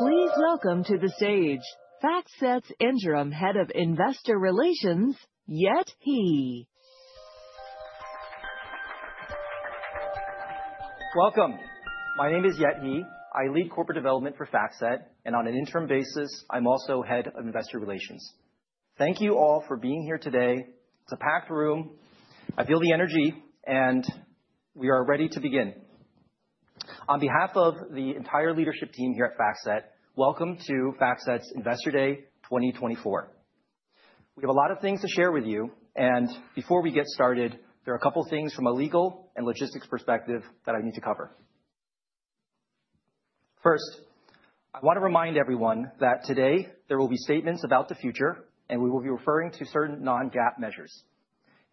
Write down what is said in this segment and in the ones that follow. Please welcome to the stage FactSet's Interim Head of Investor Relations, Yet He. Welcome. My name is Yet He. I lead Corporate Development for FactSet, and on an interim basis, I'm also Head of Investor Relations. Thank you all for being here today. It's a packed room. I feel the energy, and we are ready to begin. On behalf of the entire leadership team here at FactSet, welcome to FactSet's Investor Day 2024. We have a lot of things to share with you, and before we get started, there are a couple of things from a legal and logistics perspective that I need to cover. First, I want to remind everyone that today there will be statements about the future, and we will be referring to certain non-GAAP measures.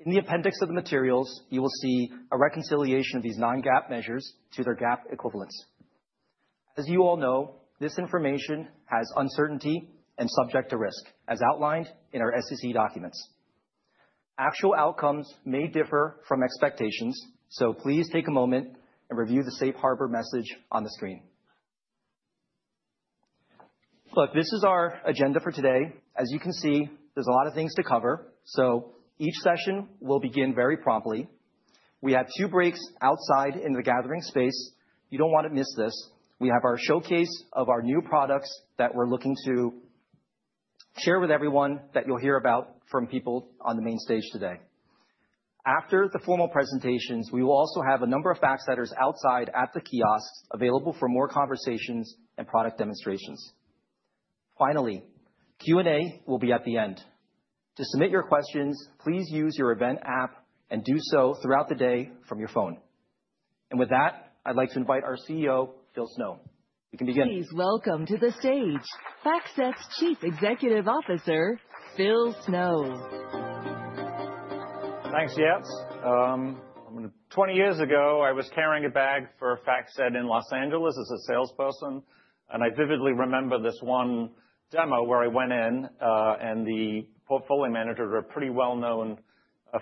In the Appendix of the materials, you will see a reconciliation of these non-GAAP measures to their GAAP equivalents. As you all know, this information has uncertainty and is subject to risk, as outlined in our SEC documents. Actual outcomes may differ from expectations, so please take a moment and review the Safe Harbor message on the screen. Look, this is our agenda for today. As you can see, there's a lot of things to cover, so each session will begin very promptly. We have two breaks outside in the gathering space. You don't want to miss this. We have our showcase of our new products that we're looking to share with everyone that you'll hear about from people on the main stage today. After the formal presentations, we will also have a number of FactSetters outside at the kiosks available for more conversations and product demonstrations. Finally, Q&A will be at the end. To submit your questions, please use your event app and do so throughout the day from your phone. And with that, I'd like to invite our CEO, Phil Snow. We can begin. Please welcome to the stage FactSet's Chief Executive Officer, Phil Snow. Thanks, Yet. 20 years ago, I was carrying a bag for FactSet in Los Angeles as a salesperson, and I vividly remember this one demo where I went in, and the portfolio manager, a pretty well-known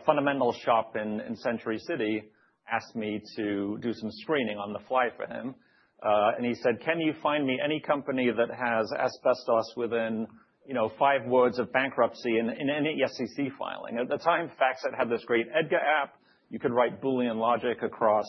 fundamental shop in Century City, asked me to do some screening on the fly for him, and he said, "Can you find me any company that has asbestos within five words of bankruptcy in any SEC filing?" At the time, FactSet had this great EDGAR app. You could write Boolean logic across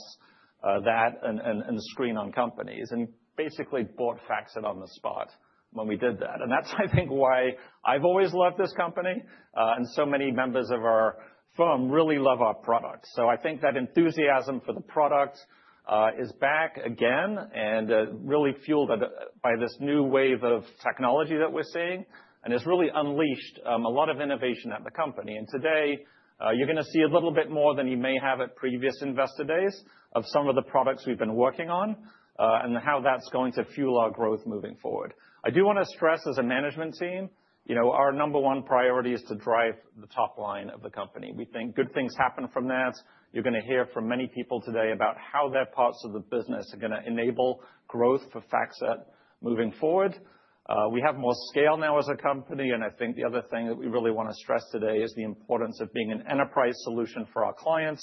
that and screen on companies, and he basically bought FactSet on the spot when we did that, and that's, I think, why I've always loved this company, and so many members of our firm really love our product. I think that enthusiasm for the product is back again and really fueled by this new wave of technology that we're seeing, and it's really unleashed a lot of innovation at the company, and today, you're going to see a little bit more than you may have at previous investor days of some of the products we've been working on and how that's going to fuel our growth moving forward. I do want to stress, as a management team, our number one priority is to drive the top line of the company. We think good things happen from that. You're going to hear from many people today about how their parts of the business are going to enable growth for FactSet moving forward. We have more scale now as a company, and I think the other thing that we really want to stress today is the importance of being an enterprise solution for our clients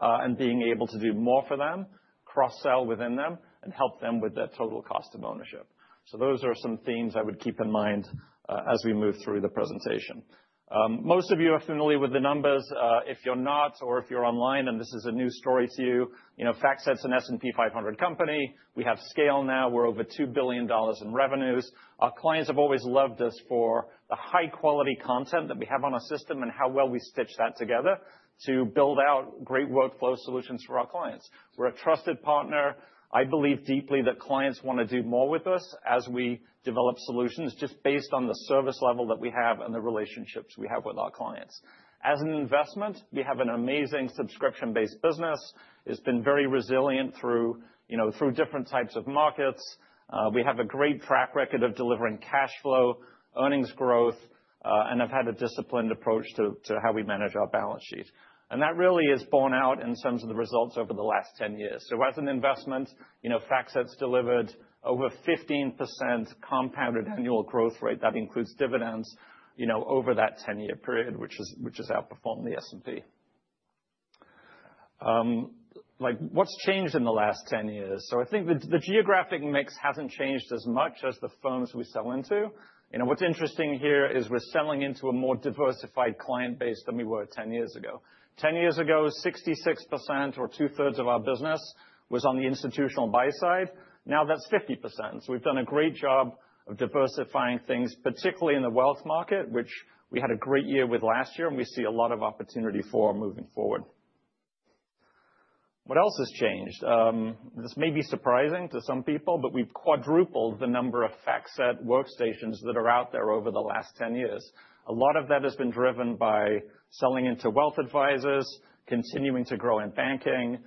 and being able to do more for them, cross-sell within them, and help them with their total cost of ownership. So those are some themes I would keep in mind as we move through the presentation. Most of you are familiar with the numbers. If you're not, or if you're online and this is a new story to you, FactSet's an S&P 500 company. We have scale now. We're over $2 billion in revenues. Our clients have always loved us for the high-quality content that we have on our system and how well we stitch that together to build out great workflow solutions for our clients. We're a trusted partner. I believe deeply that clients want to do more with us as we develop solutions just based on the service level that we have and the relationships we have with our clients. As an investment, we have an amazing subscription-based business. It's been very resilient through different types of markets. We have a great track record of delivering cash flow, earnings growth, and have had a disciplined approach to how we manage our balance sheet, and that really is borne out in terms of the results over the last 10 years, so as an investment, FactSet's delivered over 15% compounded annual growth rate. That includes dividends over that 10-year period, which has outperformed the S&P. What's changed in the last 10 years, so I think the geographic mix hasn't changed as much as the firms we sell into. What's interesting here is we're selling into a more diversified client base than we were 10 years ago. 10 years ago, 66% or 2/3 of our business was on the Institutional Buy-Side. Now that's 50%. So we've done a great job of diversifying things, particularly in the Wealth market, which we had a great year with last year, and we see a lot of opportunity for moving forward. What else has changed? This may be surprising to some people, but we've quadrupled the number of FactSet Workstations that are out there over the last 10 years. A lot of that has been driven by selling into Wealth advisors, continuing to grow in banking,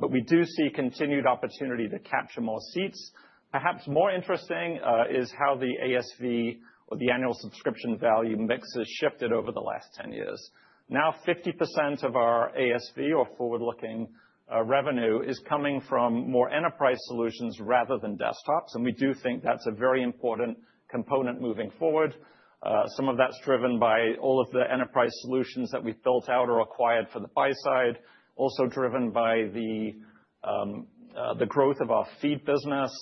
but we do see continued opportunity to capture more seats. Perhaps more interesting is how the ASV, or the Annual Subscription Value mix, has shifted over the last 10 years. Now 50% of our ASV, or forward-looking revenue, is coming from more Enterprise Solutions rather than desktops, and we do think that's a very important component moving forward. Some of that's driven by all of the Enterprise Solutions that we've built out or acquired for the Buy-Side, also driven by the growth of our Feed business.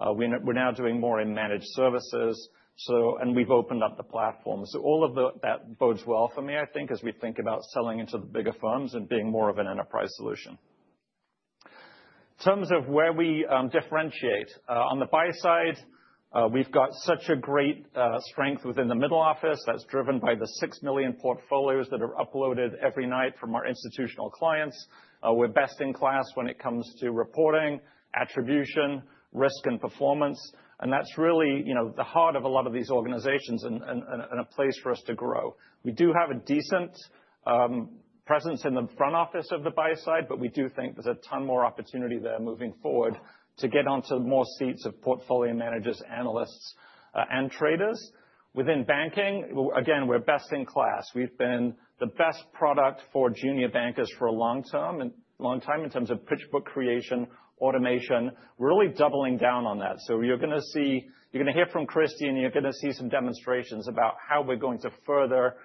We're now doing more in Managed Services, and we've opened up the platform. So all of that bodes well for me, I think, as we think about selling into the bigger firms and being more of an enterprise solution. In terms of where we differentiate, on the Buy-Side, we've got such a great strength within the middle office that's driven by the 6 million portfolios that are uploaded every night from our institutional clients. We're best in class when it comes to reporting, attribution, risk, and performance, and that's really the heart of a lot of these organizations and a place for us to grow. We do have a decent presence in the front office of the buy side, but we do think there's a ton more opportunity there moving forward to get onto more seats of portfolio managers, analysts, and traders. Within banking, again, we're best in class. We've been the best product for junior bankers for a long time in terms of pitchbook creation, automation. We're really doubling down on that. So you're going to see, you're going to hear from Kristy, and you're going to see some demonstrations about how we're going to further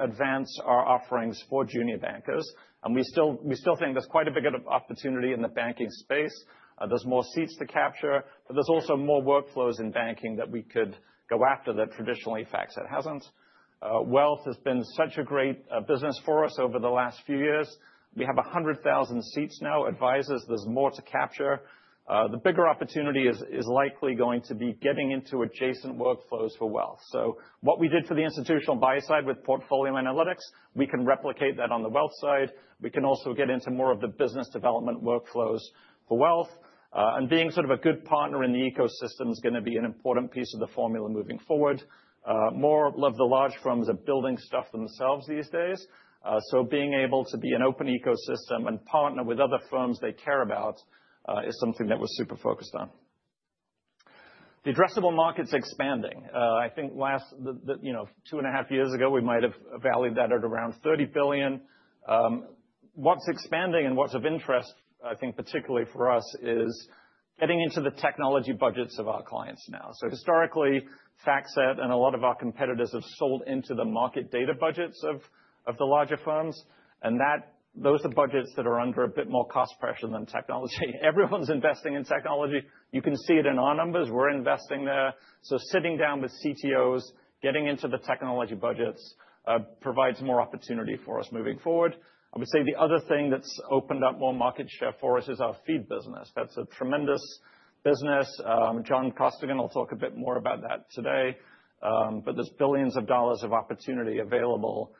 advance our offerings for junior bankers. And we still think there's quite a bit of opportunity in the banking space. There's more seats to capture, but there's also more workflows in banking that we could go after that traditionally FactSet hasn't. Wealth has been such a great business for us over the last few years. We have 100,000 seats now, advisors. There's more to capture. The bigger opportunity is likely going to be getting into adjacent workflows for Wealth. So what we did for the institutional buy side with portfolio analytics, we can replicate that on the Wealth side. We can also get into more of the business development workflows for Wealth. And being sort of a good partner in the ecosystem is going to be an important piece of the formula moving forward. More of the large firms are building stuff themselves these days. So being able to be an open ecosystem and partner with other firms they care about is something that we're super focused on. The addressable market's expanding. I think last two and a half years ago, we might have valued that at around $30 billion. What's expanding and what's of interest, I think particularly for us, is getting into the technology budgets of our clients now. So historically, FactSet and a lot of our competitors have sold into the market data budgets of the larger firms, and those are budgets that are under a bit more cost pressure than technology. Everyone's investing in Technology. You can see it in our numbers. We're investing there. So sitting down with CTOs, getting into the technology budgets provides more opportunity for us moving forward. I would say the other thing that's opened up more market share for us is our Feed business. That's a tremendous business. John Costigan will talk a bit more about that today, but there's billions of dollars of opportunity available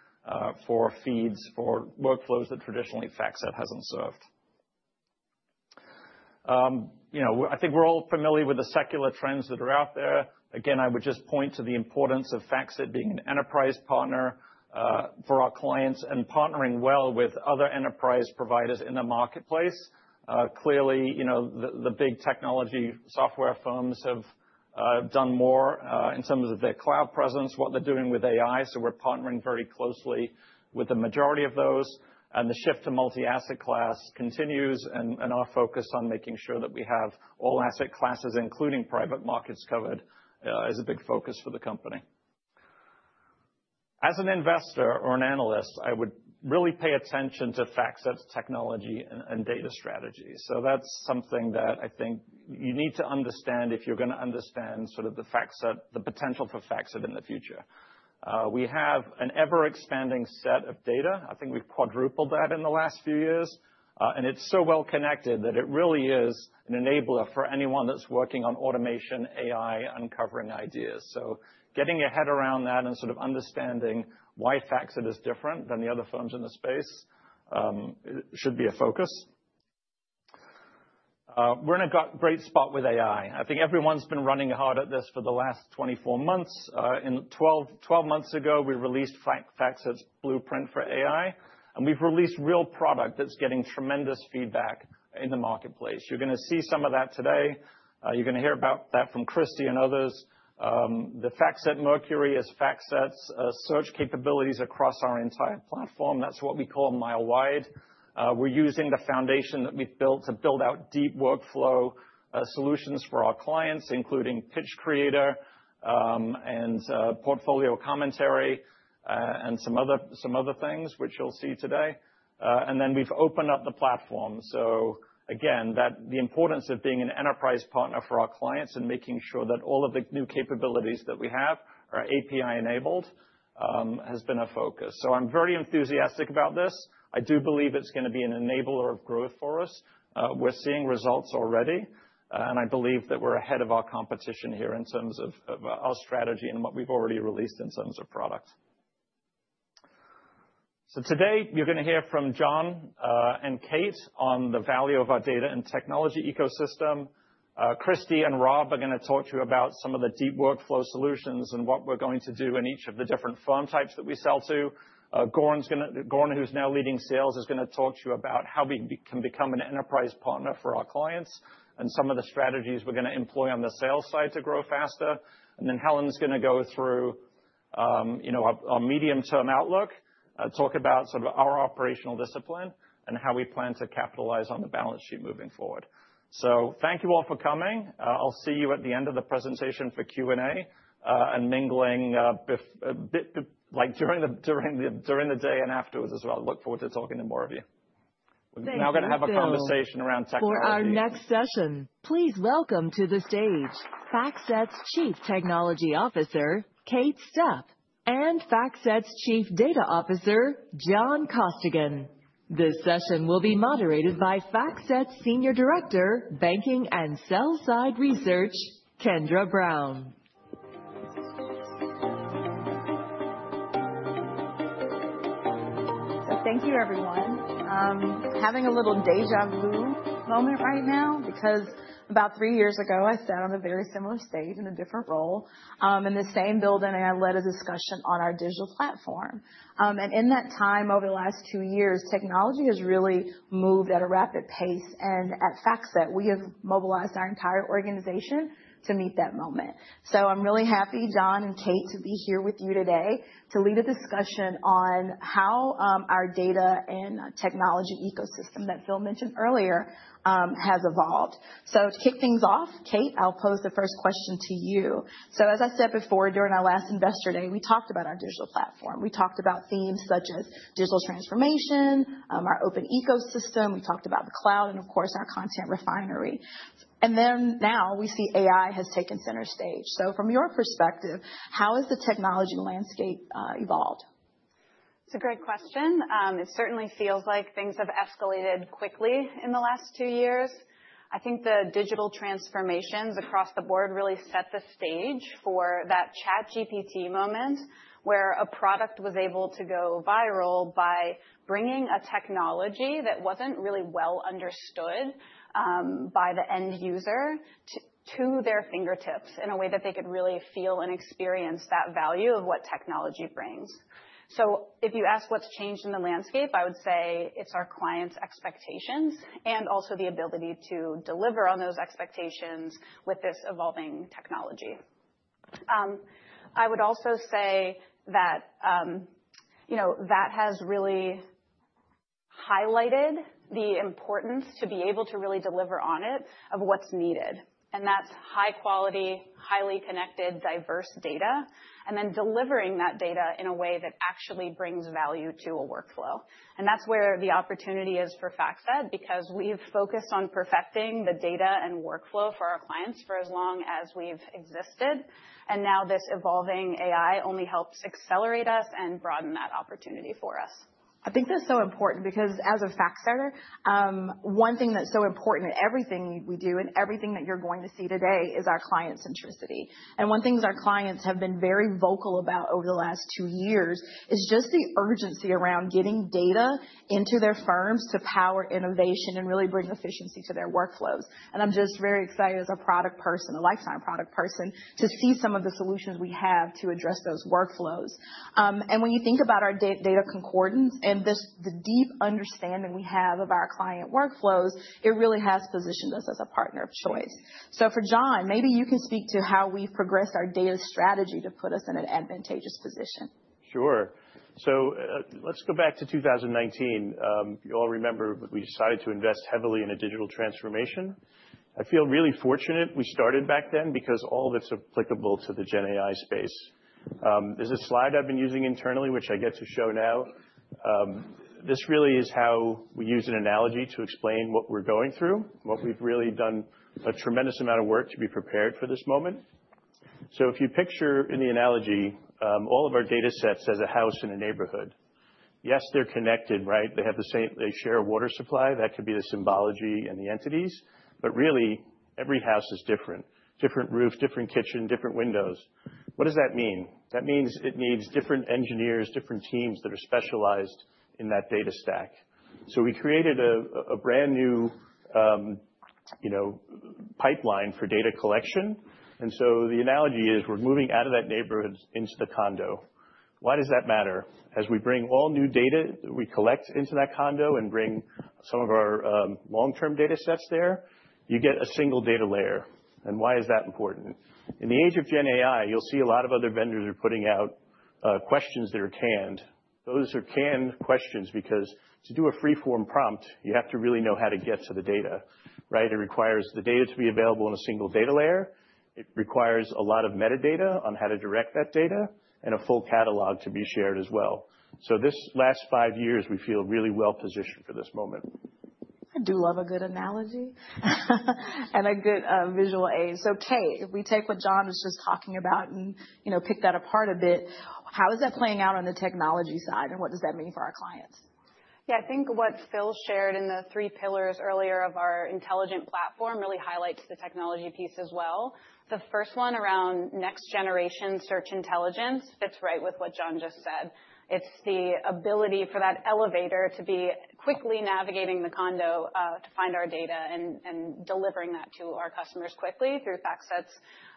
for feeds, for workflows that traditionally FactSet hasn't served. I think we're all familiar with the secular trends that are out there. Again, I would just point to the importance of FactSet being an enterprise partner for our clients and partnering well with other enterprise providers in the marketplace. Clearly, the big technology software firms have done more in terms of their cloud presence, what they're doing with AI. So we're partnering very closely with the majority of those. And the shift to multi-asset class continues, and our focus on making sure that we have all asset classes, including private markets covered, is a big focus for the company. As an investor or an analyst, I would really pay attention to FactSet's technology and data strategy. So that's something that I think you need to understand if you're going to understand sort of the potential for FactSet in the future. We have an ever-expanding set of data. I think we've quadrupled that in the last few years, and it's so well connected that it really is an enabler for anyone that's working on automation, AI, uncovering ideas. So getting ahead around that and sort of understanding why FactSet is different than the other firms in the space should be a focus. We're in a great spot with AI. I think everyone's been running hard at this for the last 24 months. Twelve months ago, we released FactSet's blueprint for AI, and we've released real product that's getting tremendous feedback in the marketplace. You're going to see some of that today. You're going to hear about that from Kristy and others. The FactSet Mercury is FactSet's search capabilities across our entire platform. That's what we call mile-wide. We're using the foundation that we've built to build out deep workflow solutions for our clients, including Pitch Creator and Portfolio Commentary and some other things, which you'll see today, and then we've opened up the platform, so again, the importance of being an enterprise partner for our clients and making sure that all of the new capabilities that we have are API-enabled has been a focus, so I'm very enthusiastic about this. I do believe it's going to be an enabler of growth for us. We're seeing results already, and I believe that we're ahead of our competition here in terms of our strategy and what we've already released in terms of product. So today, you're going to hear from John and Kate on the value of our data and technology ecosystem. Kristy and Rob are going to talk to you about some of the deep workflow solutions and what we're going to do in each of the different firm types that we sell to. Goran, who's now leading sales, is going to talk to you about how we can become an enterprise partner for our clients and some of the strategies we're going to employ on the sell side to grow faster and then Helen's going to go through our medium-term outlook, talk about sort of our operational discipline and how we plan to capitalize on the balance sheet moving forward. So thank you all for coming. I'll see you at the end of the presentation for Q&A and mingling during the day and afterwards as well. Look forward to talking to more of you. We're now going to have a conversation around technology. For our next session, please welcome to the stage FactSet's Chief Technology Officer, Kate Stepp, and FactSet's Chief Data Officer, John Costigan. This session will be moderated by FactSet's Senior Director, Banking and Sell-Side Research, Kendra Brown. Thank you, everyone. I'm having a little déjà vu moment right now because about three years ago, I sat on a very similar stage in a different role in the same building, and I led a discussion on our digital platform. In that time, over the last two years, technology has really moved at a rapid pace, and at FactSet, we have mobilized our entire organization to meet that moment. I'm really happy, John and Kate, to be here with you today to lead a discussion on how our data and technology ecosystem that Phil mentioned earlier has evolved. To kick things off, Kate, I'll pose the first question to you. As I said before, during our last investor day, we talked about our digital platform. We talked about themes such as digital transformation, our open ecosystem. We talked about the cloud and, of course, our content refinery. Then now we see AI has taken center stage. From your perspective, how has the technology landscape evolved? It's a great question. It certainly feels like things have escalated quickly in the last two years. I think the digital transformations across the board really set the stage for that ChatGPT moment where a product was able to go viral by bringing a technology that wasn't really well understood by the end user to their fingertips in a way that they could really feel and experience that value of what technology brings. So if you ask what's changed in the landscape, I would say it's our clients' expectations and also the ability to deliver on those expectations with this evolving technology. I would also say that that has really highlighted the importance to be able to really deliver on it of what's needed. And that's high-quality, highly connected, diverse data, and then delivering that data in a way that actually brings value to a workflow. And that's where the opportunity is for FactSet because we've focused on perfecting the data and workflow for our clients for as long as we've existed. And now this evolving AI only helps accelerate us and broaden that opportunity for us. I think that's so important because as a FactSetter, one thing that's so important in everything we do and everything that you're going to see today is our client centricity. One thing that our clients have been very vocal about over the last two years is just the urgency around getting data into their firms to power innovation and really bring efficiency to their workflows. I'm just very excited as a product person, a lifetime product person, to see some of the solutions we have to address those workflows. When you think about our data concordance and the deep understanding we have of our client workflows, it really has positioned us as a partner of choice. For John, maybe you can speak to how we've progressed our data strategy to put us in an advantageous position. Sure. Let's go back to 2019. You all remember we decided to invest heavily in a digital transformation. I feel really fortunate we started back then because all of it's applicable to the GenAI space. There's a slide I've been using internally, which I get to show now. This really is how we use an analogy to explain what we're going through, what we've really done a tremendous amount of work to be prepared for this moment. So if you picture in the analogy, all of our datasets as a house in a neighborhood. Yes, they're connected, right? They share a water supply. That could be the symbology and the entities. But really, every house is different: different roof, different kitchen, different windows. What does that mean? That means it needs different engineers, different teams that are specialized in that data stack. So we created a brand new pipeline for data collection. And so the analogy is we're moving out of that neighborhood into the condo. Why does that matter? As we bring all new data that we collect into that concordance and bring some of our long-term datasets there, you get a single data layer. And why is that important? In the age of GenAI, you'll see a lot of other vendors are putting out questions that are canned. Those are canned questions because to do a freeform prompt, you have to really know how to get to the data, right? It requires the data to be available in a single data layer. It requires a lot of metadata on how to direct that data and a full catalog to be shared as well. So this last five years, we feel really well positioned for this moment. I do love a good analogy and a good visual aid. So Kate, if we take what John was just talking about and pick that apart a bit, how is that playing out on the technology side and what does that mean for our clients? Yeah, I think what Phil shared in the three pillars earlier of our intelligent platform really highlights the technology piece as well. The first one around next-generation search intelligence fits right with what John just said. It's the ability for that elevator to be quickly navigating the condo to find our data and delivering that to our customers quickly through FactSet's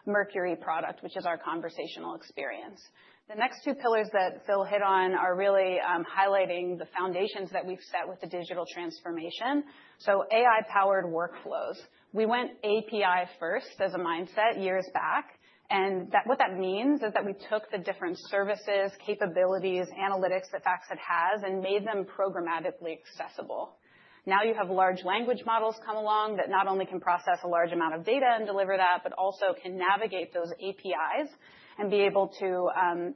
Mercury product, which is our conversational experience. The next two pillars that Phil hit on are really highlighting the foundations that we've set with the digital transformation. So AI-powered workflows. We went API-first as a mindset years back. What that means is that we took the different services, capabilities, analytics that FactSet has and made them programmatically accessible. Now you have large language models come along that not only can process a large amount of data and deliver that, but also can navigate those APIs and be able to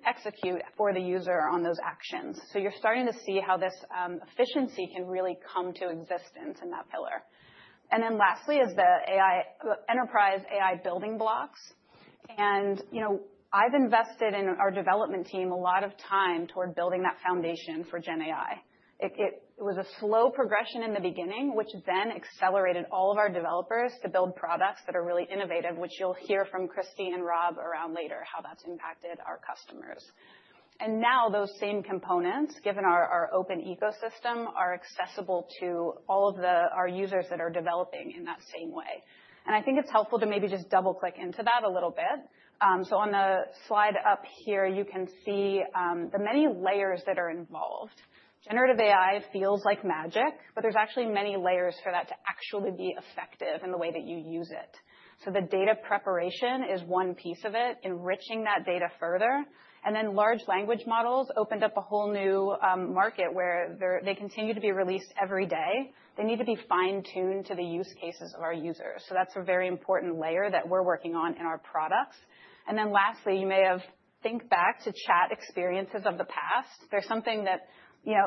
execute for the user on those actions. So you're starting to see how this efficiency can really come to existence in that pillar. Then lastly is the enterprise AI building blocks. I've invested in our development team a lot of time toward building that foundation for GenAI. It was a slow progression in the beginning, which then accelerated all of our developers to build products that are really innovative, which you'll hear from Kristy and Rob around later how that's impacted our customers. And now those same components, given our open ecosystem, are accessible to all of our users that are developing in that same way. And I think it's helpful to maybe just double-click into that a little bit. So on the slide up here, you can see the many layers that are involved. Generative AI feels like magic, but there's actually many layers for that to actually be effective in the way that you use it. So the data preparation is one piece of it, enriching that data further. And then large language models opened up a whole new market where they continue to be released every day. They need to be fine-tuned to the use cases of our users. So that's a very important layer that we're working on in our products. And then lastly, you may think back to chat experiences of the past. There's something that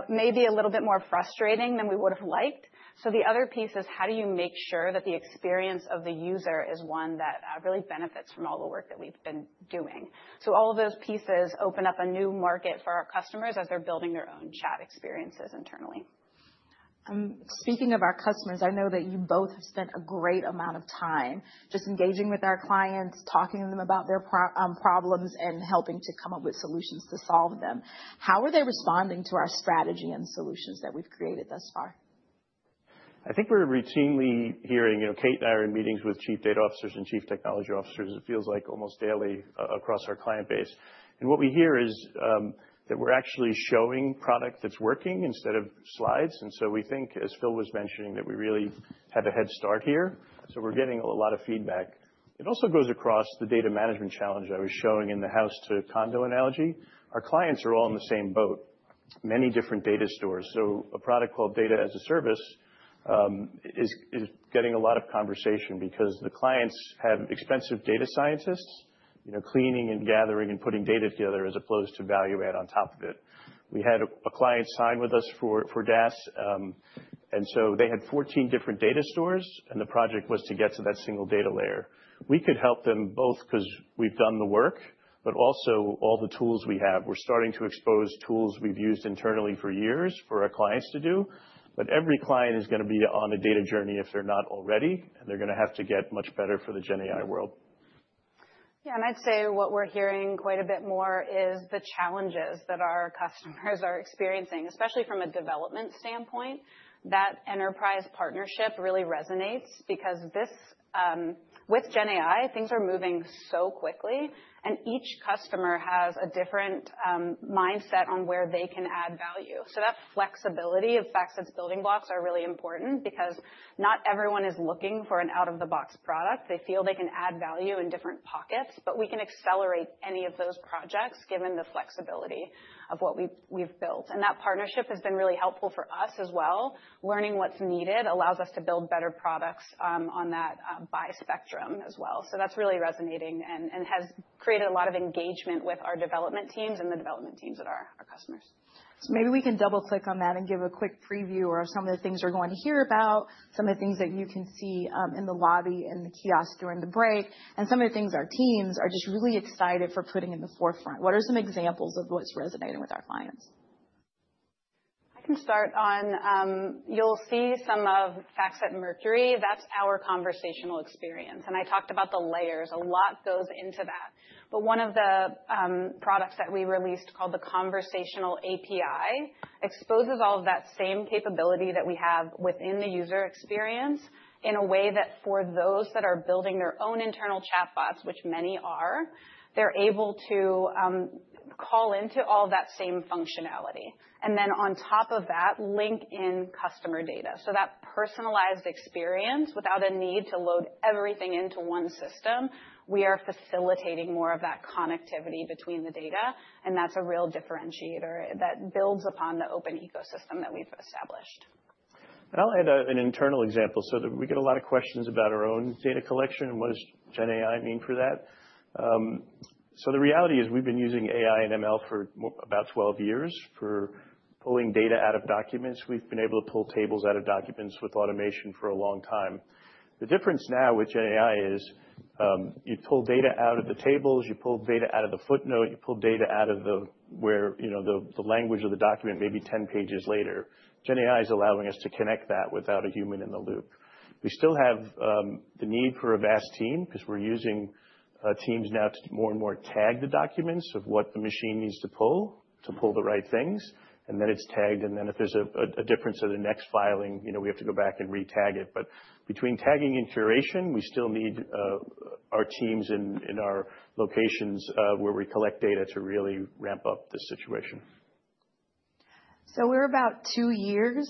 may be a little bit more frustrating than we would have liked. So the other piece is how do you make sure that the experience of the user is one that really benefits from all the work that we've been doing? So all of those pieces open up a new market for our customers as they're building their own chat experiences internally. Speaking of our customers, I know that you both have spent a great amount of time just engaging with our clients, talking to them about their problems and helping to come up with solutions to solve them. How are they responding to our strategy and solutions that we've created thus far? I think we're routinely hearing Kate and I are in meetings with Chief Data Officers and Chief Technology Officers. It feels like almost daily across our client base. What we hear is that we're actually showing product that's working instead of slides. So we think, as Phil was mentioning, that we really had a head start here. We're getting a lot of feedback. It also goes across the data management challenge I was showing in the house-to-condo analogy. Our clients are all in the same boat, many different data stores. So a product called Data as a Service is getting a lot of conversation because the clients have expensive data scientists cleaning and gathering and putting data together as opposed to value-add on top of it. We had a client sign with us for DaaS. So they had 14 different data stores, and the project was to get to that single data layer. We could help them both because we've done the work, but also all the tools we have. We're starting to expose tools we've used internally for years for our clients to do. But every client is going to be on a data journey if they're not already, and they're going to have to get much better for the GenAI world. Yeah, and I'd say what we're hearing quite a bit more is the challenges that our customers are experiencing, especially from a development standpoint. That enterprise partnership really resonates because with GenAI, things are moving so quickly, and each customer has a different mindset on where they can add value. So that flexibility of FactSet's building blocks is really important because not everyone is looking for an out-of-the-box product. They feel they can add value in different pockets, but we can accelerate any of those projects given the flexibility of what we've built. And that partnership has been really helpful for us as well. Learning what's needed allows us to build better products on that Buy-Side spectrum as well. That's really resonating and has created a lot of engagement with our development teams and the development teams at our customers. Maybe we can double-click on that and give a quick preview of some of the things we're going to hear about, some of the things that you can see in the lobby and the kiosk during the break, and some of the things our teams are just really excited for putting in the forefront. What are some examples of what's resonating with our clients? I can start. You'll see some of FactSet Mercury. That's our conversational experience, and I talked about the layers. A lot goes into that. But one of the products that we released called the Conversational API exposes all of that same capability that we have within the user experience in a way that for those that are building their own internal chatbots, which many are, they're able to call into all that same functionality. And then on top of that, link in customer data. So that personalized experience without a need to load everything into one system, we are facilitating more of that connectivity between the data. And that's a real differentiator that builds upon the open ecosystem that we've established. And I'll add an internal example. So we get a lot of questions about our own data collection and what does GenAI mean for that. So the reality is we've been using AI and ML for about 12 years for pulling data out of documents. We've been able to pull tables out of documents with automation for a long time. The difference now with GenAI is you pull data out of the tables, you pull data out of the footnote, you pull data out of the language of the document maybe 10 pages later. GenAI is allowing us to connect that without a human in the loop. We still have the need for a vast team because we're using teams now to more and more tag the documents of what the machine needs to pull to pull the right things. And then it's tagged. And then if there's a difference in the next filing, we have to go back and retag it. But between tagging and curation, we still need our teams in our locations where we collect data to really ramp up the situation. So we're about two years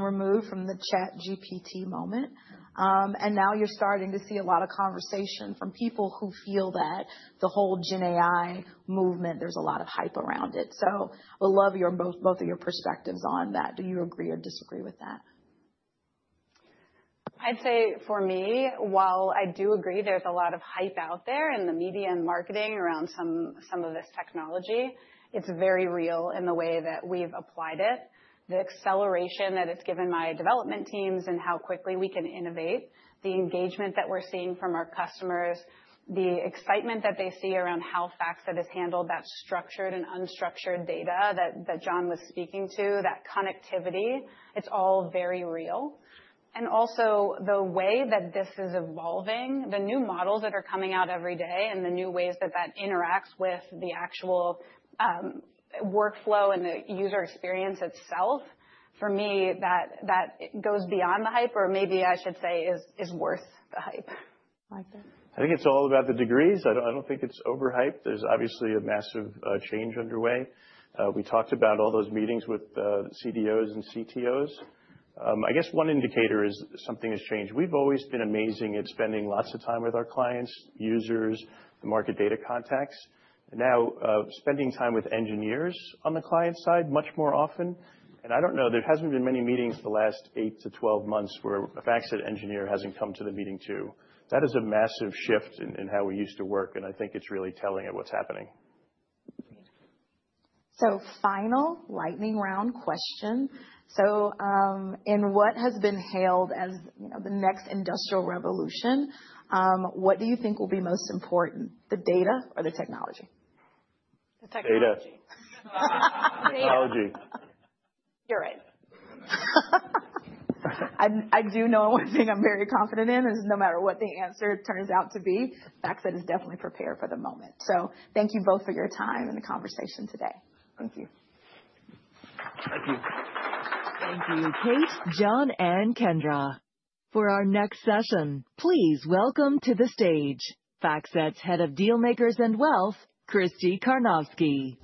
removed from the ChatGPT moment. And now you're starting to see a lot of conversation from people who feel that the whole GenAI movement, there's a lot of hype around it. So I would love both of your perspectives on that. Do you agree or disagree with that? I'd say for me, while I do agree there's a lot of hype out there in the media and marketing around some of this technology, it's very real in the way that we've applied it. The acceleration that it's given my development teams and how quickly we can innovate, the engagement that we're seeing from our customers, the excitement that they see around how FactSet has handled that structured and unstructured data that John was speaking to, that connectivity, it's all very real. Also the way that this is evolving, the new models that are coming out every day and the new ways that that interacts with the actual workflow and the user experience itself, for me, that goes beyond the hype or maybe I should say is worth the hype. I like that. I think it's all about the degrees. I don't think it's overhyped. There's obviously a massive change underway. We talked about all those meetings with CDOs and CTOs. I guess one indicator is something has changed. We've always been amazing at spending lots of time with our clients, users, the market data contacts. Now spending time with engineers on the client side much more often. I don't know, there hasn't been many meetings the last 8-12 months where a FactSet engineer hasn't come to the meeting too. That is a massive shift in how we used to work, and I think it's really telling of what's happening. Final lightning round question. In what has been hailed as the next industrial revolution, what do you think will be most important, the data or the technology? The technology. Data. Technology. You're right. I do know one thing I'm very confident in is no matter what the answer turns out to be, FactSet is definitely prepared for the moment. Thank you both for your time and the conversation today. Thank you. Thank you. Thank you, Kate, John, and Kendra. For our next session, please welcome to the stage FactSet's Head of Dealmakers and Wealth, Kristy Karnovsky.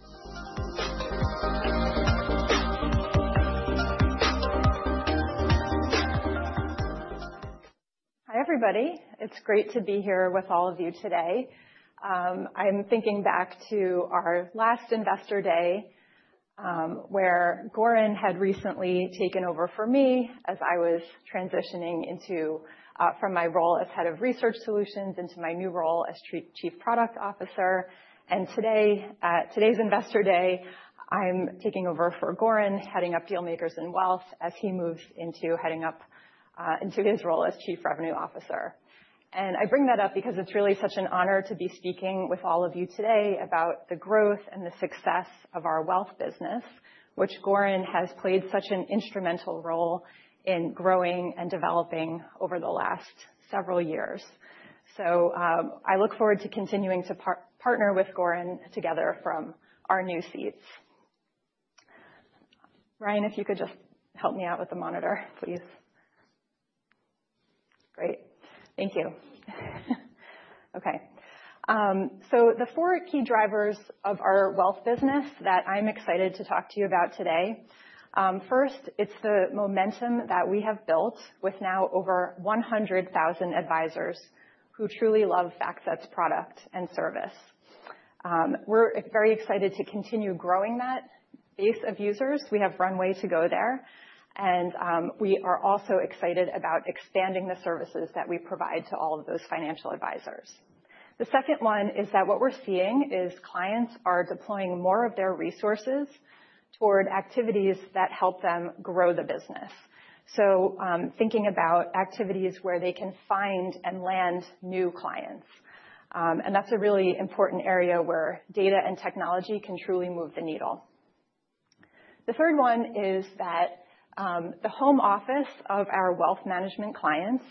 Hi, everybody. It's great to be here with all of you today. I'm thinking back to our last investor day where Goran had recently taken over for me as I was transitioning from my role as Head of Research Solutions into my new role as Chief Product Officer. Today, today's Investor Day, I'm taking over for Goran, heading up Dealmakers and wealth as he moves into heading up into his role as Chief Revenue Officer. I bring that up because it's really such an honor to be speaking with all of you today about the growth and the success of our wealth business, which Goran has played such an instrumental role in growing and developing over the last several years. I look forward to continuing to partner with Goran together from our new seats. Ryan, if you could just help me out with the monitor, please. Great. Thank you. Okay. So the four key drivers of our wealth business that I'm excited to talk to you about today. First, it's the momentum that we have built with now over 100,000 advisors who truly love FactSet's product and service. We're very excited to continue growing that base of users. We have runway to go there. And we are also excited about expanding the services that we provide to all of those financial advisors. The second one is that what we're seeing is clients are deploying more of their resources toward activities that help them grow the business. So, thinking about activities where they can find and land new clients. And that's a really important area where data and technology can truly move the needle. The third one is that the home office of our wealth management clients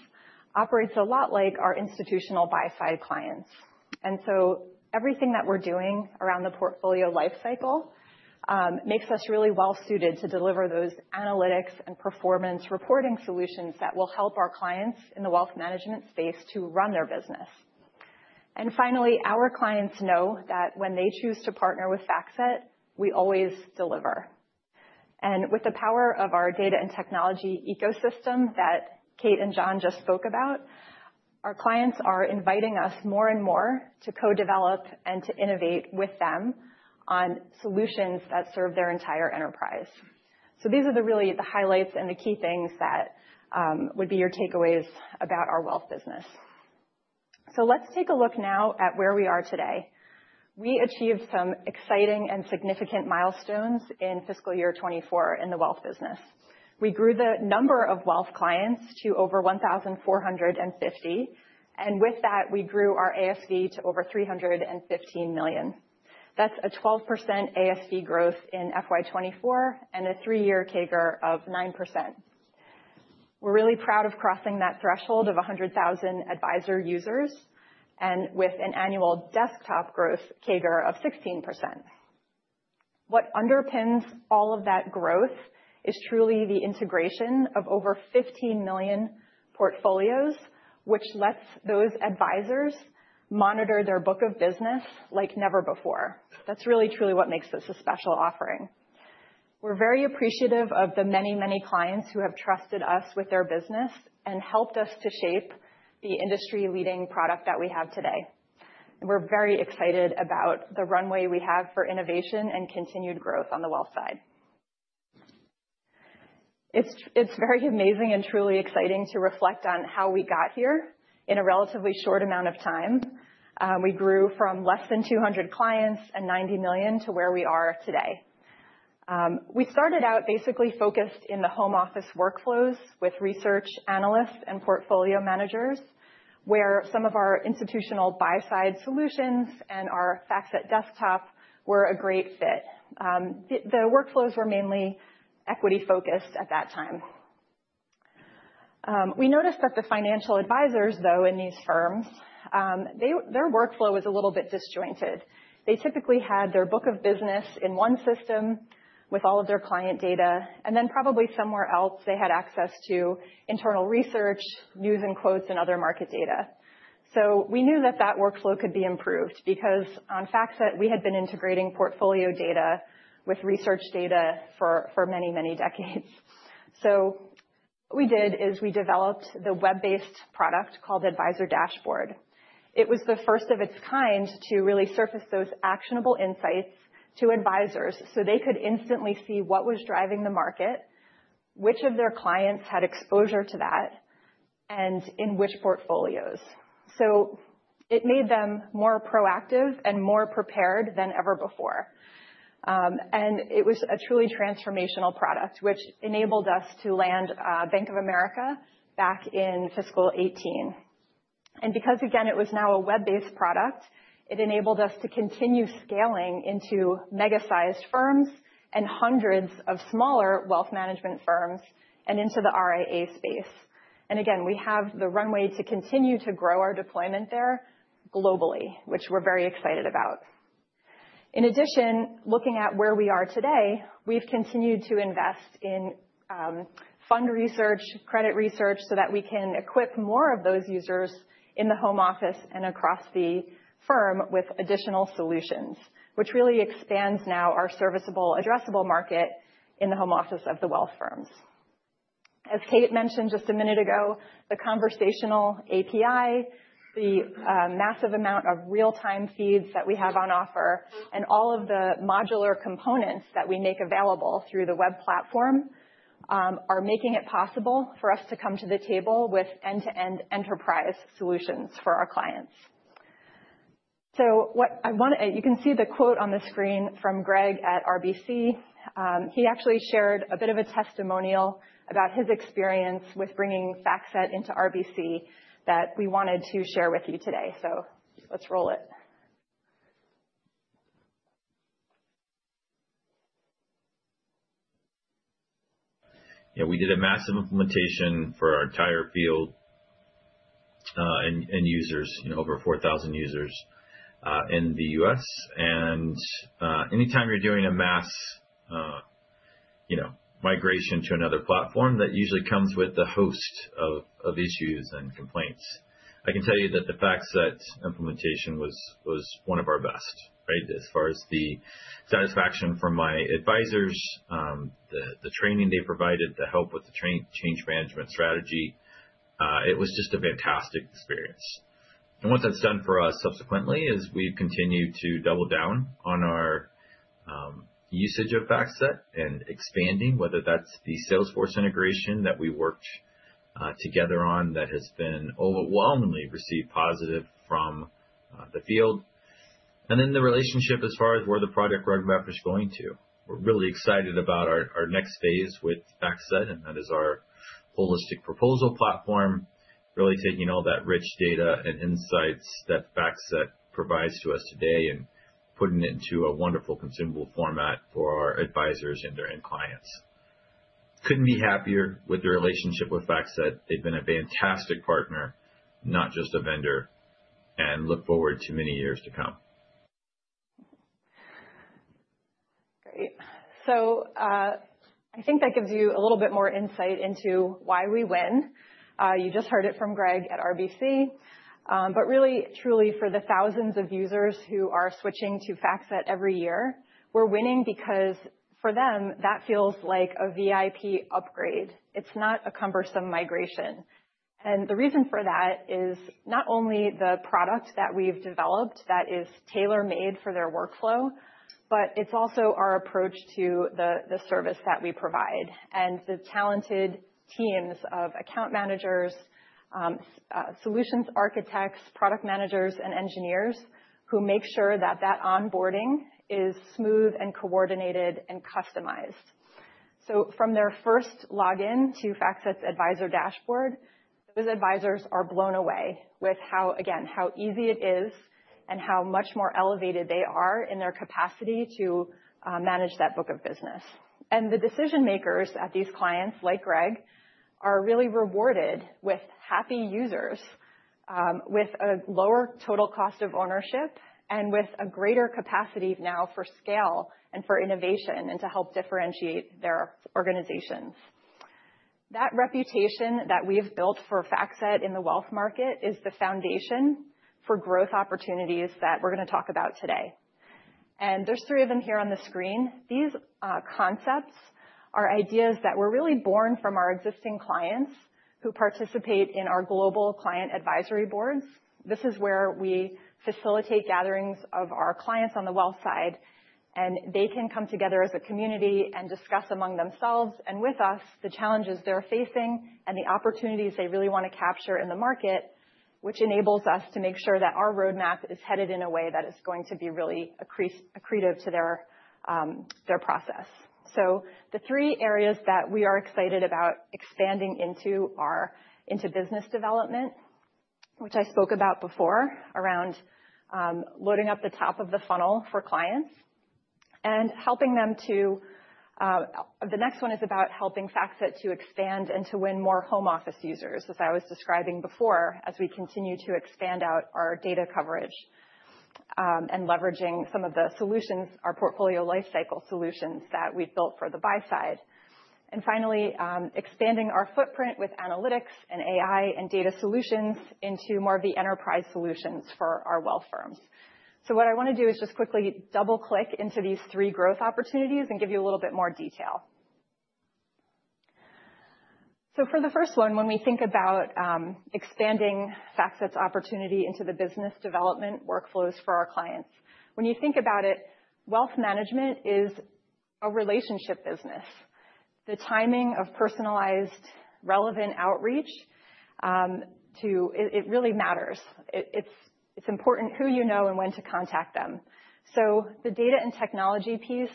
operates a lot like our Institutional Buy-Side clients. And so everything that we're doing around the portfolio lifecycle makes us really well-suited to deliver those analytics and performance reporting solutions that will help our clients in the wealth management space to run their business. And finally, our clients know that when they choose to partner with FactSet, we always deliver. And with the power of our data and technology ecosystem that Kate and John just spoke about, our clients are inviting us more and more to co-develop and to innovate with them on solutions that serve their entire enterprise. So these are really the highlights and the key things that would be your takeaways about our wealth business. So let's take a look now at where we are today. We achieved some exciting and significant milestones in fiscal year 2024 in the Wealth business. We grew the number of Wealth clients to over 1,450. And with that, we grew our ASV to over $315 million. That's a 12% ASV growth in FY24 and a three-year CAGR of 9%. We're really proud of crossing that threshold of 100,000 advisor users and with an annual desktop growth CAGR of 16%. What underpins all of that growth is truly the integration of over 15 million portfolios, which lets those advisors monitor their book of business like never before. That's really, truly what makes this a special offering. We're very appreciative of the many, many clients who have trusted us with their business and helped us to shape the industry-leading product that we have today. And we're very excited about the runway we have for innovation and continued growth on the wealth side. It's very amazing and truly exciting to reflect on how we got here in a relatively short amount of time. We grew from less than 200 clients and $90 million to where we are today. We started out basically focused in the home office workflows with research analysts and portfolio managers, where some of our Institutional Buy-Side solutions and our FactSet desktop were a great fit. The workflows were mainly equity-focused at that time. We noticed that the financial advisors, though, in these firms, their workflow was a little bit disjointed. They typically had their book of business in one system with all of their client data, and then probably somewhere else, they had access to internal research, news and quotes, and other market data. So we knew that that workflow could be improved because on FactSet, we had been integrating portfolio data with research data for many, many decades. So what we did is we developed the web-based product called Advisor Dashboard. It was the first of its kind to really surface those actionable insights to advisors so they could instantly see what was driving the market, which of their clients had exposure to that, and in which portfolios. So it made them more proactive and more prepared than ever before. And it was a truly transformational product, which enabled us to land Bank of America back in fiscal 2018. And because, again, it was now a web-based product, it enabled us to continue scaling into mega-sized firms and hundreds of smaller wealth management firms and into the RIA space. And again, we have the runway to continue to grow our deployment there globally, which we're very excited about. In addition, looking at where we are today, we've continued to invest in fund research, credit research so that we can equip more of those users in the home office and across the firm with additional solutions, which really expands now our serviceable addressable market in the home office of the wealth firms. As Kate mentioned just a minute ago, the Conversational API, the massive amount of real-time feeds that we have on offer, and all of the modular components that we make available through the web platform are making it possible for us to come to the table with end-to-end Enterprise Solutions for our clients. So you can see the quote on the screen from Greg at RBC. He actually shared a bit of a testimonial about his experience with bringing FactSet into RBC that we wanted to share with you today. So let's roll it. Yeah, we did a massive implementation for our entire field and users, over 4,000 users in the U.S. And anytime you're doing a mass migration to another platform, that usually comes with the host of issues and complaints. I can tell you that the FactSet implementation was one of our best, right, as far as the satisfaction from my advisors, the training they provided, the help with the change management strategy. It was just a fantastic experience. And what that's done for us subsequently is we've continued to double down on our usage of FactSet and expanding, whether that's the Salesforce integration that we worked together on that has been overwhelmingly received positive from the field. And then the relationship as far as where the project roadmap is going to. We're really excited about our next phase with FactSet, and that is our holistic proposal platform, really taking all that rich data and insights that FactSet provides to us today and putting it into a wonderful consumable format for our advisors and their end clients. Couldn't be happier with the relationship with FactSet. They've been a fantastic partner, not just a vendor, and look forward to many years to come. Great. So I think that gives you a little bit more insight into why we win. You just heard it from Greg at RBC. But really, truly, for the thousands of users who are switching to FactSet every year, we're winning because for them, that feels like a VIP upgrade. It's not a cumbersome migration. And the reason for that is not only the product that we've developed that is tailor-made for their workflow, but it's also our approach to the service that we provide and the talented teams of account managers, solutions architects, product managers, and engineers who make sure that that onboarding is smooth and coordinated and customized. So from their first login to FactSet's Advisor Dashboard, those advisors are blown away with, again, how easy it is and how much more elevated they are in their capacity to manage that book of business. And the decision makers at these clients, like Greg, are really rewarded with happy users, with a lower total cost of ownership, and with a greater capacity now for scale and for innovation and to help differentiate their organizations. That reputation that we have built for FactSet in the wealth market is the foundation for growth opportunities that we're going to talk about today, and there's three of them here on the screen. These concepts are ideas that were really born from our existing clients who participate in our global client advisory boards. This is where we facilitate gatherings of our clients on the wealth side, and they can come together as a community and discuss among themselves and with us the challenges they're facing and the opportunities they really want to capture in the market, which enables us to make sure that our roadmap is headed in a way that is going to be really accretive to their process. So the three areas that we are excited about expanding into are into business development, which I spoke about before around loading up the top of the funnel for clients and helping them. The next one is about helping FactSet to expand and to win more home office users, as I was describing before as we continue to expand out our data coverage and leveraging some of the solutions, our portfolio lifecycle solutions that we've built for the Buy-Side. And finally, expanding our footprint with analytics and AI and data solutions into more of the Enterprise Solutions for our Wealth firms. So what I want to do is just quickly double-click into these three growth opportunities and give you a little bit more detail. So for the first one, when we think about expanding FactSet's opportunity into the business development workflows for our clients, when you think about it, Wealth Management is a relationship business. The timing of personalized, relevant outreach, it really matters. It's important who you know and when to contact them. So the Data and Technology piece,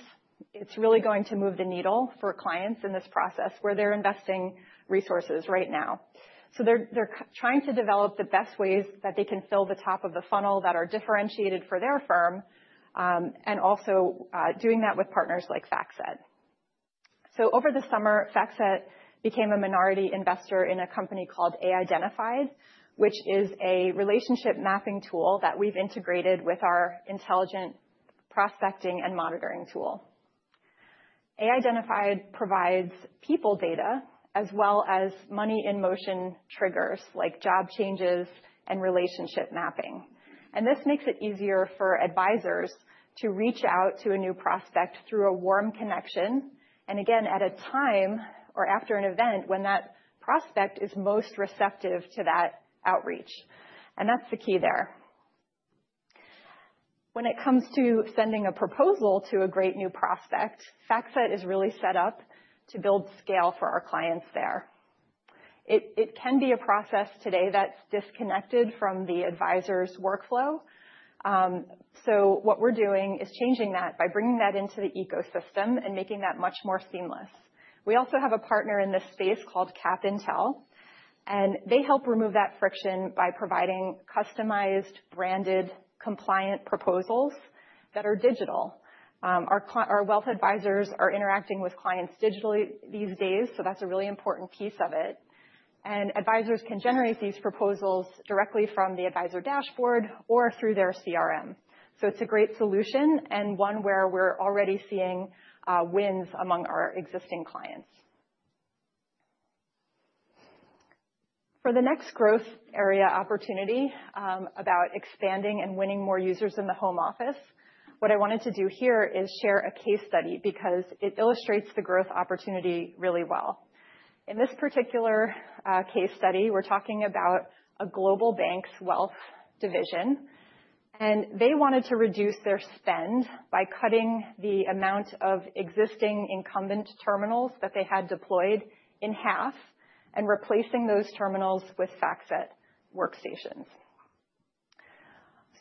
it's really going to move the needle for clients in this process where they're investing resources right now. So they're trying to develop the best ways that they can fill the top of the funnel that are differentiated for their firm and also doing that with partners like FactSet. So over the summer, FactSet became a minority investor in a company called AIdentified, which is a relationship mapping tool that we've integrated with our intelligent prospecting and monitoring tool. AIdentified provides people data as well as money-in-motion triggers like job changes and relationship mapping. This makes it easier for advisors to reach out to a new prospect through a warm connection and, again, at a time or after an event when that prospect is most receptive to that outreach. That's the key there. When it comes to sending a proposal to a great new prospect, FactSet is really set up to build scale for our clients there. It can be a process today that's disconnected from the advisor's workflow. What we're doing is changing that by bringing that into the ecosystem and making that much more seamless. We also have a partner in this space called Capintel, and they help remove that friction by providing customized, branded, compliant proposals that are digital. Our wealth advisors are interacting with clients digitally these days, so that's a really important piece of it. Advisors can generate these proposals directly from the Advisor Dashboard or through their CRM. So it's a great solution and one where we're already seeing wins among our existing clients. For the next growth area opportunity about expanding and winning more users in the middle office, what I wanted to do here is share a case study because it illustrates the growth opportunity really well. In this particular case study, we're talking about a global bank's wealth division, and they wanted to reduce their spend by cutting the amount of existing incumbent terminals that they had deployed in half and replacing those terminals with FactSet workstations.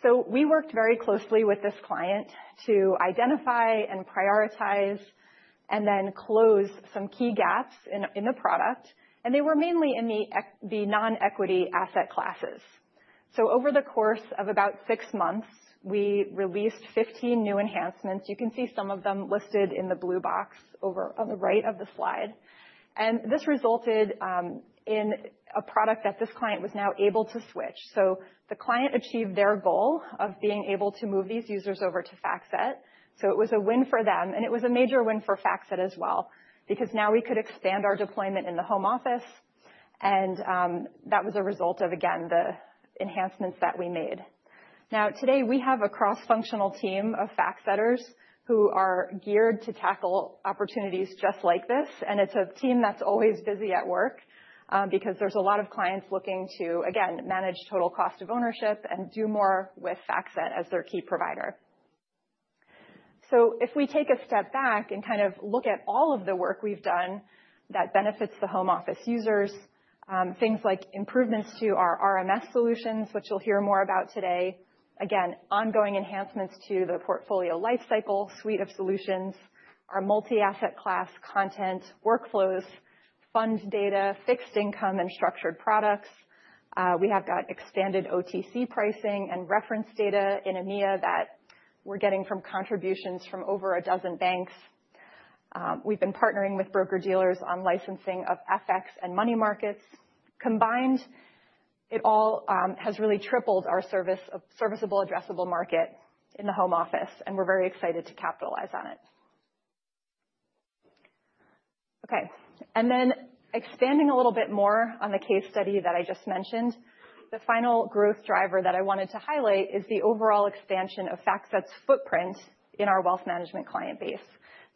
So we worked very closely with this client to identify and prioritize and then close some key gaps in the product, and they were mainly in the non-equity asset classes. So over the course of about six months, we released 15 new enhancements. You can see some of them listed in the blue box over on the right of the slide, and this resulted in a product that this client was now able to switch. So the client achieved their goal of being able to move these users over to FactSet, so it was a win for them, and it was a major win for FactSet as well because now we could expand our deployment in the home office, and that was a result of, again, the enhancements that we made. Now, today, we have a cross-functional team of FactSetters who are geared to tackle opportunities just like this, and it's a team that's always busy at work because there's a lot of clients looking to, again, manage total cost of ownership and do more with FactSet as their key provider. So if we take a step back and kind of look at all of the work we've done that benefits the home office users, things like improvements to our RMS solutions, which you'll hear more about today, again, ongoing enhancements to the portfolio lifecycle suite of solutions, our multi-asset class content workflows, fund data, fixed income, and structured products. We have got expanded OTC pricing and reference data in EMEA that we're getting from contributions from over a dozen banks. We've been partnering with broker-dealers on licensing of FX and money markets. Combined, it all has really tripled our serviceable addressable market in the home office, and we're very excited to capitalize on it. Okay. And then expanding a little bit more on the case study that I just mentioned, the final growth driver that I wanted to highlight is the overall expansion of FactSet's footprint in our Wealth Management client base.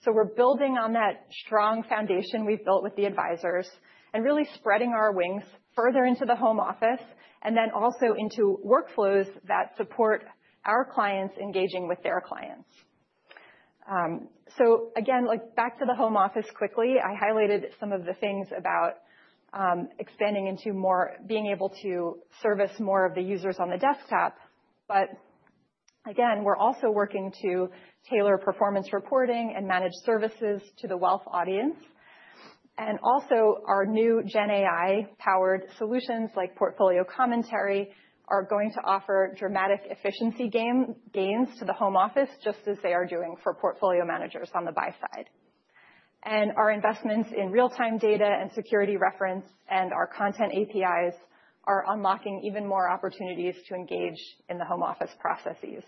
So we're building on that strong foundation we've built with the advisors and really spreading our wings further into the home office and then also into workflows that support our clients engaging with their clients. So again, back to the home office quickly, I highlighted some of the things about expanding into more being able to service more of the users on the desktop. But again, we're also working to tailor performance reporting and Managed Services to the wealth audience. And also, our new GenAI-powered solutions like portfolio commentary are going to offer dramatic efficiency gains to the home office just as they are doing for portfolio managers on the Buy-Side. And our investments in real-time data and security reference and our content APIs are unlocking even more opportunities to engage in the home office processes.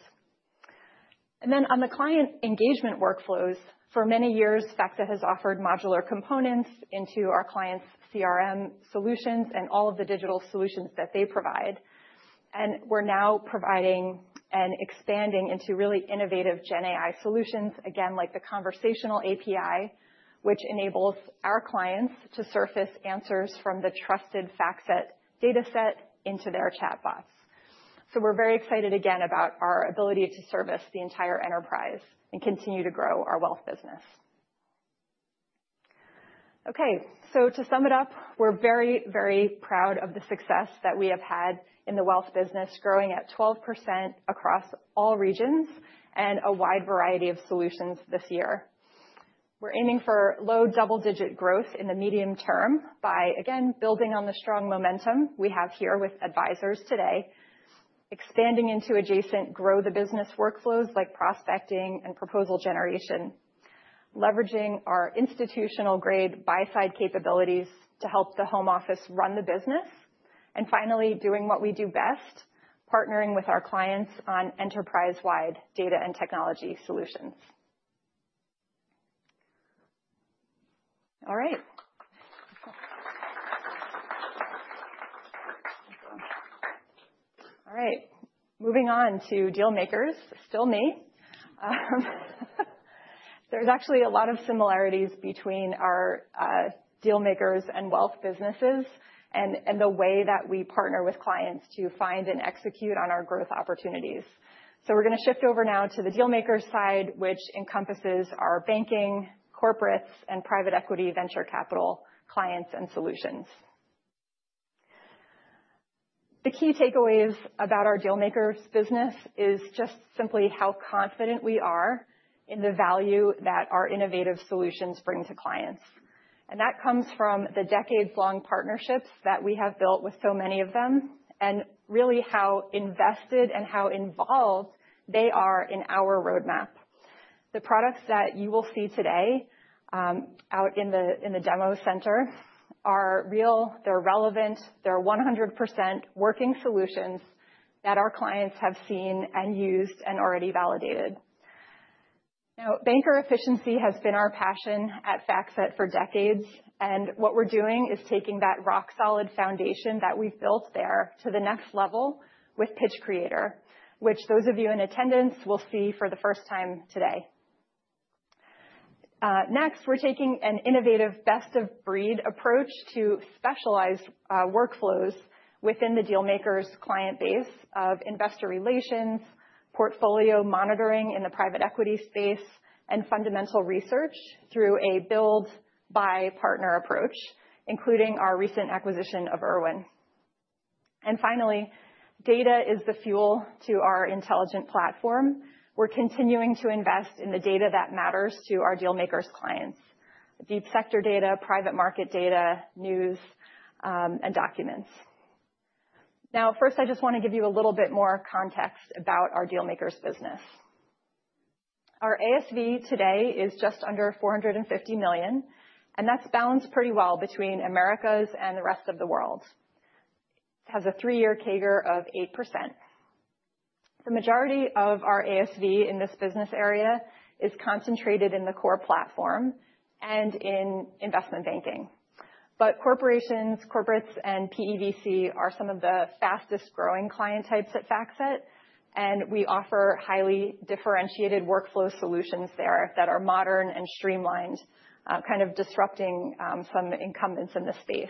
And then on the client engagement workflows, for many years, FactSet has offered modular components into our clients' CRM solutions and all of the digital solutions that they provide. And we're now providing and expanding into really innovative GenAI solutions, again, like the Conversational API, which enables our clients to surface answers from the trusted FactSet dataset into their chatbots. So we're very excited again about our ability to service the entire enterprise and continue to grow our wealth business. Okay. So to sum it up, we're very, very proud of the success that we have had in the Wealth business, growing at 12% across all regions and a wide variety of solutions this year. We're aiming for low double-digit growth in the medium term by, again, building on the strong momentum we have here with advisors today, expanding into adjacent grow-the-business workflows like prospecting and proposal generation, leveraging our institutional-grade Buy-Side capabilities to help the home office run the business, and finally, doing what we do best, partnering with our clients on enterprise-wide data and technology solutions. All right. All right. Moving on to Dealmakers, still me. There's actually a lot of similarities between our Dealmakers and Wealth businesses and the way that we partner with clients to find and execute on our growth opportunities. So we're going to shift over now to the Dealmaker side, which encompasses our Banking, Corporates, and Private Equity, Venture Capital clients and solutions. The key takeaways about our Dealmaker business is just simply how confident we are in the value that our innovative solutions bring to clients. And that comes from the decades-long partnerships that we have built with so many of them and really how invested and how involved they are in our roadmap. The products that you will see today out in the demo center are real, they're relevant, they're 100% working solutions that our clients have seen and used and already validated. Now, banker efficiency has been our passion at FactSet for decades, and what we're doing is taking that rock-solid foundation that we've built there to the next level with Pitch Creator, which those of you in attendance will see for the first time today. Next, we're taking an innovative best-of-breed approach to specialized workflows within the Dealmakers client base of investor relations, portfolio monitoring in the private equity space, and fundamental research through a build-by-partner approach, including our recent acquisition of Irwin. And finally, data is the fuel to our intelligent platform. We're continuing to invest in the data that matters to our Dealmakers clients: Deep Sector data, private market data, news, and documents. Now, first, I just want to give you a little bit more context about our Dealmakers business. Our ASV today is just under $450 million, and that's balanced pretty well between Americas and the rest of the world. It has a three-year CAGR of 8%. The majority of our ASV in this business area is concentrated in the core platform and in Investment Banking. But corporations, corporates, and PE/VC are some of the fastest-growing client types at FactSet, and we offer highly differentiated workflow solutions there that are modern and streamlined, kind of disrupting some incumbents in the space.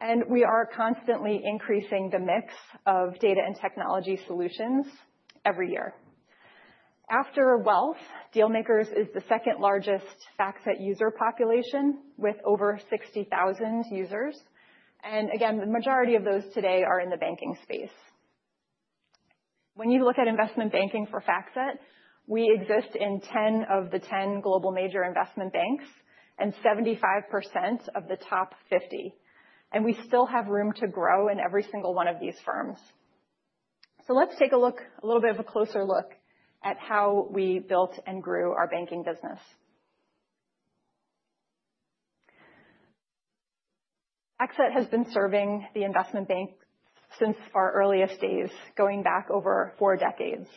And we are constantly increasing the mix of data and technology solutions every year. After Wealth, Dealmakers is the second-largest FactSet user population with over 60,000 users. And again, the majority of those today are in the banking space. When you look at Investment Banking for FactSet, we exist in 10 of the 10 global major investment banks and 75% of the top 50. And we still have room to grow in every single one of these firms. So let's take a look, a little bit of a closer look at how we built and grew our Banking business. FactSet has been serving the investment bank since our earliest days, going back over four decades.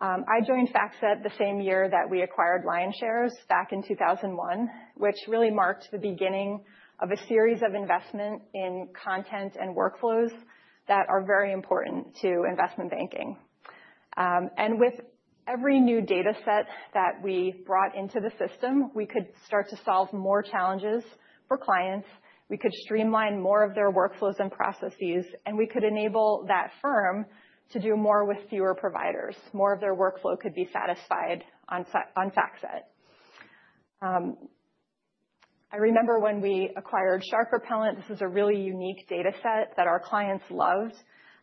I joined FactSet the same year that we acquired LionShares back in 2001, which really marked the beginning of a series of investment in content and workflows that are very important to Investment Banking. With every new dataset that we brought into the system, we could start to solve more challenges for clients, we could streamline more of their workflows and processes, and we could enable that firm to do more with fewer providers. More of their workflow could be satisfied on FactSet. I remember when we acquired SharkRepellent. This is a really unique dataset that our clients loved.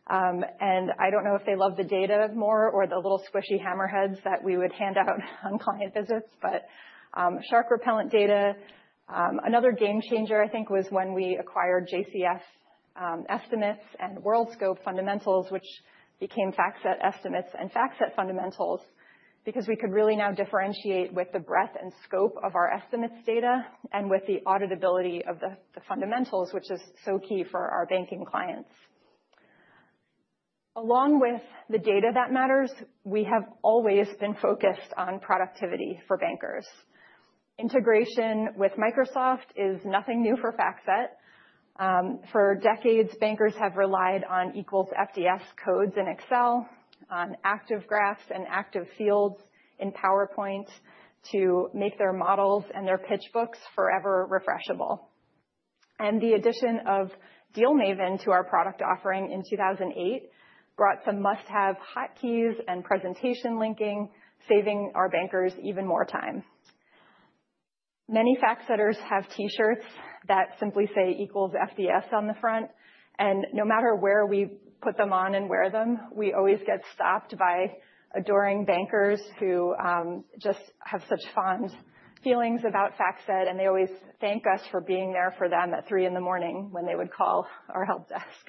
And I don't know if they loved the data more or the little squishy hammerheads that we would hand out on client visits, but SharkRepellent data. Another game changer, I think, was when we acquired JCF Estimates and Worldscope Fundamentals, which became FactSet Estimates and FactSet Fundamentals because we could really now differentiate with the breadth and scope of our estimates data and with the auditability of the fundamentals, which is so key for our banking clients. Along with the data that matters, we have always been focused on productivity for bankers. Integration with Microsoft is nothing new for FactSet. For decades, bankers have relied on =FDS codes in Excel, on active graphs and active fields in PowerPoint to make their models and their pitchbooks forever refreshable, and the addition of DealMaven to our product offering in 2008 brought some must-have hot keys and presentation linking, saving our bankers even more time. Many FactSetters have T-shirts that simply say EqualsFDS on the front, and no matter where we put them on and wear them, we always get stopped by adoring bankers who just have such fond feelings about FactSet, and they always thank us for being there for them at 3:00 A.M. when they would call our Help Desk.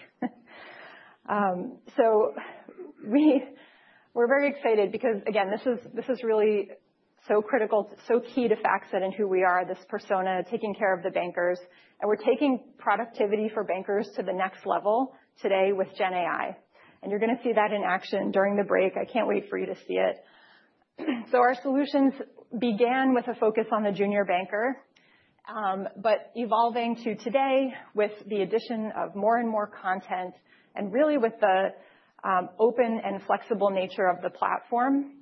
So we're very excited because, again, this is really so critical, so key to FactSet and who we are, this persona taking care of the bankers. And we're taking productivity for bankers to the next level today with GenAI. And you're going to see that in action during the break. I can't wait for you to see it. So our solutions began with a focus on the junior banker, but evolving to today with the addition of more and more content and really with the open and flexible nature of the platform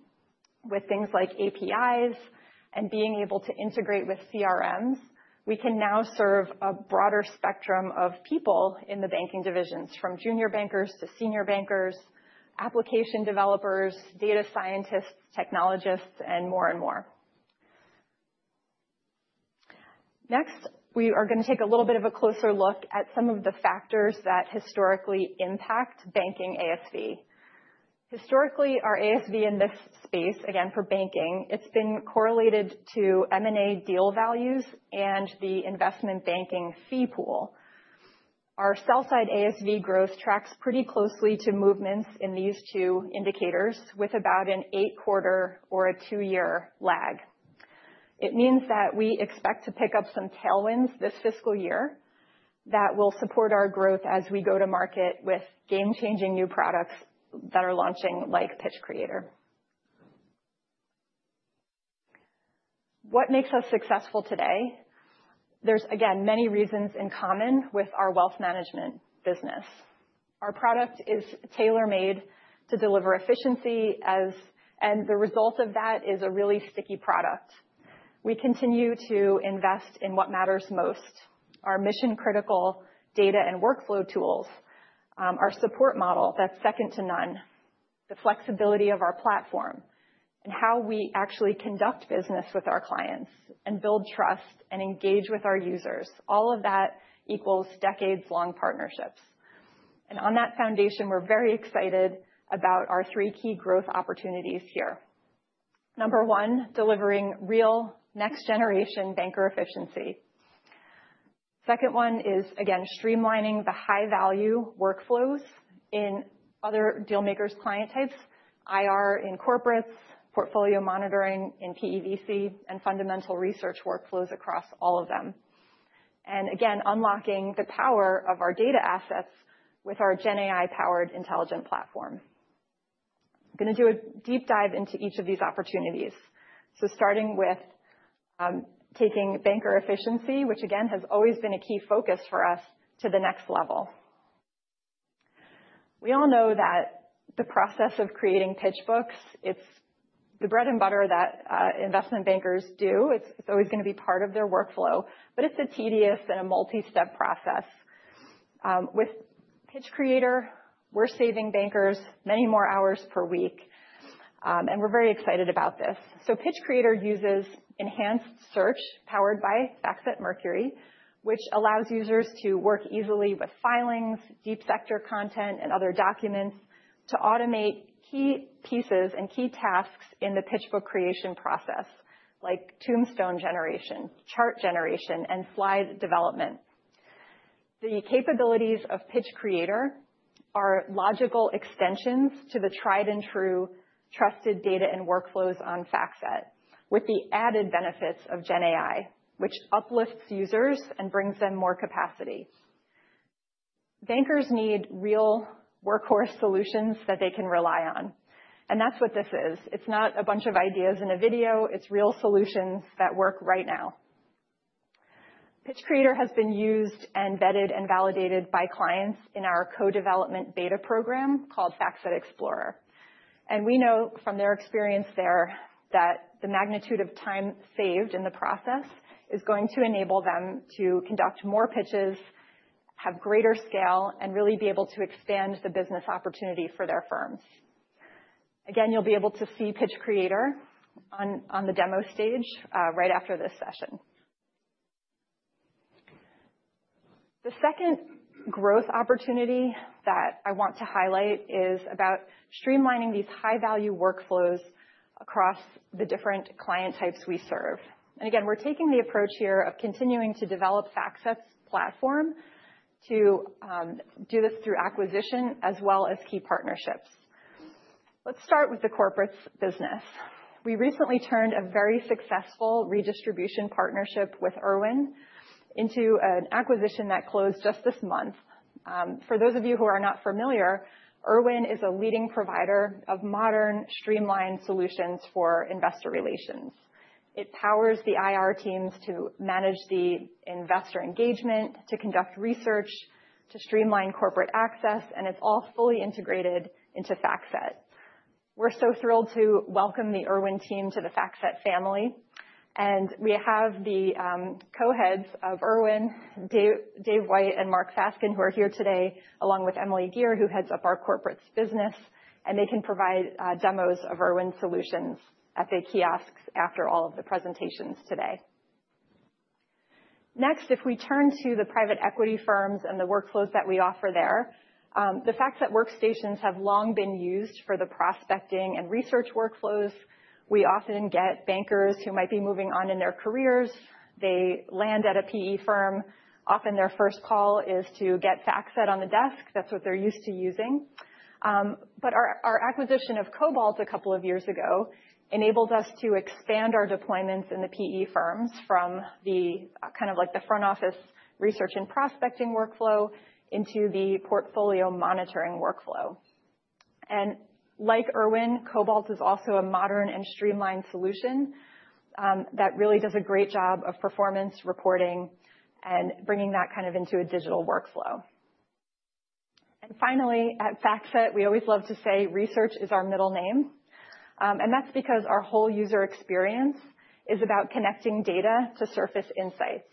with things like APIs and being able to integrate with CRMs, we can now serve a broader spectrum of people in the banking divisions from junior bankers to senior bankers, application developers, data scientists, technologists, and more and more. Next, we are going to take a little bit of a closer look at some of the factors that historically impact Banking ASV. Historically, our ASV in this space, again, for Banking, it's been correlated to M&A deal values and the Investment Banking fee pool. Our sell-side ASV growth tracks pretty closely to movements in these two indicators with about an eight-quarter or a two-year lag. It means that we expect to pick up some tailwinds this fiscal year that will support our growth as we go to market with game-changing new products that are launching like Pitch Creator. What makes us successful today? There's, again, many reasons in common with our wealth management business. Our product is tailor-made to deliver efficiency, and the result of that is a really sticky product. We continue to invest in what matters most: our mission-critical data and workflow tools, our support model that's second to none, the flexibility of our platform, and how we actually conduct business with our clients and build trust and engage with our users. All of that equals decades-long partnerships. And on that foundation, we're very excited about our three key growth opportunities here. Number one, delivering real next-generation banker efficiency. Second one is, again, streamlining the high-value workflows in other Dealmakers client types, IR in corporates, portfolio monitoring in PE/VC, and fundamental research workflows across all of them. And again, unlocking the power of our data assets with our GenAI-powered intelligent platform. I'm going to do a deep dive into each of these opportunities. So starting with taking banker efficiency, which again has always been a key focus for us, to the next level. We all know that the process of creating pitchbooks, it's the bread and butter that investment bankers do. It's always going to be part of their workflow, but it's a tedious and a multi-step process. With Pitch Creator, we're saving bankers many more hours per week, and we're very excited about this. So Pitch Creator uses enhanced search powered by FactSet Mercury, which allows users to work easily with filings, Deep Sector content, and other documents to automate key pieces and key tasks in the pitchbook creation process, like tombstone generation, chart generation, and slide development. The capabilities of Pitch Creator are logical extensions to the tried-and-true, trusted data and workflows on FactSet with the added benefits of GenAI, which uplifts users and brings them more capacity. Bankers need real workhorse solutions that they can rely on. And that's what this is. It's not a bunch of ideas in a video. It's real solutions that work right now. Pitch Creator has been used and vetted and validated by clients in our co-development beta program called FactSet Explorer, and we know from their experience there that the magnitude of time saved in the process is going to enable them to conduct more pitches, have greater scale, and really be able to expand the business opportunity for their firms. Again, you'll be able to see Pitch Creator on the demo stage right after this session. The second growth opportunity that I want to highlight is about streamlining these high-value workflows across the different client types we serve, and again, we're taking the approach here of continuing to develop FactSet's platform to do this through acquisition as well as key partnerships. Let's start with the corporates business. We recently turned a very successful redistribution partnership with Irwin into an acquisition that closed just this month. For those of you who are not familiar, Irwin is a leading provider of modern streamlined solutions for investor relations. It powers the IR teams to manage the investor engagement, to conduct research, to streamline corporate access, and it's all fully integrated into FactSet. We're so thrilled to welcome the Irwin team to the FactSet family, and we have the co-heads of Irwin, Dave Whyte and Mark Fasken, who are here today, along with Emily Geer, who heads up our Corporates business, and they can provide demos of Irwin solutions at the kiosks after all of the presentations today. Next, if we turn to the Private Equity firms and the workflows that we offer there, the FactSet Workstations have long been used for the prospecting and research workflows. We often get bankers who might be moving on in their careers. They land at a PE firm. Often their first call is to get FactSet on the desk. That's what they're used to using. But our acquisition of Cobalt a couple of years ago enabled us to expand our deployments in the PE firms from the kind of like the front office research and prospecting workflow into the portfolio monitoring workflow. And like Irwin, Cobalt is also a modern and streamlined solution that really does a great job of performance reporting and bringing that kind of into a digital workflow. And finally, at FactSet, we always love to say research is our middle name. And that's because our whole user experience is about connecting data to surface insights.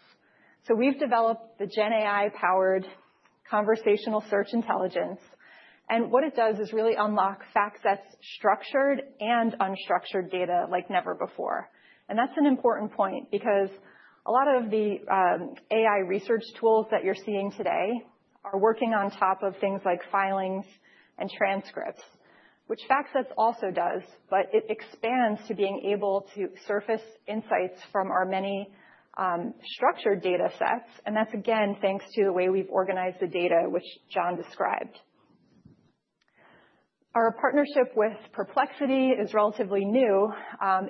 So we've developed the GenAI-powered conversational search intelligence. And what it does is really unlock FactSet's structured and unstructured data like never before. And that's an important point because a lot of the AI research tools that you're seeing today are working on top of things like filings and transcripts, which FactSet also does, but it expands to being able to surface insights from our many structured datasets. And that's again thanks to the way we've organized the data, which John described. Our partnership with Perplexity is relatively new.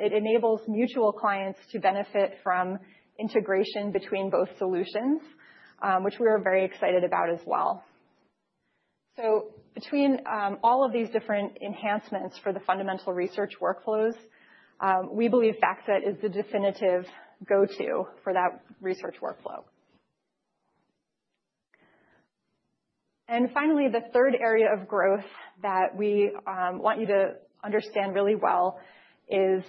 It enables mutual clients to benefit from integration between both solutions, which we are very excited about as well. So between all of these different enhancements for the fundamental research workflows, we believe FactSet is the definitive go-to for that research workflow. And finally, the third area of growth that we want you to understand really well is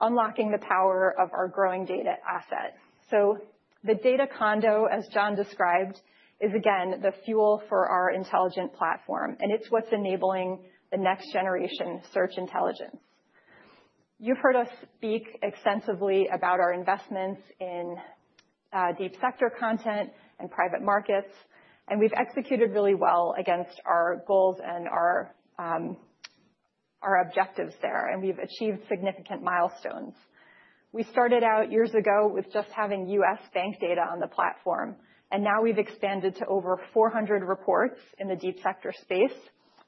unlocking the power of our growing data asset. So the data condo, as John described, is again the fuel for our intelligent platform, and it's what's enabling the next-generation search intelligence. You've heard us speak extensively about our investments in Deep Sector content and private markets, and we've executed really well against our goals and our objectives there, and we've achieved significant milestones. We started out years ago with just having U.S. bank data on the platform, and now we've expanded to over 400 reports in the Deep Sector space,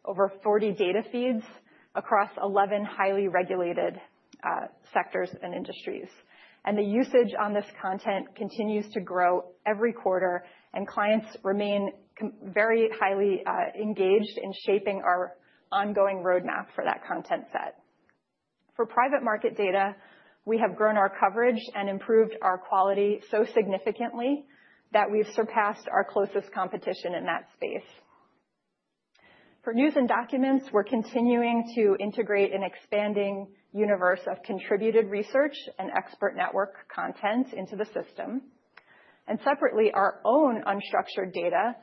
over 40 data feeds across 11 highly regulated sectors and industries. And the usage on this content continues to grow every quarter, and clients remain very highly engaged in shaping our ongoing roadmap for that content set. For Private Market Data, we have grown our coverage and improved our quality so significantly that we've surpassed our closest competition in that space. For News and Documents, we're continuing to integrate an expanding universe of contributed research and expert network content into the system, and separately, our own unstructured data,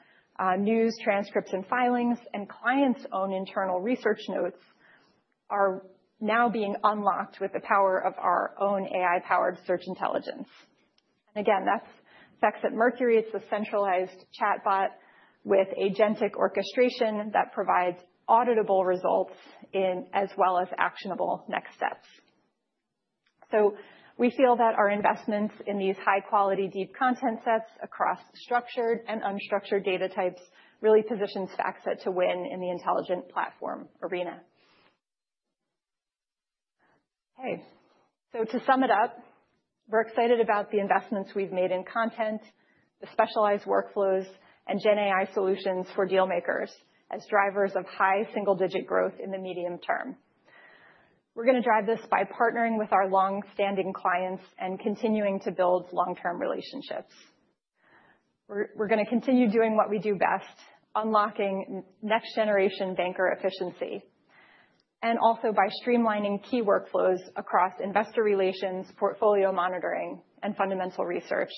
news, transcripts, and filings, and clients' own internal research notes are now being unlocked with the power of our own AI-powered search intelligence, and again, that's FactSet Mercury. It's a centralized chatbot with agentic orchestration that provides auditable results as well as actionable next steps, so we feel that our investments in these high-quality deep content sets across structured and unstructured data types really position FactSet to win in the intelligent platform arena. Okay, so to sum it up, we're excited about the investments we've made in content, the specialized workflows, and GenAI solutions for Dealmakers as drivers of high single-digit growth in the medium term. We're going to drive this by partnering with our long-standing clients and continuing to build long-term relationships. We're going to continue doing what we do best, unlocking next-generation banker efficiency, and also by streamlining key workflows across investor relations, portfolio monitoring, and fundamental research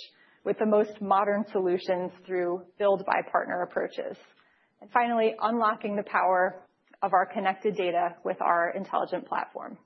with the most modern solutions through build-by-partner approaches, and finally, unlocking the power of our connected data with our intelligent platform.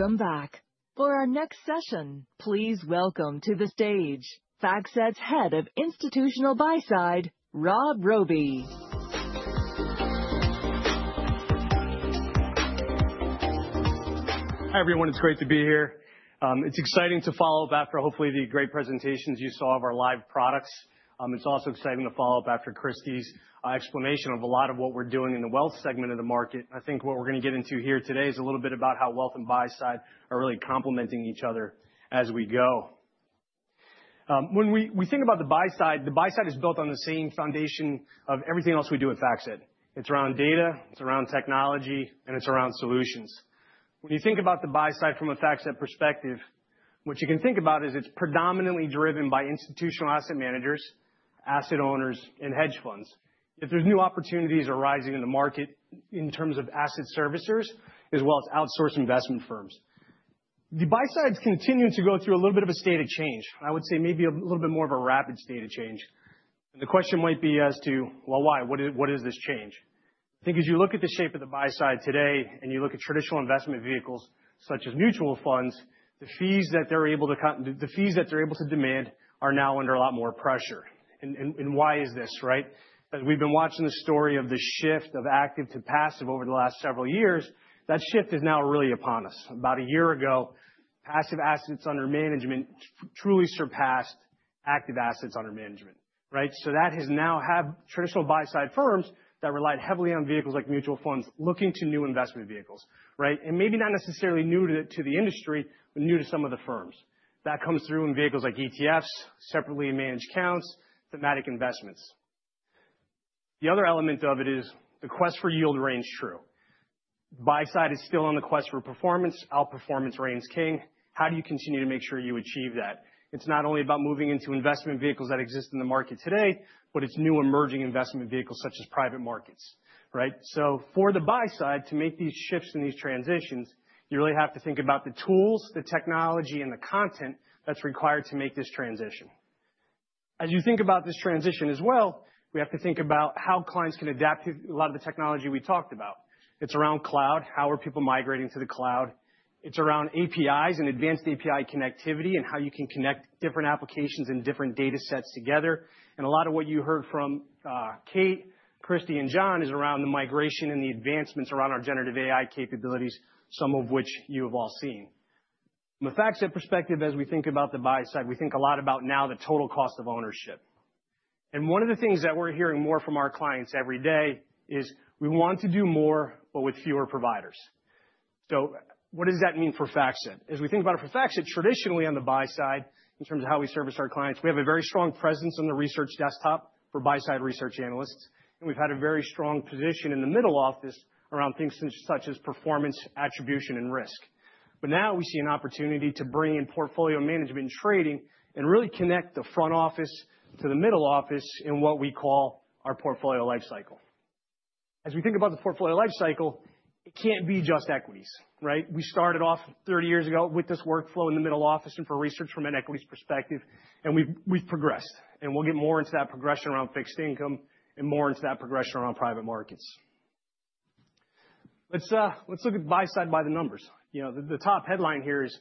Thank you. Welcome back. For our next session, please welcome to the stage FactSet's Head of Institutional Buy-Side, Rob Robie. Hi, everyone. It's great to be here. It's exciting to follow up after, hopefully, the great presentations you saw of our live products. It's also exciting to follow up after Kristy's explanation of a lot of what we're doing in the wealth segment of the market. I think what we're going to get into here today is a little bit about how wealth and Buy-Side are really complementing each other as we go. When we think about the Buy-Side, the Buy-Side is built on the same foundation of everything else we do at FactSet. It's around data, it's around technology, and it's around solutions. When you think about the Buy-Side from a FactSet perspective, what you can think about is it's predominantly driven by institutional asset managers, asset owners, and hedge funds. If there's new opportunities arising in the market in terms of asset servicers as well as outsourced investment firms, the Buy-Side is continuing to go through a little bit of a state of change. I would say maybe a little bit more of a rapid state of change, and the question might be as to, well, why? What is this change? I think as you look at the shape of the Buy-Side today and you look at traditional investment vehicles such as mutual funds, the fees that they're able to demand are now under a lot more pressure. And why is this? Right? We've been watching the story of the shift of active to passive over the last several years. That shift is now really upon us. About a year ago, passive assets under management truly surpassed active assets under management. Right? So that has now had traditional Buy-Side firms that relied heavily on vehicles like mutual funds looking to new investment vehicles. Right? And maybe not necessarily new to the industry, but new to some of the firms. That comes through in vehicles like ETFs, separately managed accounts, thematic investments. The other element of it is the quest for yield remains true. Buy-side is still on the quest for performance. Outperformance reigns king. How do you continue to make sure you achieve that? It's not only about moving into investment vehicles that exist in the market today, but it's new emerging investment vehicles such as private markets. Right? So for the Buy-Side, to make these shifts and these transitions, you really have to think about the tools, the technology, and the content that's required to make this transition. As you think about this transition as well, we have to think about how clients can adapt to a lot of the technology we talked about. It's around cloud. How are people migrating to the cloud? It's around APIs and advanced API connectivity and how you can connect different applications and different datasets together. A lot of what you heard from Kate, Kristy, and John is around the migration and the advancements around our generative AI capabilities, some of which you have all seen. From a FactSet perspective, as we think about the Buy-Side, we think a lot about now the total cost of ownership. One of the things that we're hearing more from our clients every day is we want to do more, but with fewer providers. What does that mean for FactSet? As we think about it for FactSet, traditionally on the Buy-Side, in terms of how we service our clients, we have a very strong presence on the research desktop for Buy-Side research analysts. We've had a very strong position in the middle office around things such as performance, attribution, and risk. But now we see an opportunity to bring in portfolio management and trading and really connect the front office to the middle office in what we call our portfolio lifecycle. As we think about the portfolio lifecycle, it can't be just equities. Right? We started off 30 years ago with this workflow in the middle office and for research from an equities perspective, and we've progressed. And we'll get more into that progression around fixed income and more into that progression around private markets. Let's look at the Buy-Side by the numbers. The top headline here is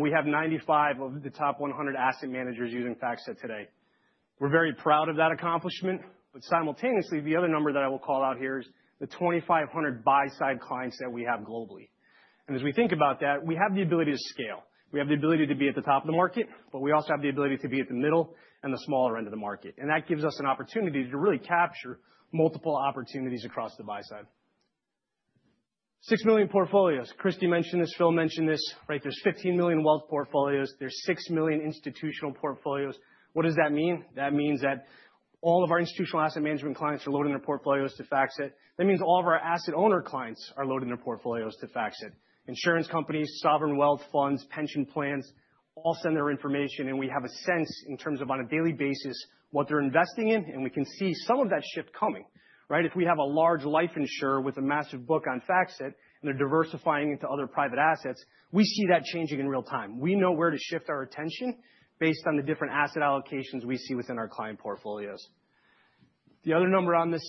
we have 95 of the top 100 asset managers using FactSet today. We're very proud of that accomplishment. But simultaneously, the other number that I will call out here is the 2,500 Buy-Side clients that we have globally. And as we think about that, we have the ability to scale. We have the ability to be at the top of the market, but we also have the ability to be at the middle and the smaller end of the market. That gives us an opportunity to really capture multiple opportunities across the Buy-Side. Six million portfolios. Kristy mentioned this, Phil mentioned this. Right? There are 15 million wealth portfolios. There are six million institutional portfolios. What does that mean? That means that all of our institutional asset management clients are loading their portfolios to FactSet. That means all of our asset owner clients are loading their portfolios to FactSet. Insurance companies, sovereign wealth funds, pension plans all send their information, and we have a sense in terms of on a daily basis what they are investing in, and we can see some of that shift coming. Right? If we have a large life insurer with a massive book on FactSet and they're diversifying into other private assets, we see that changing in real time. We know where to shift our attention based on the different asset allocations we see within our client portfolios. The other number on this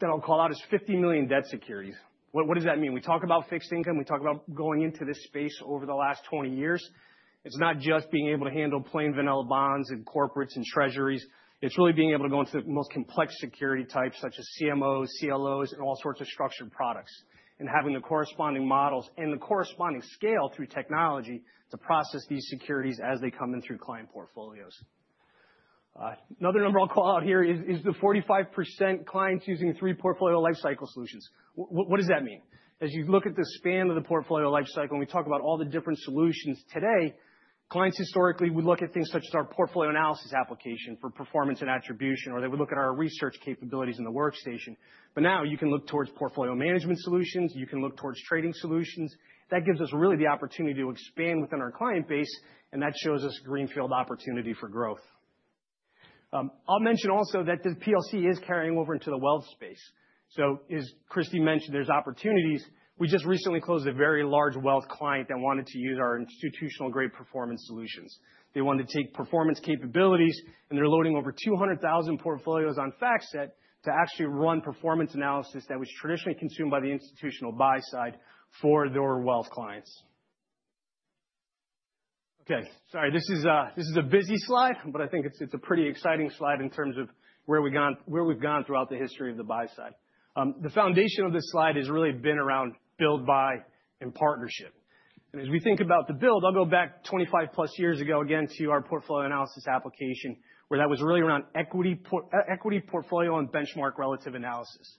that I'll call out is 50 million debt securities. What does that mean? We talk about fixed income. We talk about going into this space over the last 20 years. It's not just being able to handle plain vanilla bonds and corporates and treasuries. It's really being able to go into the most complex security types such as CMOs, CLOs, and all sorts of structured products and having the corresponding models and the corresponding scale through technology to process these securities as they come in through client portfolios. Another number I'll call out here is the 45% clients using three portfolio lifecycle solutions. What does that mean? As you look at the span of the portfolio lifecycle and we talk about all the different solutions today, clients historically would look at things such as our portfolio analysis application for performance and attribution, or they would look at our research capabilities in the workstation. But now you can look towards portfolio management solutions. You can look towards trading solutions. That gives us really the opportunity to expand within our client base, and that shows us a greenfield opportunity for growth. I'll mention also that the PLC is carrying over into the Wealth space. So as Kristy mentioned, there's opportunities. We just recently closed a very large Wealth client that wanted to use our institutional-grade performance solutions. They wanted to take performance capabilities, and they're loading over 200,000 portfolios on FactSet to actually run performance analysis that was traditionally consumed by the Institutional Buy-Side for their Wealth clients. Okay. Sorry, this is a busy slide, but I think it's a pretty exciting slide in terms of where we've gone throughout the history of the Buy-Side. The foundation of this slide has really been around Build, Buy, and Partnership. And as we think about the Build, I'll go back 25-plus years ago again to our portfolio analysis application where that was really around equity portfolio and benchmark relative analysis.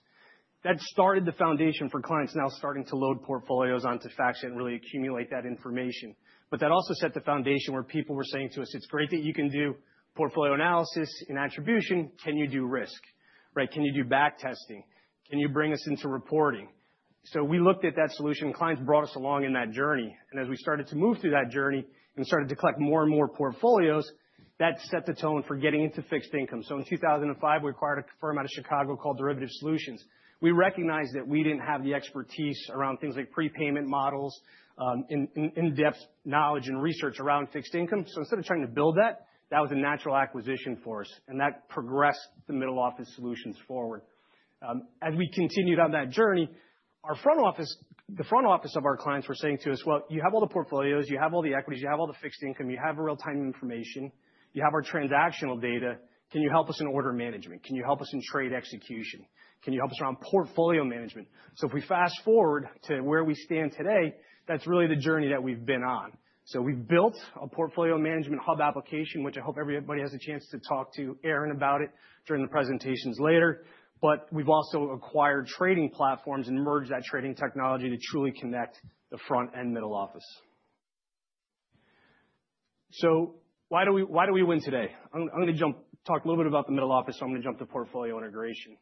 That started the foundation for clients now starting to load portfolios onto FactSet and really accumulate that information. But that also set the foundation where people were saying to us, "It's great that you can do portfolio analysis and attribution. Can you do risk? Right? Can you do back-testing? Can you bring us into reporting?" So we looked at that solution. Clients brought us along in that journey. And as we started to move through that journey and started to collect more and more portfolios, that set the tone for getting into fixed income. So in 2005, we acquired a firm out of Chicago called Derivative Solutions. We recognized that we didn't have the expertise around things like prepayment models, in-depth knowledge, and research around fixed income. So instead of trying to build that, that was a natural acquisition for us. And that progressed the middle office solutions forward. As we continued on that journey, the front office of our clients were saying to us, "Well, you have all the portfolios. You have all the equities. You have all the fixed income. You have real-time information. You have our transactional data. Can you help us in order management? Can you help us in trade execution? Can you help us around portfolio management?" So if we fast forward to where we stand today, that's really the journey that we've been on. So we've built a portfolio management hub application, which I hope everybody has a chance to talk to Aaron about it during the presentations later. But we've also acquired trading platforms and merged that trading technology to truly connect the front and middle office. So why do we win today? I'm going to talk a little bit about the middle office. I'm going to jump to portfolio integration.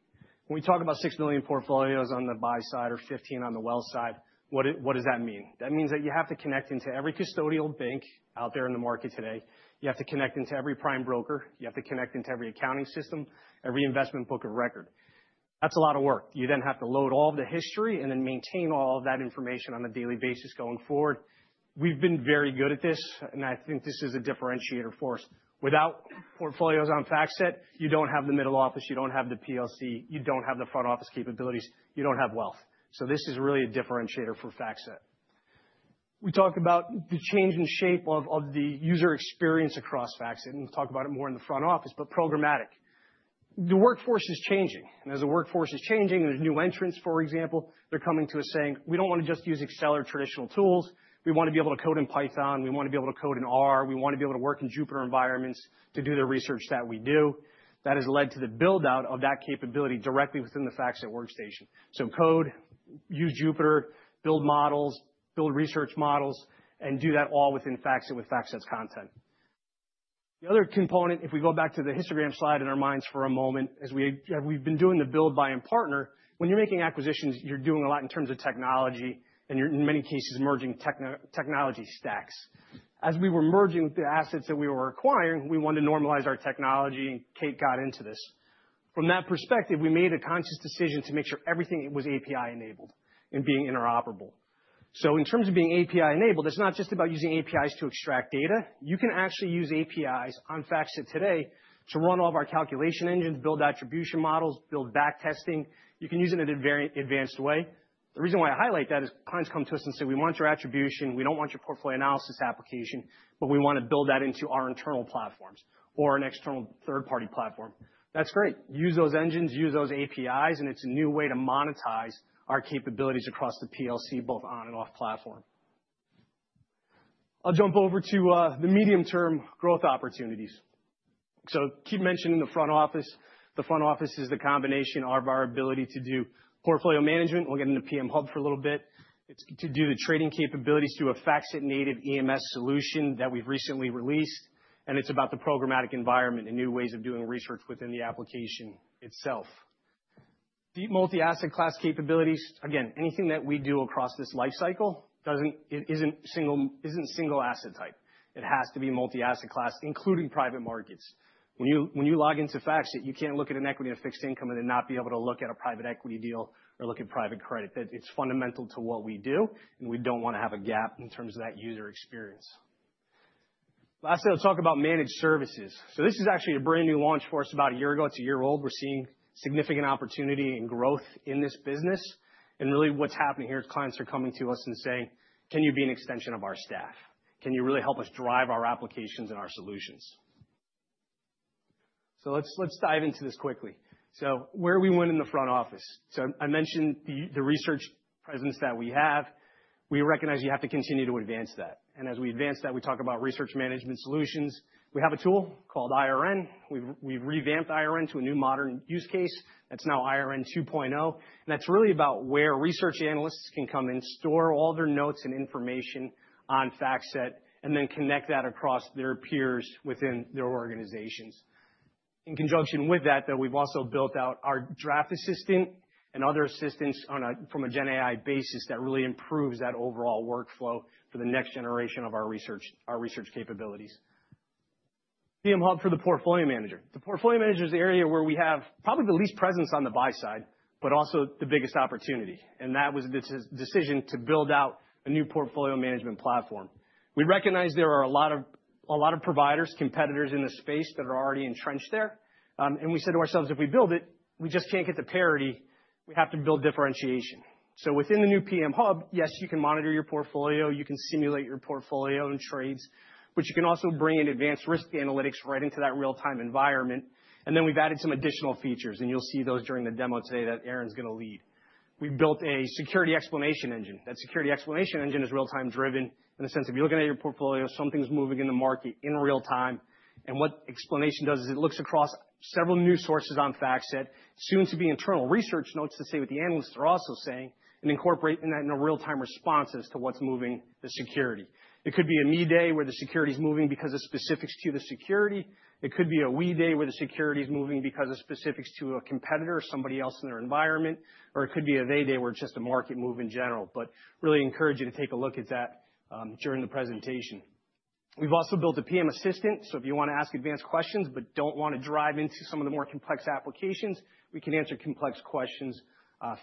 When we talk about 6 million portfolios on the Buy-Side or 15 million on the Wealth side, what does that mean? That means that you have to connect into every custodial bank out there in the market today. You have to connect into every prime broker. You have to connect into every accounting system, every investment book of record. That's a lot of work. You then have to load all of the history and then maintain all of that information on a daily basis going forward. We've been very good at this, and I think this is a differentiator for us. Without portfolios on FactSet, you don't have the middle office. You don't have the PLC. You don't have the front office capabilities. You don't have wealth. So this is really a differentiator for FactSet. We talked about the change in shape of the user experience across FactSet. We'll talk about it more in the front office, but programmatic. The workforce is changing, and as the workforce is changing and there's new entrants, for example, they're coming to us saying, "We don't want to just use Excel or traditional tools. We want to be able to code in Python. We want to be able to code in R. We want to be able to work in Jupyter environments to do the research that we do." That has led to the build-out of that capability directly within the FactSet Workstation. So code, use Jupyter, build models, build research models, and do that all within FactSet with FactSet's content. The other component, if we go back to the histogram slide in our minds for a moment, as we've been doing the Build, Buy, and Partner, when you're making acquisitions, you're doing a lot in terms of technology and, in many cases, merging technology stacks. As we were merging the assets that we were acquiring, we wanted to normalize our technology, and Kate got into this. From that perspective, we made a conscious decision to make sure everything was API-enabled and being interoperable. So in terms of being API-enabled, it's not just about using APIs to extract data. You can actually use APIs on FactSet today to run all of our calculation engines, build attribution models, build back-testing. You can use it in a very advanced way. The reason why I highlight that is clients come to us and say, "We want your attribution. We don't want your portfolio analysis application, but we want to build that into our internal platforms or an external third-party platform." That's great. Use those engines, use those APIs, and it's a new way to monetize our capabilities across the PLC, both on and off platform. I'll jump over to the medium-term growth opportunities. So Kate mentioned the front office. The front office is the combination of our ability to do portfolio management. We'll get into PM Hub for a little bit. It's to do the trading capabilities through a FactSet native EMS solution that we've recently released. And it's about the programmatic environment and new ways of doing research within the application itself. Multi-asset class capabilities. Again, anything that we do across this lifecycle isn't single asset type. It has to be multi-asset class, including private markets. When you log into FactSet, you can't look at an equity and a fixed income and then not be able to look at a private equity deal or look at private credit. It's fundamental to what we do, and we don't want to have a gap in terms of that user experience. Lastly, I'll talk about Managed Services. So this is actually a brand new launch for us about a year ago. It's a year old. We're seeing significant opportunity and growth in this business. And really what's happening here is clients are coming to us and saying, "Can you be an extension of our staff? Can you really help us drive our applications and our solutions?" So let's dive into this quickly. So where are we winning the front office? So I mentioned the research presence that we have. We recognize you have to continue to advance that. And as we advance that, we talk about Research Management Solutions. We have a tool called IRN. We've revamped IRN to a new modern use case. That's now IRN 2.0. And that's really about where research analysts can come and store all their notes and information on FactSet and then connect that across their peers within their organizations. In conjunction with that, though, we've also built out our Draft Assistant and other assistants from a GenAI basis that really improves that overall workflow for the next generation of our research capabilities. PM Hub for the portfolio manager. The portfolio manager is the area where we have probably the least presence on the Buy-Side, but also the biggest opportunity, and that was the decision to build out a new portfolio management platform. We recognize there are a lot of providers, competitors in the space that are already entrenched there. And we said to ourselves, "If we build it, we just can't get the parity. We have to build differentiation," so within the new PM Hub, yes, you can monitor your portfolio. You can simulate your portfolio and trades, but you can also bring in advanced risk analytics right into that real-time environment. And then we've added some additional features, and you'll see those during the demo today that Aaron's going to lead. We built a Security Explanation Engine. That Security Explanation Engine is real-time driven in the sense of you're looking at your portfolio. Something's moving in the market in real time. And what explanation does is it looks across several new sources on FactSet, soon to be Internal Research Notes to say what the analysts are also saying, and incorporating that in a real-time response as to what's moving the security. It could be a me-day where the security's moving because of specifics to the security. It could be a we-day where the security's moving because of specifics to a competitor or somebody else in their environment. Or it could be a they-day where it's just a market move in general. I really encourage you to take a look at that during the presentation. We've also built a PM Assistant. So if you want to ask advanced questions but don't want to dive into some of the more complex applications, we can answer complex questions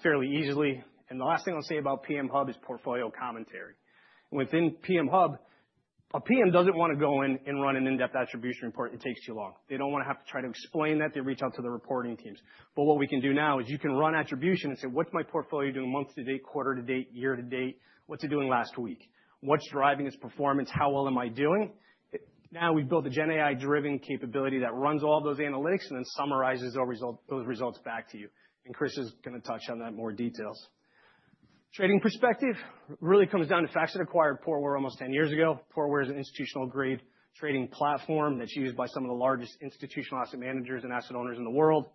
fairly easily. And the last thing I'll say about PM Hub is Portfolio Commentary. Within PM Hub, a PM doesn't want to go in and run an in-depth attribution report. It takes too long. They don't want to have to try to explain that. They reach out to the reporting teams. But what we can do now is you can run attribution and say, "What's my portfolio doing month-to-date, quarter-to-date, year-to-date? What's it doing last week? What's driving its performance? How well am I doing?" Now we've built a GenAI-driven capability that runs all of those analytics and then summarizes those results back to you. Chris is going to touch on that in more details. Trading perspective really comes down to FactSet acquired Portware almost 10 years ago. Portware is an institutional-grade trading platform that's used by some of the largest institutional asset managers and asset owners in the world.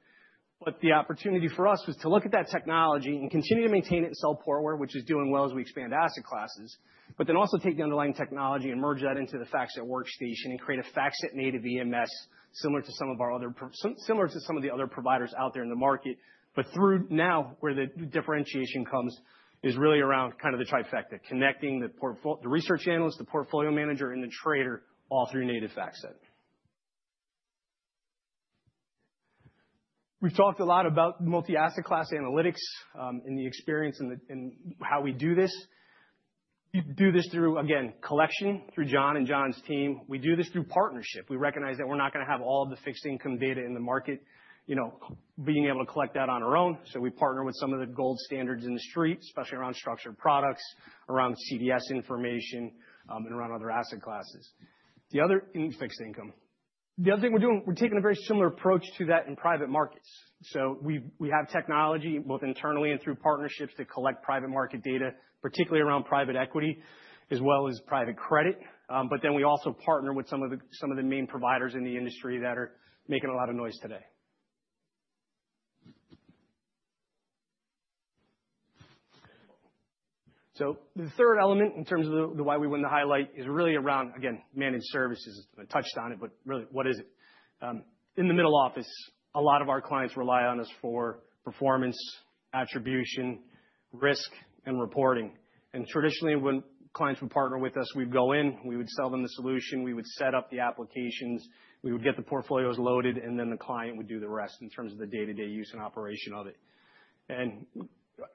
The opportunity for us was to look at that technology and continue to maintain it and sell Portware, which is doing well as we expand asset classes, but then also take the underlying technology and merge that into the FactSet Workstation and create a FactSet native EMS similar to some of the other providers out there in the market. But now where the differentiation comes is really around kind of the trifecta: connecting the research analyst, the portfolio manager, and the trader all through native FactSet. We've talked a lot about multi-asset class analytics and the experience and how we do this. We do this through, again, collection through John and John's team. We do this through partnership. We recognize that we're not going to have all of the fixed income data in the market being able to collect that on our own. So we partner with some of the gold standards in the street, especially around structured products, around CDS information, and around other asset classes. The other fixed income. The other thing we're doing, we're taking a very similar approach to that in private markets. So we have technology both internally and through partnerships to collect private market data, particularly around private equity as well as private credit. But then we also partner with some of the main providers in the industry that are making a lot of noise today. So the third element in terms of the why we win the highlight is really around, again, Managed Services. I touched on it, but really, what is it? In the middle office, a lot of our clients rely on us for Performance, Attribution, Risk, and Reporting. And traditionally, when clients would partner with us, we'd go in, we would sell them the solution, we would set up the applications, we would get the portfolios loaded, and then the client would do the rest in terms of the day-to-day use and operation of it.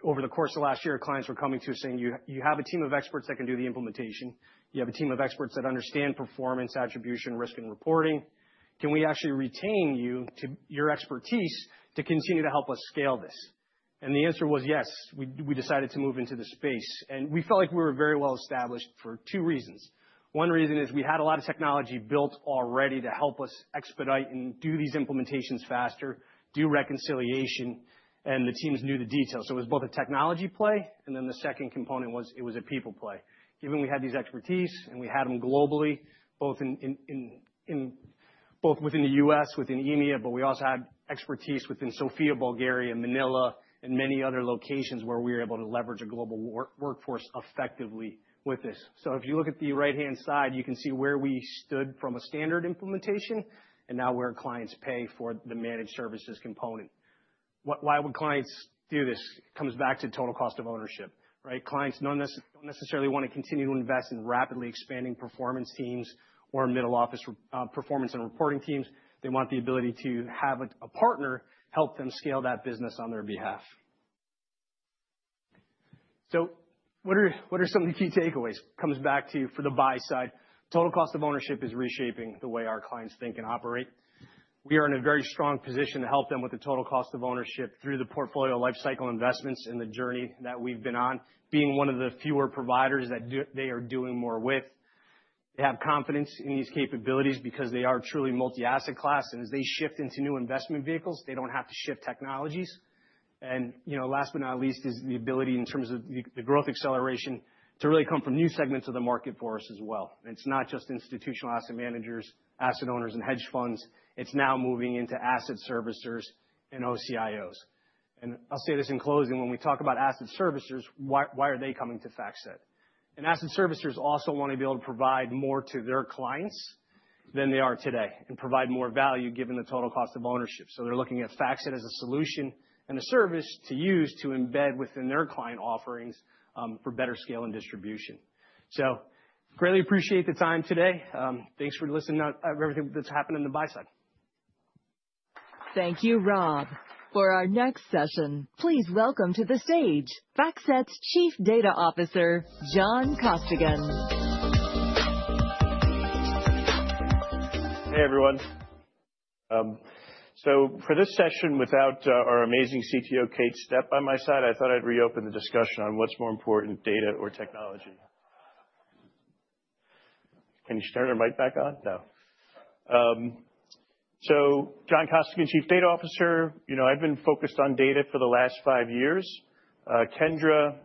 Over the course of last year, clients were coming to us saying, "You have a team of experts that can do the implementation. You have a team of experts that understand Performance, Attribution, Risk, and Reporting. Can we actually retain you, your expertise, to continue to help us scale this?" The answer was yes. We decided to move into the space. We felt like we were very well established for two reasons. One reason is we had a lot of technology built already to help us expedite and do these implementations faster, do reconciliation, and the teams knew the details. So it was both a technology play, and then the second component was it was a people play. Given we had these expertise and we had them globally, both within the U.S., within EMEA, but we also had expertise within Sofia, Bulgaria, Manila, and many other locations where we were able to leverage a global workforce effectively with this. So if you look at the right-hand side, you can see where we stood from a standard implementation, and now where clients pay for the Managed Services component. Why would clients do this? It comes back to total cost of ownership, right? Clients don't necessarily want to continue to invest in rapidly expanding performance teams or middle office performance and reporting teams. They want the ability to have a partner help them scale that business on their behalf. So what are some of the key takeaways? It comes back to for the Buy-Side. Total cost of ownership is reshaping the way our clients think and operate. We are in a very strong position to help them with the total cost of ownership through the portfolio lifecycle investments and the journey that we've been on, being one of the fewer providers that they are doing more with. They have confidence in these capabilities because they are truly multi-asset class. And as they shift into new investment vehicles, they don't have to shift technologies. And last but not least is the ability in terms of the growth acceleration to really come from new segments of the market for us as well. And it's not just institutional asset managers, asset owners, and hedge funds. It's now moving into asset servicers and OCIOs. And I'll say this in closing. When we talk about asset servicers, why are they coming to FactSet? Asset servicers also want to be able to provide more to their clients than they are today and provide more value given the total cost of ownership. They're looking at FactSet as a solution and a service to use to embed within their client offerings for better scale and distribution. Greatly appreciate the time today. Thanks for listening to everything that's happened on the Buy-Side. Thank you, Rob. For our next session, please welcome to the stage FactSet's Chief Data Officer, John Costigan. Hey, everyone. So for this session, without our amazing CTO, Kate Stepp, by my side, I thought I'd reopen the discussion on what's more important, data or technology. Can you turn your mic back on? No. So John Costigan, Chief Data Officer. I've been focused on data for the last five years. Kendra,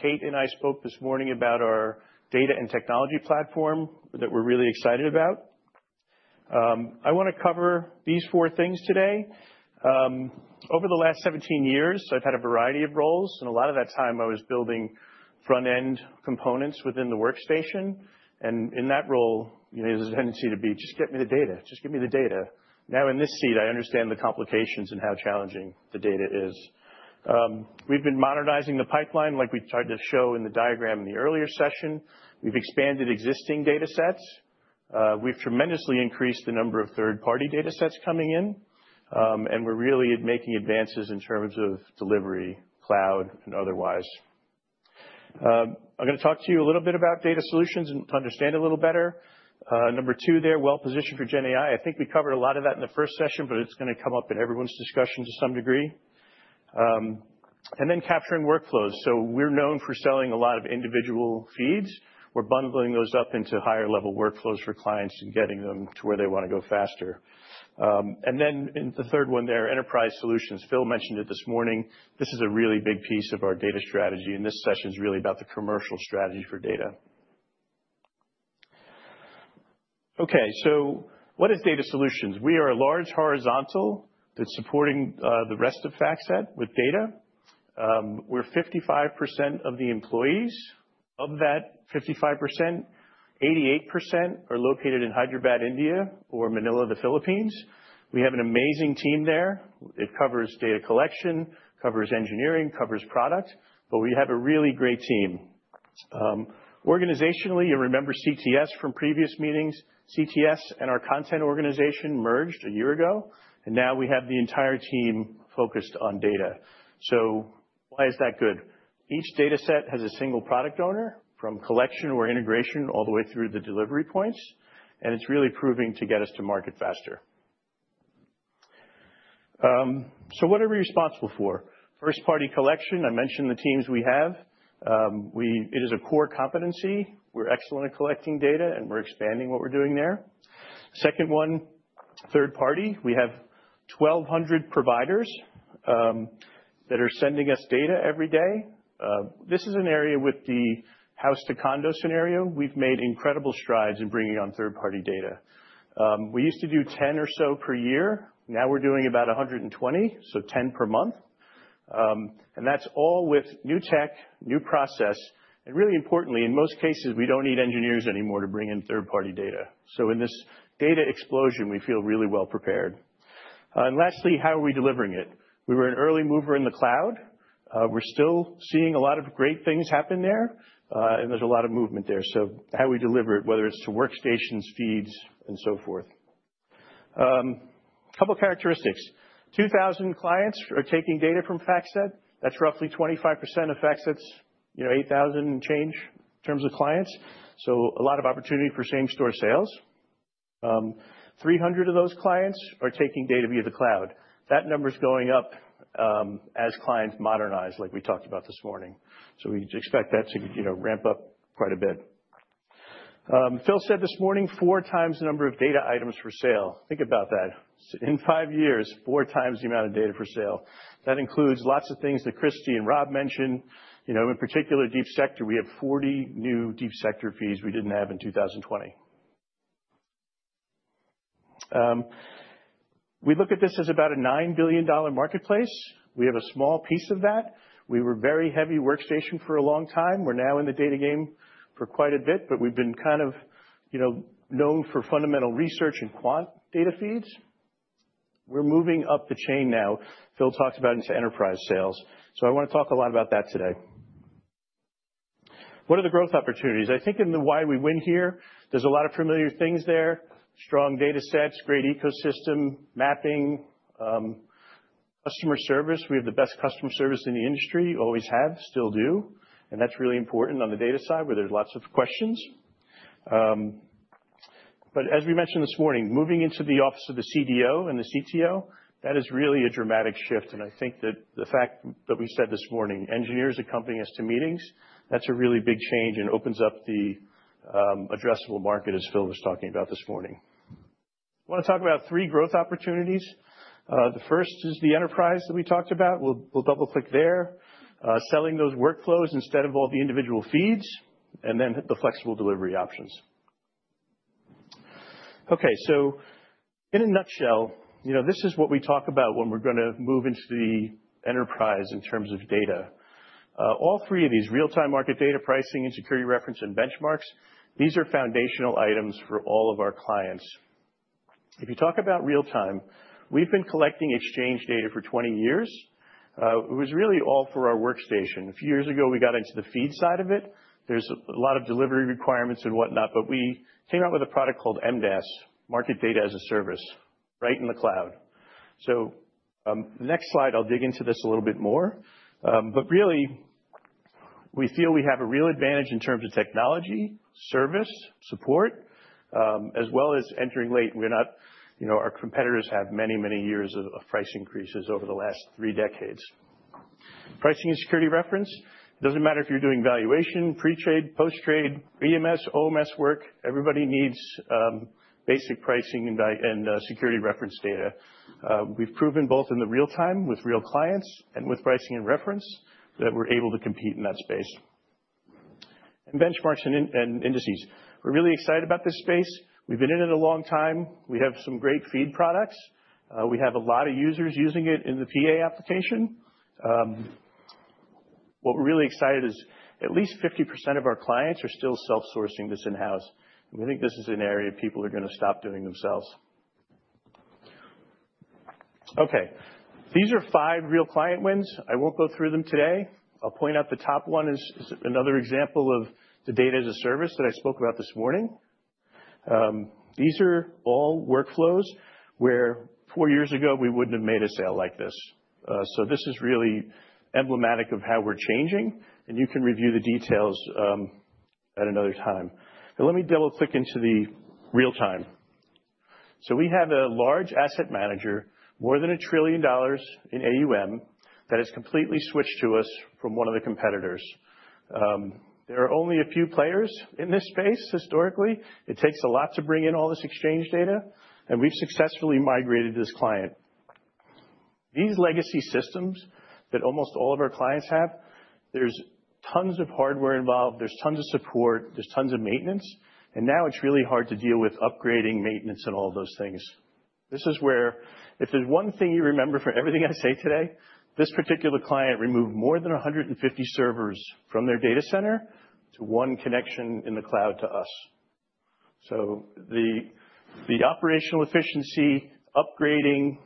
Kate, and I spoke this morning about our data and technology platform that we're really excited about. I want to cover these four things today. Over the last 17 years, I've had a variety of roles, and a lot of that time, I was building front-end components within the workstation. In that role, there's a tendency to be, "Just get me the data. Just give me the data." Now in this seat, I understand the complications and how challenging the data is. We've been modernizing the pipeline like we tried to show in the diagram in the earlier session. We've expanded existing datasets. We've tremendously increased the number of third-party datasets coming in, and we're really making advances in terms of delivery, cloud, and otherwise. I'm going to talk to you a little bit about data solutions and to understand a little better. Number two there, well-positioned for GenAI. I think we covered a lot of that in the first session, but it's going to come up in everyone's discussion to some degree, and then capturing workflows. So we're known for selling a lot of individual feeds. We're bundling those up into higher-level workflows for clients and getting them to where they want to go faster. And then the third one there, Enterprise Solutions. Phil mentioned it this morning. This is a really big piece of our data strategy. This session is really about the commercial strategy for data. Okay. What is data solutions? We are a large horizontal that's supporting the rest of FactSet with data. We're 55% of the employees. Of that 55%, 88% are located in Hyderabad, India, or Manila, the Philippines. We have an amazing team there. It covers data collection, covers engineering, covers product. But we have a really great team. Organizationally, you remember CTS from previous meetings. CTS and our Content Organization merged a year ago. Now we have the entire team focused on data. Why is that good? Each dataset has a single product owner from collection or integration all the way through the delivery points. It is really proving to get us to market faster. What are we responsible for? First-party collection. I mentioned the teams we have. It is a core competency. We're excellent at collecting data, and we're expanding what we're doing there. Second one, third-party. We have 1,200 providers that are sending us data every day. This is an area with the house-to-condo scenario. We've made incredible strides in bringing on third-party data. We used to do 10 or so per year. Now we're doing about 120, so 10 per month, and that's all with new tech, new process, and really importantly, in most cases, we don't need engineers anymore to bring in third-party data, so in this data explosion, we feel really well prepared. And lastly, how are we delivering it? We were an early mover in the cloud. We're still seeing a lot of great things happen there, and there's a lot of movement there, so how we deliver it, whether it's to workstations, feeds, and so forth. A couple of characteristics. 2,000 clients are taking data from FactSet. That's roughly 25% of FactSet's 8,000 and change in terms of clients. So a lot of opportunity for same-store sales. Three hundred of those clients are taking data via the cloud. That number is going up as clients modernize, like we talked about this morning. So we expect that to ramp up quite a bit. Phil said this morning, four times the number of data items for sale. Think about that. In five years, four times the amount of data for sale. That includes lots of things that Kristy and Rob mentioned. In particular, Deep Sector, we have 40 new Deep Sector feeds we didn't have in 2020. We look at this as about a $9 billion marketplace. We have a small piece of that. We were a very heavy workstation for a long time. We're now in the data game for quite a bit, but we've been kind of known for fundamental research and quant data feeds. We're moving up the chain now. Phil talked about enterprise sales, so I want to talk a lot about that today. What are the growth opportunities? I think in the why we win here, there's a lot of familiar things there. Strong datasets, great ecosystem, mapping, customer service. We have the best customer service in the industry, always have, still do, and that's really important on the data side where there's lots of questions. But as we mentioned this morning, moving into the office of the CDO and the CTO, that is really a dramatic shift. And I think that the fact that we said this morning, engineers accompany us to meetings, that's a really big change and opens up the addressable market, as Phil was talking about this morning. I want to talk about three growth opportunities. The first is the enterprise that we talked about. We'll double-click there. Selling those workflows instead of all the individual feeds, and then the flexible delivery options. Okay. So in a nutshell, this is what we talk about when we're going to move into the enterprise in terms of data. All three of these: real-time market data, pricing, security reference, and benchmarks. These are foundational items for all of our clients. If you talk about real-time, we've been collecting exchange data for 20 years. It was really all for our workstation. A few years ago, we got into the feed side of it. There's a lot of delivery requirements and whatnot, but we came out with a product called MDaaS, Market Data as a Service, right in the cloud. So next slide, I'll dig into this a little bit more. But really, we feel we have a real advantage in terms of technology, service, support, as well as entering late. Our competitors have many, many years of price increases over the last three decades. Pricing and security reference. It doesn't matter if you're doing valuation, pre-trade, post-trade, EMS, OMS work. Everybody needs basic pricing and security reference data. We've proven both in the real-time with real clients and with pricing and reference that we're able to compete in that space. And benchmarks and indices. We're really excited about this space. We've been in it a long time. We have some great feed products. We have a lot of users using it in the PA application. What we're really excited is at least 50% of our clients are still self-sourcing this in-house, and we think this is an area people are going to stop doing themselves. Okay. These are five real client wins. I won't go through them today. I'll point out the top one is another example of the Data as a Service that I spoke about this morning. These are all workflows where four years ago, we wouldn't have made a sale like this. So this is really emblematic of how we're changing, and you can review the details at another time. But let me double-click into the real-time. So we have a large asset manager, more than $1 trillion in AUM, that has completely switched to us from one of the competitors. There are only a few players in this space historically. It takes a lot to bring in all this exchange data. And we've successfully migrated this client. These legacy systems that almost all of our clients have, there's tons of hardware involved. There's tons of support. There's tons of maintenance. And now it's really hard to deal with upgrading, maintenance, and all of those things. This is where if there's one thing you remember from everything I say today, this particular client removed more than 150 servers from their data center to one connection in the cloud to us. So the operational efficiency, upgrading,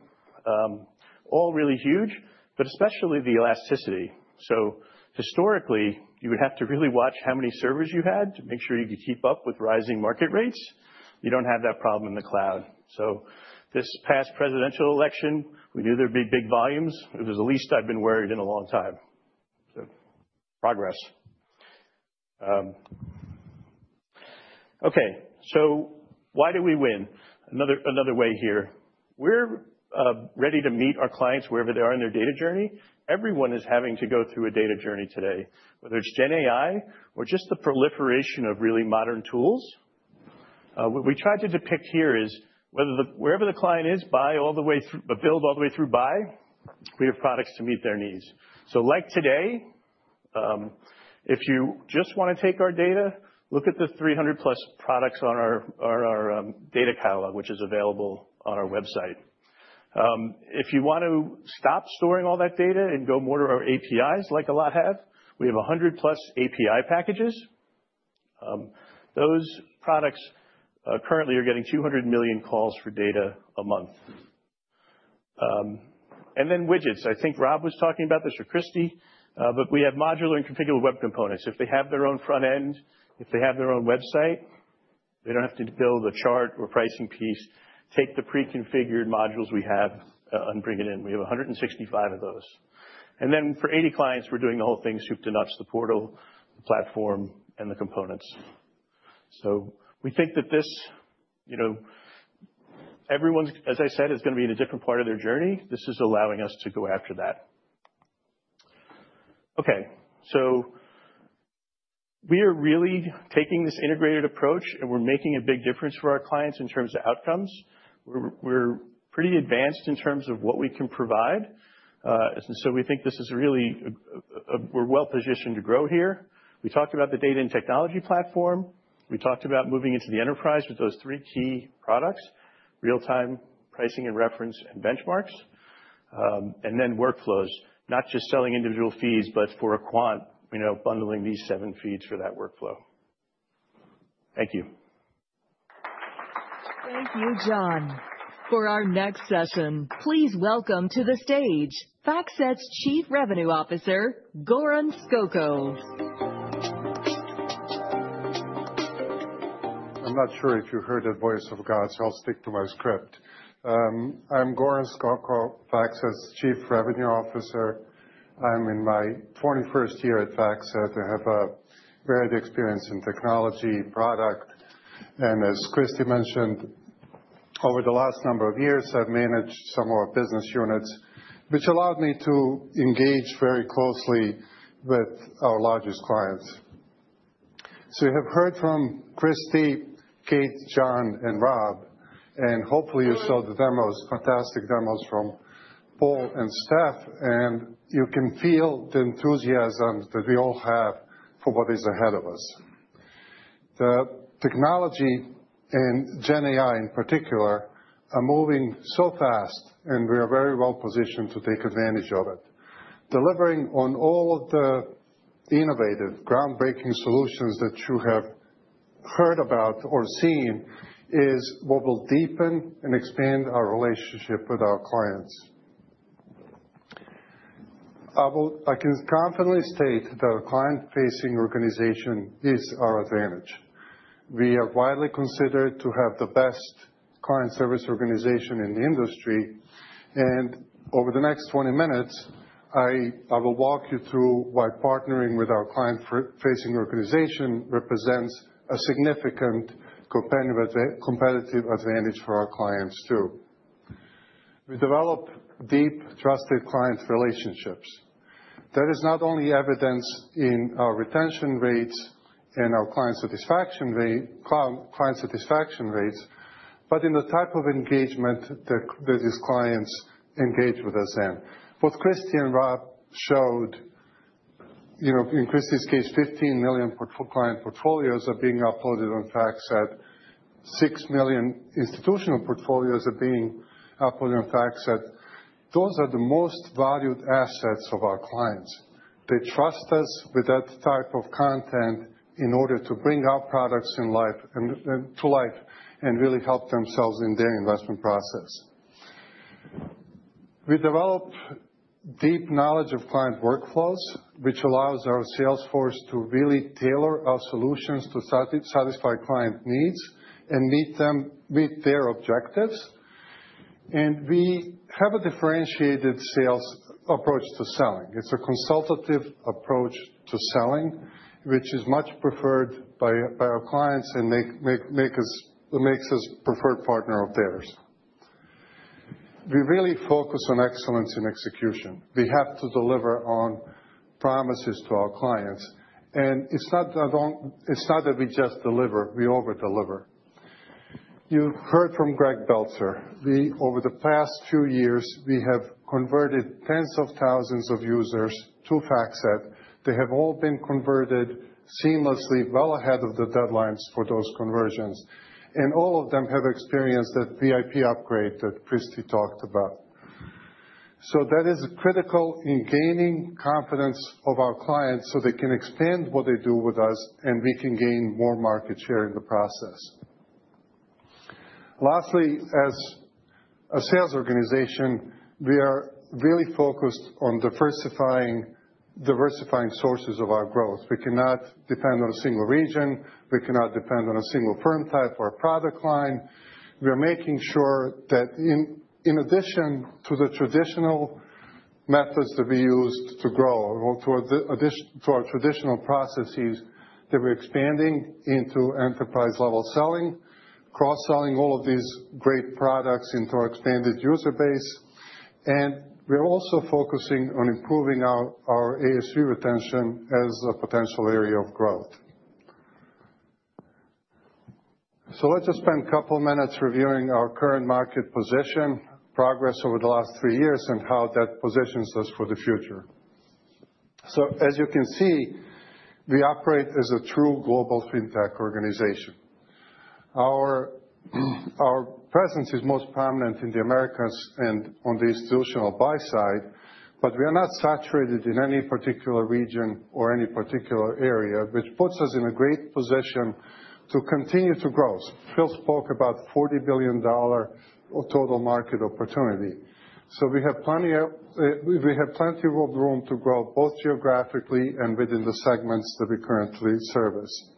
all really huge, but especially the elasticity. So historically, you would have to really watch how many servers you had to make sure you could keep up with rising market rates. You don't have that problem in the cloud. So this past presidential election, we knew there'd be big volumes. It was the least I've been worried in a long time. So progress. Okay. So why did we win? Another way here. We're ready to meet our clients wherever they are in their data journey. Everyone is having to go through a data journey today, whether it's GenAI or just the proliferation of really modern tools. What we tried to depict here is wherever the client is, buy all the way through, build all the way through, buy, we have products to meet their needs. So like today, if you just want to take our data, look at the 300+ products on our data catalog, which is available on our website. If you want to stop storing all that data and go more to our APIs, like a lot have, we have 100+ API packages. Those products currently are getting 200 million calls for data a month, and then widgets. I think Rob was talking about this or Kristy, but we have modular and configured web components. If they have their own front end, if they have their own website, they don't have to build a chart or pricing piece, take the pre-configured modules we have and bring it in. We have 165 of those, and then for 80 clients, we're doing the whole thing, soup to nuts, the portal, the platform, and the components. We think that this, everyone, as I said, is going to be in a different part of their journey. This is allowing us to go after that. Okay, so we are really taking this integrated approach, and we're making a big difference for our clients in terms of outcomes. We're pretty advanced in terms of what we can provide. And so we think this is really, we're well positioned to grow here. We talked about the data and technology platform. We talked about moving into the enterprise with those three key products: real-time pricing and reference and benchmarks. And then workflows, not just selling individual feeds, but for a quant, bundling these seven feeds for that workflow. Thank you. Thank you, John. For our next session, please welcome to the stage FactSet's Chief Revenue Officer, Goran Skoko. I'm not sure if you heard the voice of God, so I'll stick to my script. I'm Goran Skoko, FactSet's Chief Revenue Officer. I'm in my 21st year at FactSet. I have a varied experience in technology, product. And as Kristy mentioned, over the last number of years, I've managed some of our business units, which allowed me to engage very closely with our largest clients. So you have heard from Kristy, Kate, John, and Rob. And hopefully, you saw the demos, fantastic demos from Paul himself. And you can feel the enthusiasm that we all have for what is ahead of us. The technology and GenAI in particular are moving so fast, and we are very well positioned to take advantage of it. Delivering on all of the innovative, groundbreaking solutions that you have heard about or seen is what will deepen and expand our relationship with our clients. I can confidently state that a client-facing organization is our advantage. We are widely considered to have the best client service organization in the industry, and over the next 20 minutes, I will walk you through why partnering with our client-facing organization represents a significant competitive advantage for our clients too. We develop deep, trusted client relationships. That is not only evidenced in our retention rates and our client satisfaction rates, but in the type of engagement that these clients engage with us in. Both Kristy and Rob showed, in Kristy's case, 15 million client portfolios are being uploaded on FactSet, 6 million institutional portfolios are being uploaded on FactSet. Those are the most valued assets of our clients. They trust us with that type of content in order to bring our products to life and really help themselves in their investment process. We develop deep knowledge of client workflows, which allows our sales force to really tailor our solutions to satisfy client needs and meet their objectives, and we have a differentiated sales approach to selling. It's a consultative approach to selling, which is much preferred by our clients and makes us a preferred partner of theirs. We really focus on excellence in execution. We have to deliver on promises to our clients, and it's not that we just deliver. We overdeliver. You've heard from Greg Beltzer. Over the past two years, we have converted tens of thousands of users to FactSet. They have all been converted seamlessly, well ahead of the deadlines for those conversions. And all of them have experienced that VIP upgrade that Kristy talked about. So that is critical in gaining confidence of our clients so they can expand what they do with us, and we can gain more market share in the process. Lastly, as a sales organization, we are really focused on diversifying sources of our growth. We cannot depend on a single region. We cannot depend on a single firm type or a product line. We are making sure that in addition to the traditional methods that we used to grow, to our traditional processes, that we're expanding into enterprise-level selling, cross-selling all of these great products into our expanded user base. And we're also focusing on improving our ASV retention as a potential area of growth. So let's just spend a couple of minutes reviewing our current market position, progress over the last three years, and how that positions us for the future. So as you can see, we operate as a true global fintech organization. Our presence is most prominent in the Americas and on the institutional buy side, but we are not saturated in any particular region or any particular area, which puts us in a great position to continue to grow. Phil spoke about $40 billion total market opportunity. So we have plenty of room to grow both geographically and within the segments that we currently service.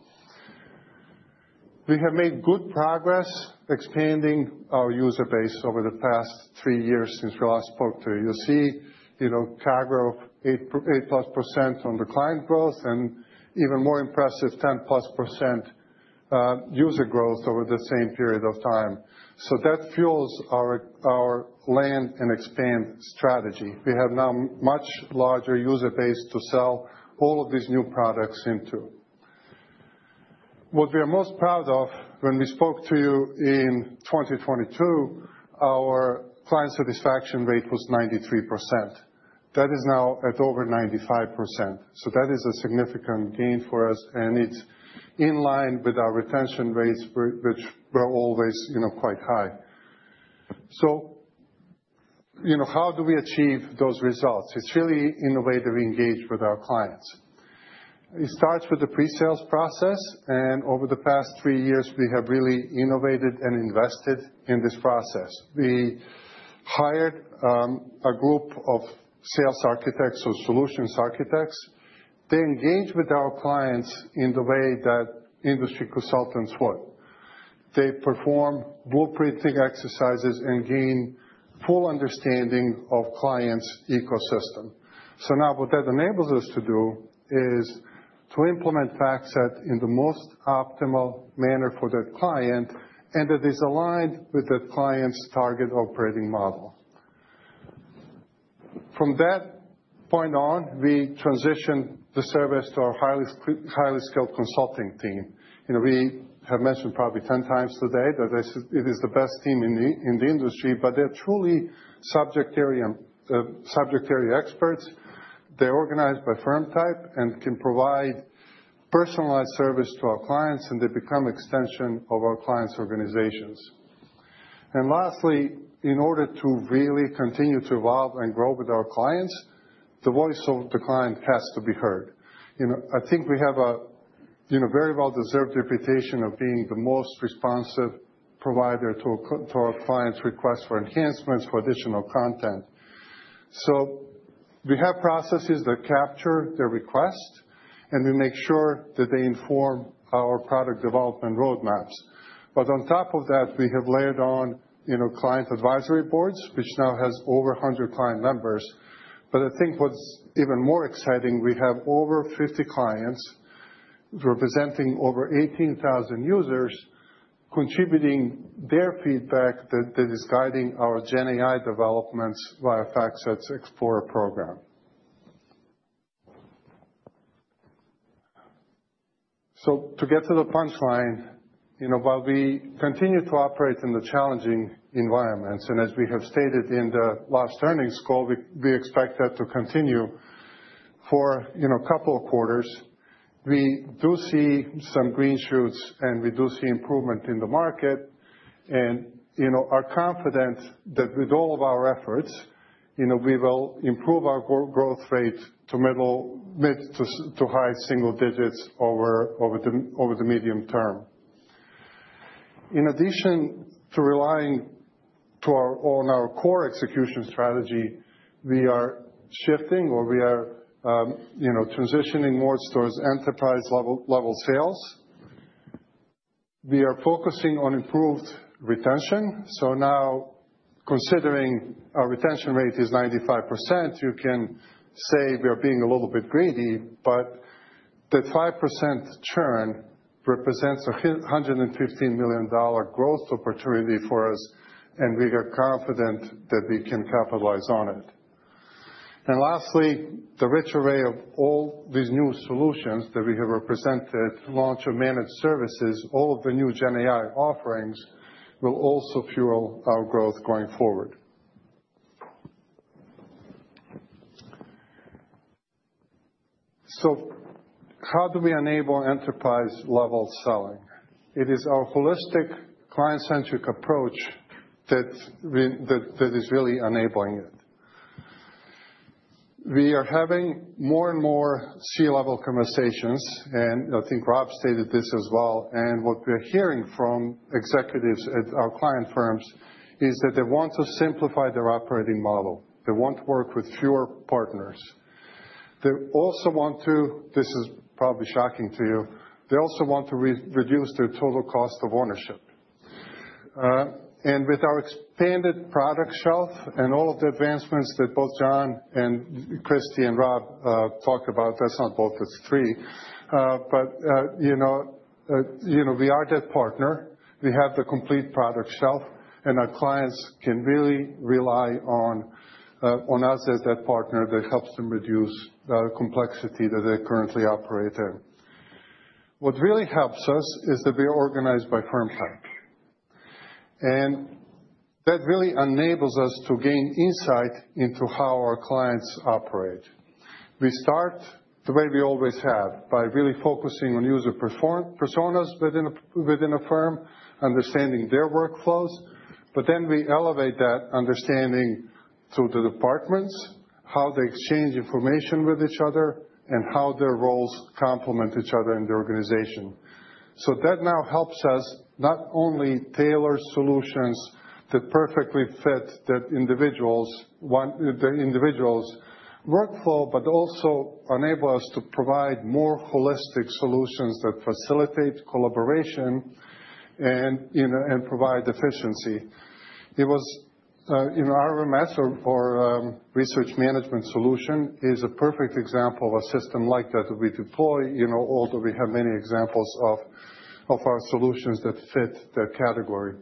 We have made good progress expanding our user base over the past three years since we last spoke to you. You'll see CAGR of 8%+ on the client growth and even more impressive 10%+ user growth over the same period of time. That fuels our land and expand strategy. We have now a much larger user base to sell all of these new products into. What we are most proud of, when we spoke to you in 2022, our client satisfaction rate was 93%. That is now at over 95%. That is a significant gain for us, and it's in line with our retention rates, which were always quite high. How do we achieve those results? It's really in the way that we engage with our clients. It starts with the pre-sales process. Over the past three years, we have really innovated and invested in this process. We hired a group of sales architects or solutions architects. They engage with our clients in the way that industry consultants would. They perform blueprinting exercises and gain full understanding of clients' ecosystem. So now what that enables us to do is to implement FactSet in the most optimal manner for that client and that is aligned with that client's target operating model. From that point on, we transitioned the service to our highly skilled consulting team. We have mentioned probably 10 times today that it is the best team in the industry, but they're truly subject area experts. They're organized by firm type and can provide personalized service to our clients, and they become extensions of our clients' organizations. And lastly, in order to really continue to evolve and grow with our clients, the voice of the client has to be heard. I think we have a very well-deserved reputation of being the most responsive provider to our clients' requests for enhancements, for additional content. So we have processes that capture their request, and we make sure that they inform our product development roadmaps. But on top of that, we have layered on client advisory boards, which now has over 100 client members. But I think what's even more exciting, we have over 50 clients representing over 18,000 users contributing their feedback that is guiding our GenAI developments via FactSet Explorer program. So to get to the punchline, while we continue to operate in the challenging environments, and as we have stated in the last earnings call, we expect that to continue for a couple of quarters, we do see some green shoots, and we do see improvement in the market. And our confidence that with all of our efforts, we will improve our growth rate to high single digits over the medium term. In addition to relying on our core execution strategy, we are shifting or we are transitioning more towards enterprise-level sales. We are focusing on improved retention, so now considering our retention rate is 95%, you can say we are being a little bit greedy, but that 5% churn represents a $115 million growth opportunity for us, and we are confident that we can capitalize on it, and lastly, the rich array of all these new solutions that we have represented, launch of Managed Services, all of the new GenAI offerings will also fuel our growth going forward. So how do we enable enterprise-level selling? It is our holistic client-centric approach that is really enabling it. We are having more and more C-level conversations, and I think Rob stated this as well, and what we're hearing from executives at our client firms is that they want to simplify their operating model. They want to work with fewer partners. They also want to, this is probably shocking to you, they also want to reduce their total cost of ownership, and with our expanded product shelf and all of the advancements that both John and Kristy and Rob talked about, that's not both, it's three, but we are that partner. We have the complete product shelf, and our clients can really rely on us as that partner that helps them reduce the complexity that they currently operate in. What really helps us is that we are organized by firm type, and that really enables us to gain insight into how our clients operate. We start the way we always have by really focusing on user personas within a firm, understanding their workflows. But then we elevate that understanding through the departments, how they exchange information with each other, and how their roles complement each other in the organization. So that now helps us not only tailor solutions that perfectly fit the individual's workflow, but also enable us to provide more holistic solutions that facilitate collaboration and provide efficiency. Our RMS or Research Management Solution is a perfect example of a system like that that we deploy, although we have many examples of our solutions that fit that category.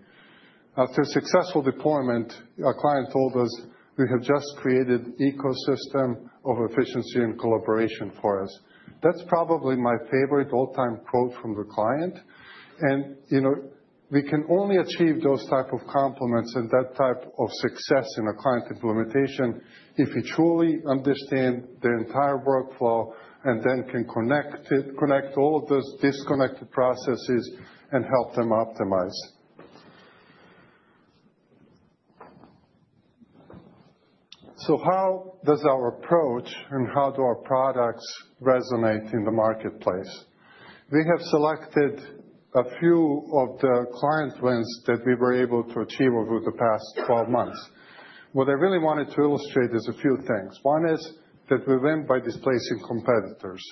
After successful deployment, our client told us, "We have just created an ecosystem of efficiency and collaboration for us." That's probably my favorite all-time quote from the client. We can only achieve those types of complements and that type of success in a client implementation if we truly understand their entire workflow and then can connect all of those disconnected processes and help them optimize. So how does our approach and how do our products resonate in the marketplace? We have selected a few of the client wins that we were able to achieve over the past 12 months. What I really wanted to illustrate is a few things. One is that we win by displacing competitors,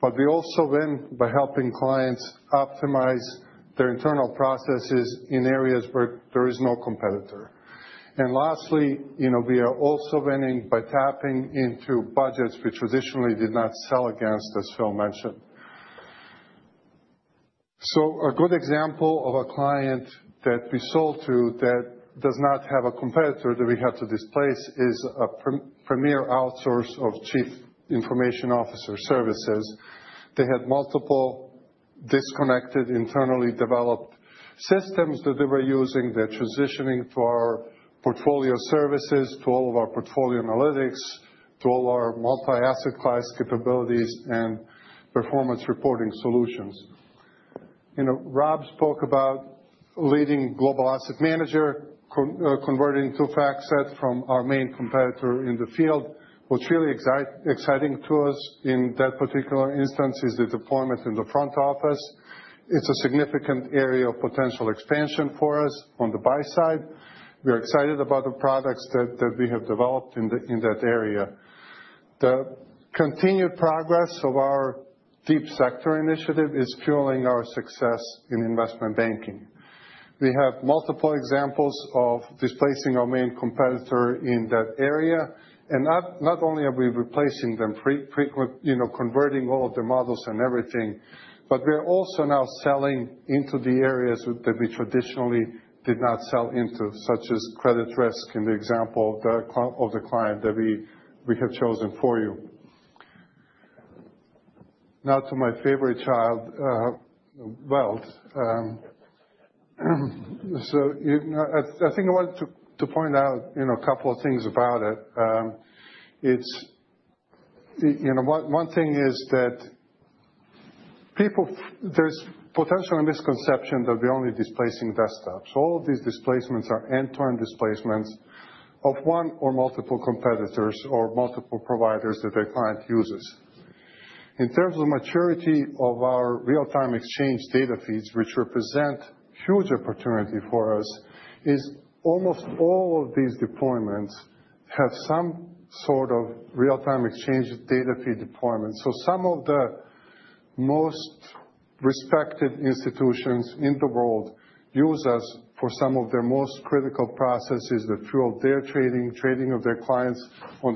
but we also win by helping clients optimize their internal processes in areas where there is no competitor. Lastly, we are also winning by tapping into budgets we traditionally did not sell against, as Phil mentioned. A good example of a client that we sold to that does not have a competitor that we had to displace is a premier outsourcer of Chief Information Officer services. They had multiple disconnected internally developed systems that they were using. They're transitioning to our portfolio services, to all of our portfolio analytics, to all our multi-asset-class capabilities and performance reporting solutions. Rob spoke about a leading global asset manager converting to FactSet from our main competitor in the field. What's really exciting to us in that particular instance is the deployment in the front office. It's a significant area of potential expansion for us on the Buy-Side. We are excited about the products that we have developed in that area. The continued progress of our Deep Sector initiative is fueling our success in Investment Banking. We have multiple examples of displacing our main competitor in that area. And not only are we replacing them, converting all of their models and everything, but we are also now selling into the areas that we traditionally did not sell into, such as credit risk in the example of the client that we have chosen for you. Now to my favorite child, Wealth. I think I wanted to point out a couple of things about it. One thing is that there's potentially a misconception that we're only displacing desktops. All of these displacements are end-to-end displacements of one or multiple competitors or multiple providers that their client uses. In terms of maturity of our real-time exchange data feeds, which represent huge opportunity for us, almost all of these deployments have some sort of real-time exchange data feed deployment. So some of the most respected institutions in the world use us for some of their most critical processes that fuel their trading, trading of their clients on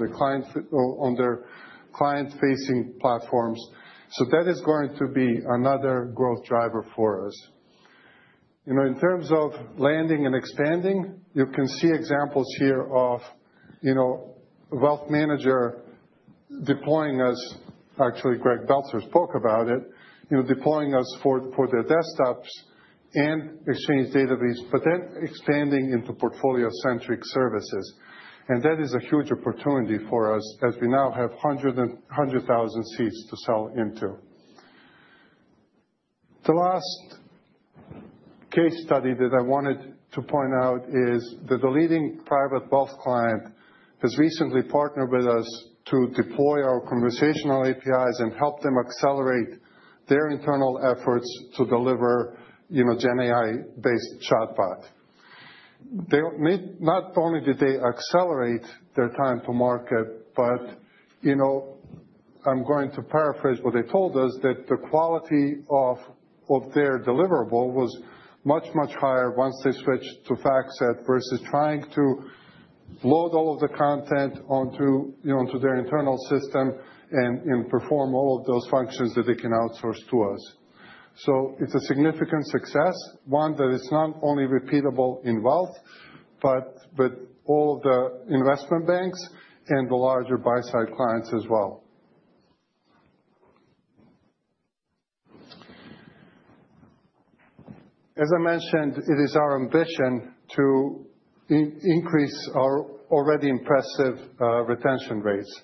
their client-facing platforms. So that is going to be another growth driver for us. In terms of landing and expanding, you can see examples here of the Wealth Manager deploying us. Actually, Greg Beltzer spoke about it, deploying us for their desktops and exchange database, but then expanding into portfolio-centric services. And that is a huge opportunity for us as we now have 100,000 seats to sell into. The last case study that I wanted to point out is that the leading private Wealth client has recently partnered with us to deploy our Conversational APIs and help them accelerate their internal efforts to deliver GenAI-based chatbot. Not only did they accelerate their time to market, but I'm going to paraphrase what they told us, that the quality of their deliverable was much, much higher once they switched to FactSet versus trying to load all of the content onto their internal system and perform all of those functions that they can outsource to us. So it's a significant success, one that is not only repeatable in Wealth, but with all of the Investment Banks and the larger Buy-Side clients as well. As I mentioned, it is our ambition to increase our already impressive retention rates.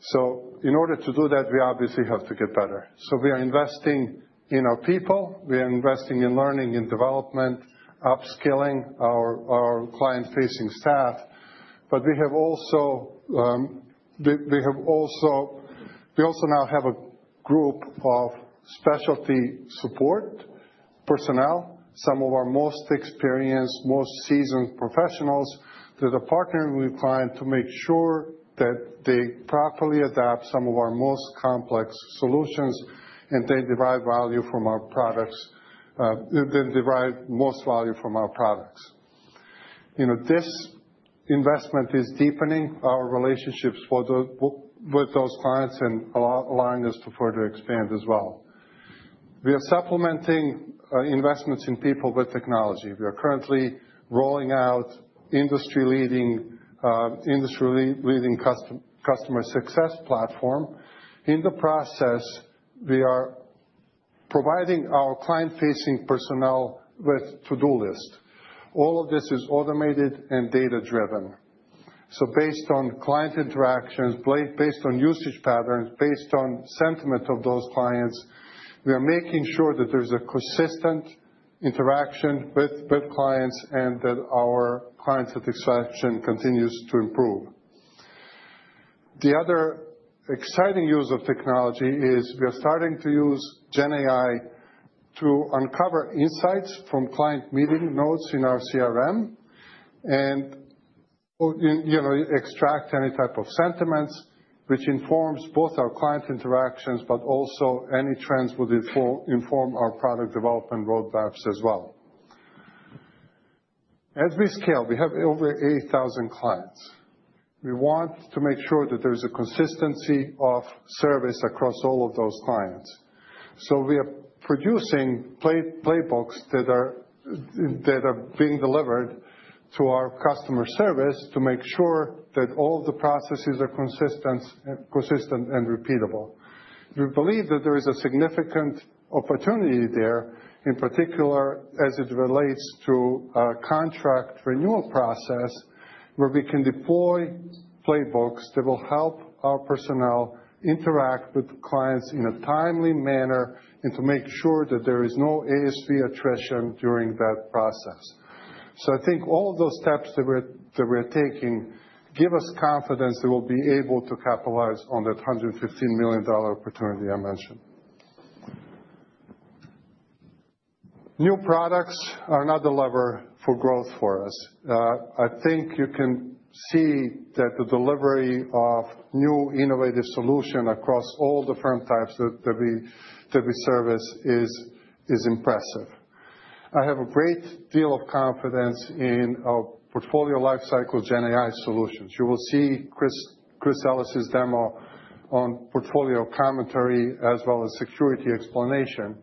So in order to do that, we obviously have to get better. So we are investing in our people. We are investing in learning and development, upskilling our client-facing staff. We have also now a group of specialty support personnel, some of our most experienced, most seasoned professionals that are partnering with clients to make sure that they properly adapt some of our most complex solutions and then derive value from our products, then derive most value from our products. This investment is deepening our relationships with those clients and allowing us to further expand as well. We are supplementing investments in people with technology. We are currently rolling out industry-leading customer success platform. In the process, we are providing our client-facing personnel with to-do lists. All of this is automated and data-driven. Based on client interactions, based on usage patterns, based on sentiment of those clients, we are making sure that there's a consistent interaction with clients and that our client satisfaction continues to improve. The other exciting use of technology is we are starting to use GenAI to uncover insights from client meeting notes in our CRM and extract any type of sentiments, which informs both our client interactions, but also any trends would inform our product development roadmaps as well. As we scale, we have over 8,000 clients. We want to make sure that there's a consistency of service across all of those clients. So we are producing playbooks that are being delivered to our customer service to make sure that all of the processes are consistent and repeatable. We believe that there is a significant opportunity there, in particular as it relates to a contract renewal process where we can deploy playbooks that will help our personnel interact with clients in a timely manner and to make sure that there is no ASV attrition during that process. I think all of those steps that we are taking give us confidence that we'll be able to capitalize on that $115 million opportunity I mentioned. New products are another lever for growth for us. I think you can see that the delivery of new innovative solutions across all the firm types that we service is impressive. I have a great deal of confidence in our portfolio lifecycle GenAI solutions. You will see Chris Ellis's demo on Portfolio Commentary as well as security explanation.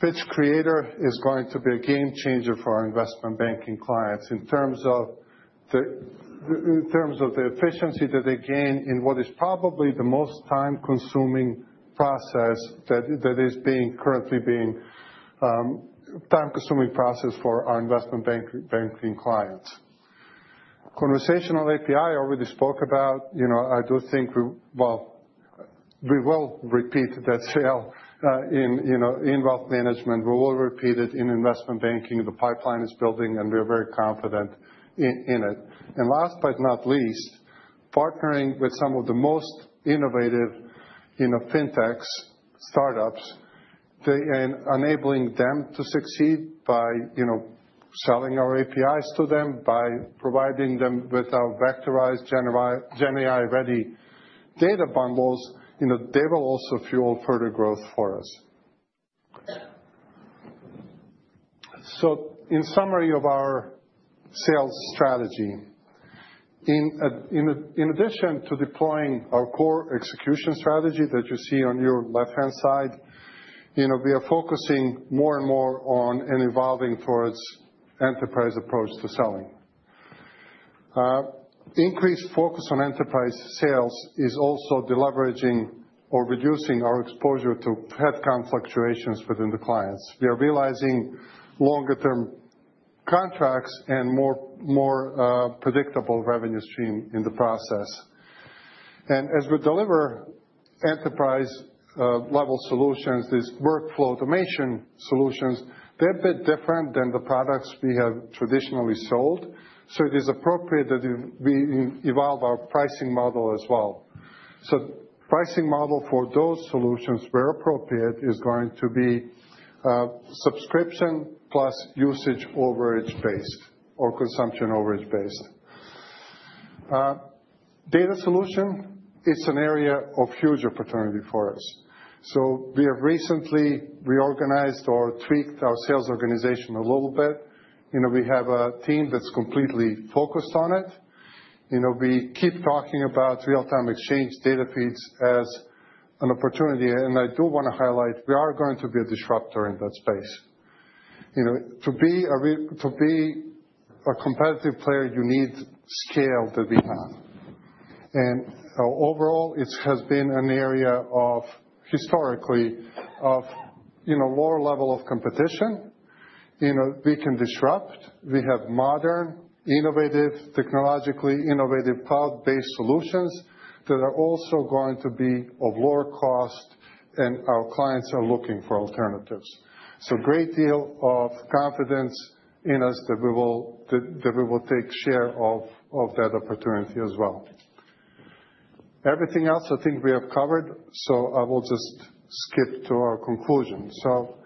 Pitch Creator is going to be a game changer for our Investment Banking clients in terms of the efficiency that they gain in what is probably the most time-consuming process that is currently being a time-consuming process for our Investment Banking clients. Conversational API I already spoke about. I do think we will repeat that sale in wealth management. We will repeat it in Investment Banking. The pipeline is building, and we are very confident in it, and last but not least, partnering with some of the most innovative fintech startups and enabling them to succeed by selling our APIs to them, by providing them with our vectorized GenAI-ready data bundles, they will also fuel further growth for us. So in summary of our sales strategy, in addition to deploying our core execution strategy that you see on your left-hand side, we are focusing more and more on and evolving towards an enterprise approach to selling. Increased focus on enterprise sales is also deleveraging or reducing our exposure to headcount fluctuations within the clients. We are realizing longer-term contracts and more predictable revenue streams in the process, and as we deliver enterprise-level solutions, these workflow automation solutions, they're a bit different than the products we have traditionally sold. It is appropriate that we evolve our pricing model as well. The pricing model for those solutions, where appropriate, is going to be subscription plus usage overage-based or consumption overage-based. Data Solutions is an area of huge opportunity for us. We have recently reorganized or tweaked our sales organization a little bit. We have a team that's completely focused on it. We keep talking about real-time exchange data feeds as an opportunity. I do want to highlight we are going to be a disruptor in that space. To be a competitive player, you need scale that we have. Overall, it has been an area of historically of lower level of competition. We can disrupt. We have modern, innovative, technologically innovative cloud-based solutions that are also going to be of lower cost, and our clients are looking for alternatives. So, a great deal of confidence in us that we will take share of that opportunity as well. Everything else I think we have covered, so I will just skip to our conclusion. So,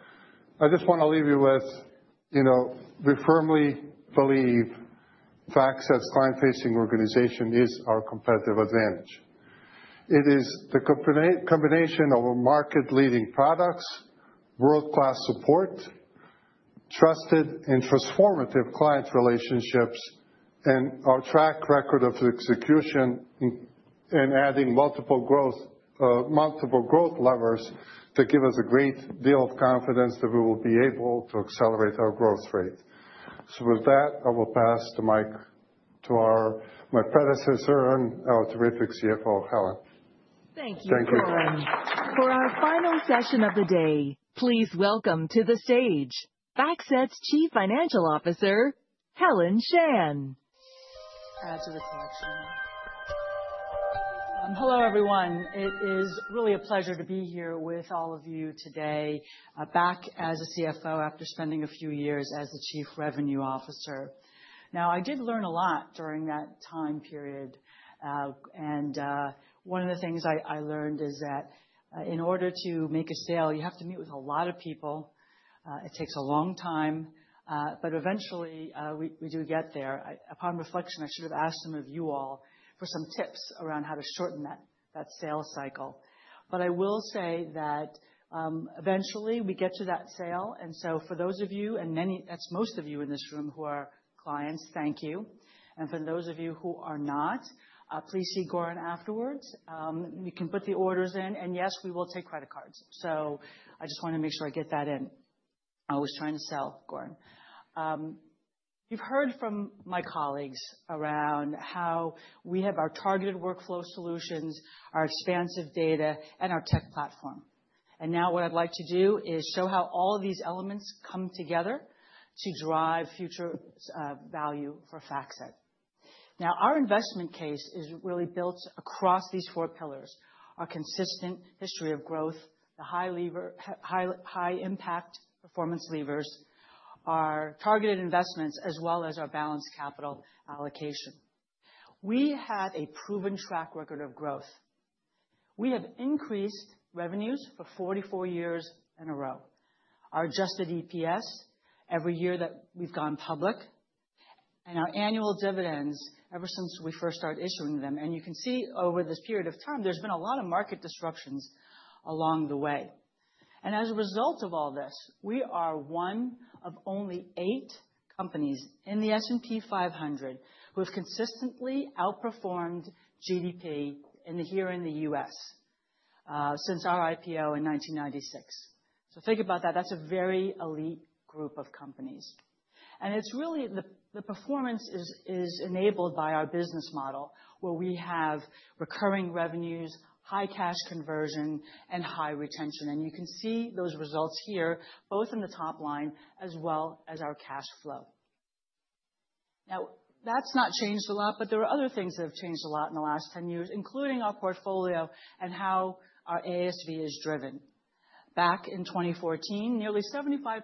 I just want to leave you with we firmly believe FactSet's client-facing organization is our competitive advantage. It is the combination of market-leading products, world-class support, trusted and transformative client relationships, and our track record of execution and adding multiple growth levers that give us a great deal of confidence that we will be able to accelerate our growth rate. So, with that, I will pass the mic to my predecessor and our terrific CFO, Helen. Thank you. Thank you. For our final session of the day, please welcome to the stage FactSet's Chief Financial Officer, Helen Shan. As was mentioned, hello, everyone. It is really a pleasure to be here with all of you today, back as a CFO after spending a few years as the Chief Revenue Officer. Now, I did learn a lot during that time period, and one of the things I learned is that in order to make a sale, you have to meet with a lot of people. It takes a long time, but eventually, we do get there. Upon reflection, I should have asked some of you all for some tips around how to shorten that sales cycle, but I will say that eventually, we get to that sale, and so for those of you, and that's most of you in this room who are clients, thank you, and for those of you who are not, please see Goran afterwards. You can put the orders in. And yes, we will take credit cards. So I just wanted to make sure I get that in. I was trying to sell, Goran. You've heard from my colleagues around how we have our targeted workflow solutions, our expansive data, and our tech platform. And now what I'd like to do is show how all of these elements come together to drive future value for FactSet. Now, our investment case is really built across these four pillars: our consistent history of growth, the high impact performance levers, our targeted investments, as well as our balanced capital allocation. We have a proven track record of growth. We have increased revenues for 44 years in a row. Our adjusted EPS every year that we've gone public, and our annual dividends ever since we first started issuing them. And you can see over this period of time, there's been a lot of market disruptions along the way. And as a result of all this, we are one of only eight companies in the S&P 500 who have consistently outperformed GDP here in the U.S. since our IPO in 1996. So think about that. That's a very elite group of companies. And the performance is enabled by our business model, where we have recurring revenues, high cash conversion, and high retention. And you can see those results here, both in the top line as well as our cash flow. Now, that's not changed a lot, but there are other things that have changed a lot in the last 10 years, including our portfolio and how our ASV is driven. Back in 2014, nearly 75%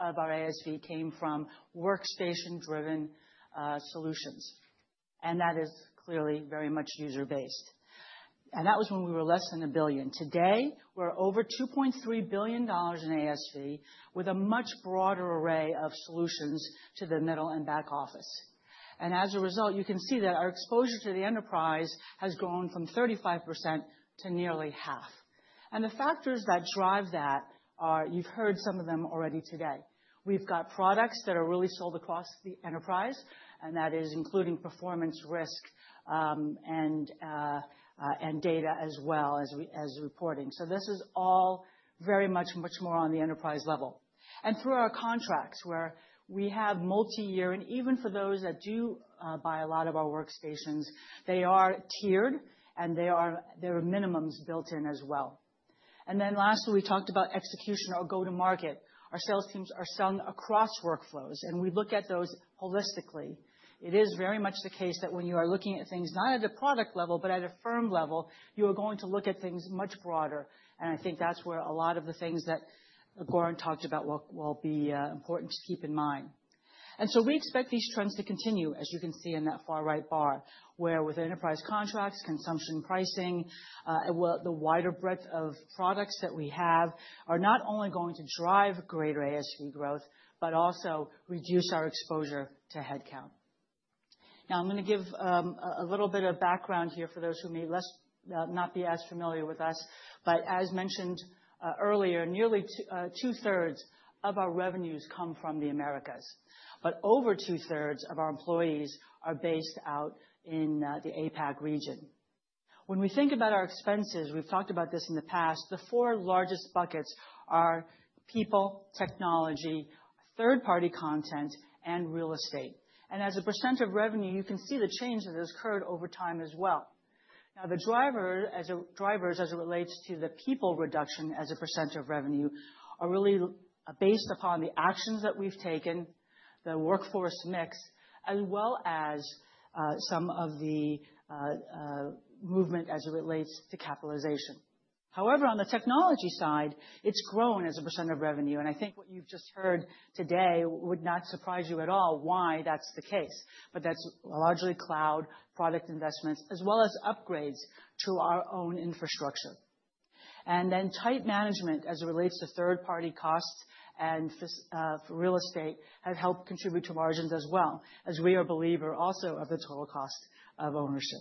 of our ASV came from workstation-driven solutions. And that is clearly very much user-based. And that was when we were less than a billion. Today, we're over $2.3 billion in ASV with a much broader array of solutions to the middle and back office. And as a result, you can see that our exposure to the enterprise has grown from 35% to nearly half. And the factors that drive that are, you've heard some of them already today. We've got products that are really sold across the enterprise, and that is including Performance, Risk, and Data as well as Reporting. So this is all very much more on the enterprise level. And through our contracts, where we have multi-year, and even for those that do buy a lot of our workstations, they are tiered, and there are minimums built in as well. And then lastly, we talked about execution, our go-to-market. Our sales teams are aligned across workflows, and we look at those holistically. It is very much the case that when you are looking at things not at a product level, but at a firm level, you are going to look at things much broader. And I think that's where a lot of the things that Goran talked about will be important to keep in mind. And so we expect these trends to continue, as you can see in that far right bar, where with enterprise contracts, consumption pricing, the wider breadth of products that we have are not only going to drive greater ASV growth, but also reduce our exposure to headcount. Now, I'm going to give a little bit of background here for those who may not be as familiar with us. But as mentioned earlier, nearly 2/3 of our revenues come from the Americas. But over 2/3 of our employees are based out in the APAC region. When we think about our expenses, we've talked about this in the past. The four largest buckets are people, technology, third-party content, and real estate, and as a percent of revenue, you can see the change that has occurred over time as well. Now, the drivers as it relates to the people reduction as a percent of revenue are really based upon the actions that we've taken, the workforce mix, as well as some of the movement as it relates to capitalization. However, on the technology side, it's grown as a percent of revenue, and I think what you've just heard today would not surprise you at all why that's the case, but that's largely cloud, product investments, as well as upgrades to our own infrastructure. And then tight management as it relates to third-party costs and real estate have helped contribute to margins as well, as we are a believer also of the total cost of ownership.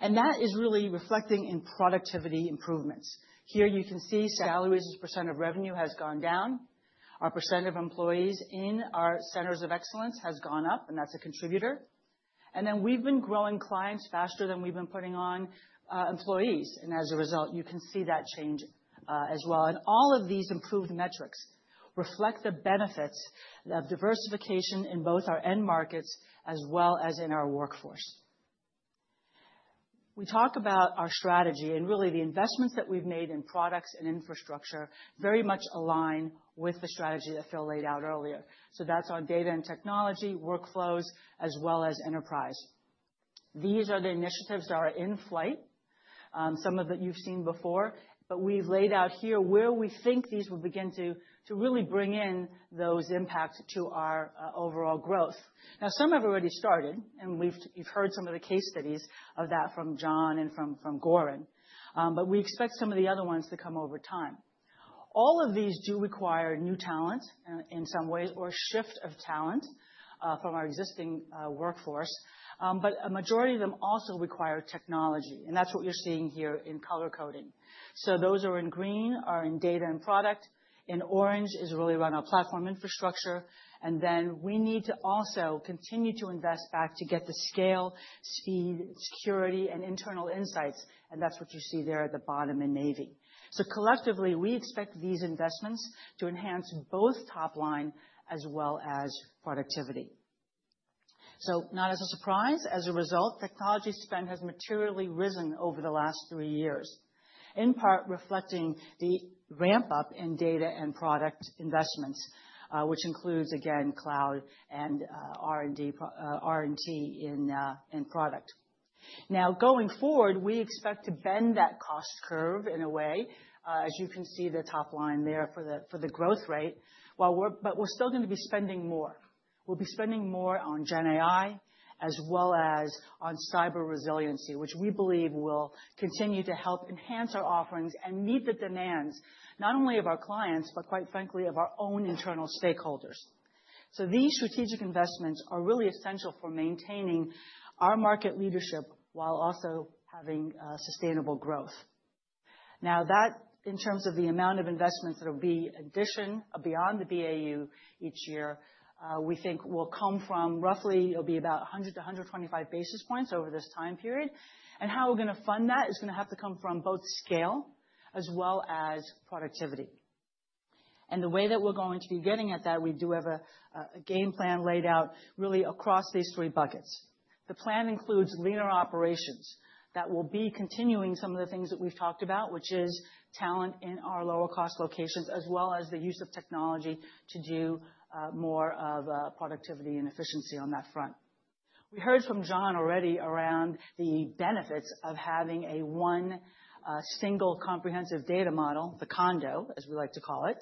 And that is really reflecting in productivity improvements. Here you can see salaries as a percent of revenue has gone down. Our percent of employees in our Centers of Excellence has gone up, and that's a contributor. And then we've been growing clients faster than we've been putting on employees. And as a result, you can see that change as well. And all of these improved metrics reflect the benefits of diversification in both our end markets as well as in our workforce. We talk about our strategy, and really the investments that we've made in products and infrastructure very much align with the strategy that Phil laid out earlier. That's on data and technology, workflows, as well as enterprise. These are the initiatives that are in flight, some of that you've seen before. We've laid out here where we think these will begin to really bring in those impacts to our overall growth. Now, some have already started, and you've heard some of the case studies of that from John and from Goran. We expect some of the other ones to come over time. All of these do require new talent in some ways or a shift of talent from our existing workforce. A majority of them also require technology. That's what you're seeing here in color coding. Those are in green are in data and product. In orange is really around our platform infrastructure. And then we need to also continue to invest back to get the scale, speed, security, and internal insights. And that's what you see there at the bottom in navy. So collectively, we expect these investments to enhance both top line as well as productivity. So not as a surprise, as a result, technology spend has materially risen over the last three years, in part reflecting the ramp-up in data and product investments, which includes, again, cloud and R&D in product. Now, going forward, we expect to bend that cost curve in a way. As you can see the top line there for the growth rate. But we're still going to be spending more. We'll be spending more on GenAI as well as on cyber resiliency, which we believe will continue to help enhance our offerings and meet the demands not only of our clients, but quite frankly, of our own internal stakeholders. These strategic investments are really essential for maintaining our market leadership while also having sustainable growth. Now, in terms of the amount of investments that will be in addition beyond the BAU each year, we think it will be roughly 100 basis points-125 basis points over this time period. How we're going to fund that is going to have to come from both scale as well as productivity. The way that we're going to be getting at that, we do have a game plan laid out really across these three buckets. The plan includes leaner operations that will be continuing some of the things that we've talked about, which is talent in our lower-cost locations, as well as the use of technology to do more of productivity and efficiency on that front. We heard from John already around the benefits of having a one single comprehensive data model, the condo, as we like to call it,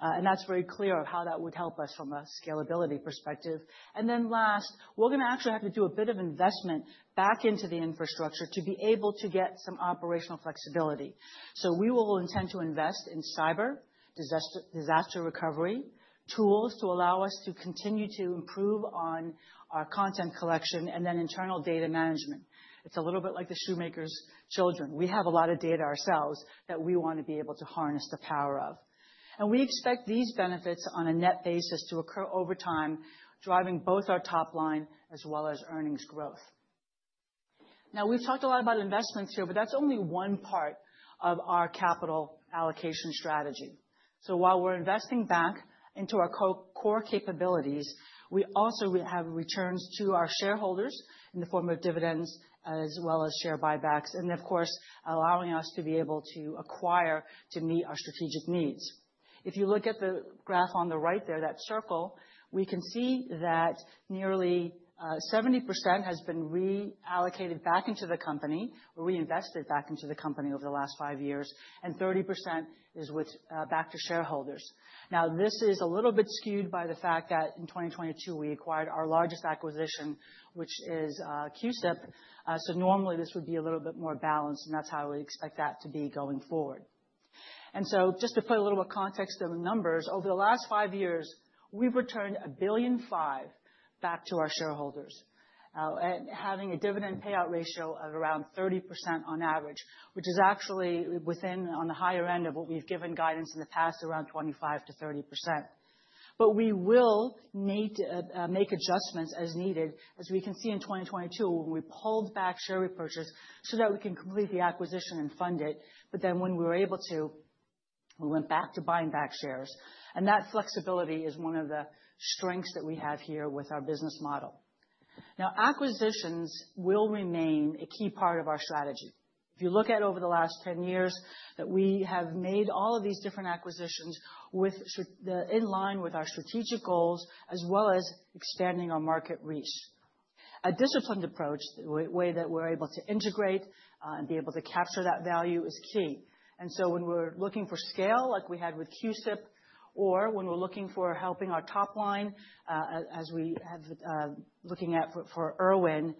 and that's very clear of how that would help us from a scalability perspective, and then last, we're going to actually have to do a bit of investment back into the infrastructure to be able to get some operational flexibility, so we will intend to invest in cyber, disaster recovery tools to allow us to continue to improve on our content collection and then internal data management. It's a little bit like the shoemaker's children. We have a lot of data ourselves that we want to be able to harness the power of, and we expect these benefits on a net basis to occur over time, driving both our top line as well as earnings growth. Now, we've talked a lot about investments here, but that's only one part of our capital allocation strategy, so while we're investing back into our core capabilities, we also have returns to our shareholders in the form of dividends as well as share buybacks, and of course, allowing us to be able to acquire to meet our strategic needs. If you look at the graph on the right there, that circle, we can see that nearly 70% has been reallocated back into the company or reinvested back into the company over the last five years, and 30% is back to shareholders. Now, this is a little bit skewed by the fact that in 2022, we acquired our largest acquisition, which is CUSIP. So normally, this would be a little bit more balanced, and that's how we expect that to be going forward. And so just to put a little bit of context of the numbers, over the last five years, we've returned $1.5 billion back to our shareholders, having a dividend payout ratio of around 30% on average, which is actually within on the higher end of what we've given guidance in the past, around 25%-30%. But we will make adjustments as needed, as we can see in 2022, when we pulled back share repurchase so that we can complete the acquisition and fund it. But then when we were able to, we went back to buying back shares. That flexibility is one of the strengths that we have here with our business model. Now, acquisitions will remain a key part of our strategy. If you look at over the last 10 years that we have made all of these different acquisitions in line with our strategic goals, as well as expanding our market reach. A disciplined approach, the way that we're able to integrate and be able to capture that value is key. And so when we're looking for scale, like we had with CUSIP, or when we're looking for helping our top line, as we have looking at for Irwin,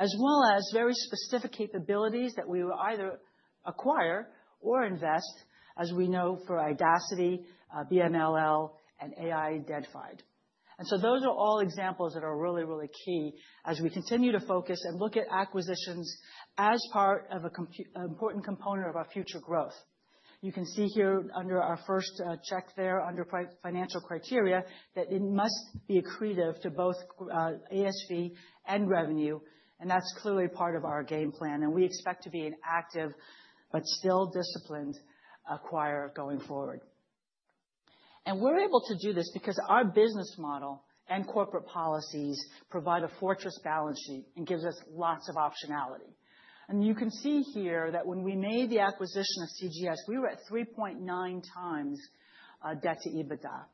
as well as very specific capabilities that we will either acquire or invest, as we know for Idaciti, BMLL, and AIdentified. And so those are all examples that are really, really key as we continue to focus and look at acquisitions as part of an important component of our future growth. You can see here under our first check there under financial criteria that it must be accretive to both ASV and revenue. And that's clearly part of our game plan. And we expect to be an active but still disciplined acquirer going forward. And we're able to do this because our business model and corporate policies provide a fortress balance sheet and gives us lots of optionality. And you can see here that when we made the acquisition of CGS, we were at 3.9x debt to EBITDA.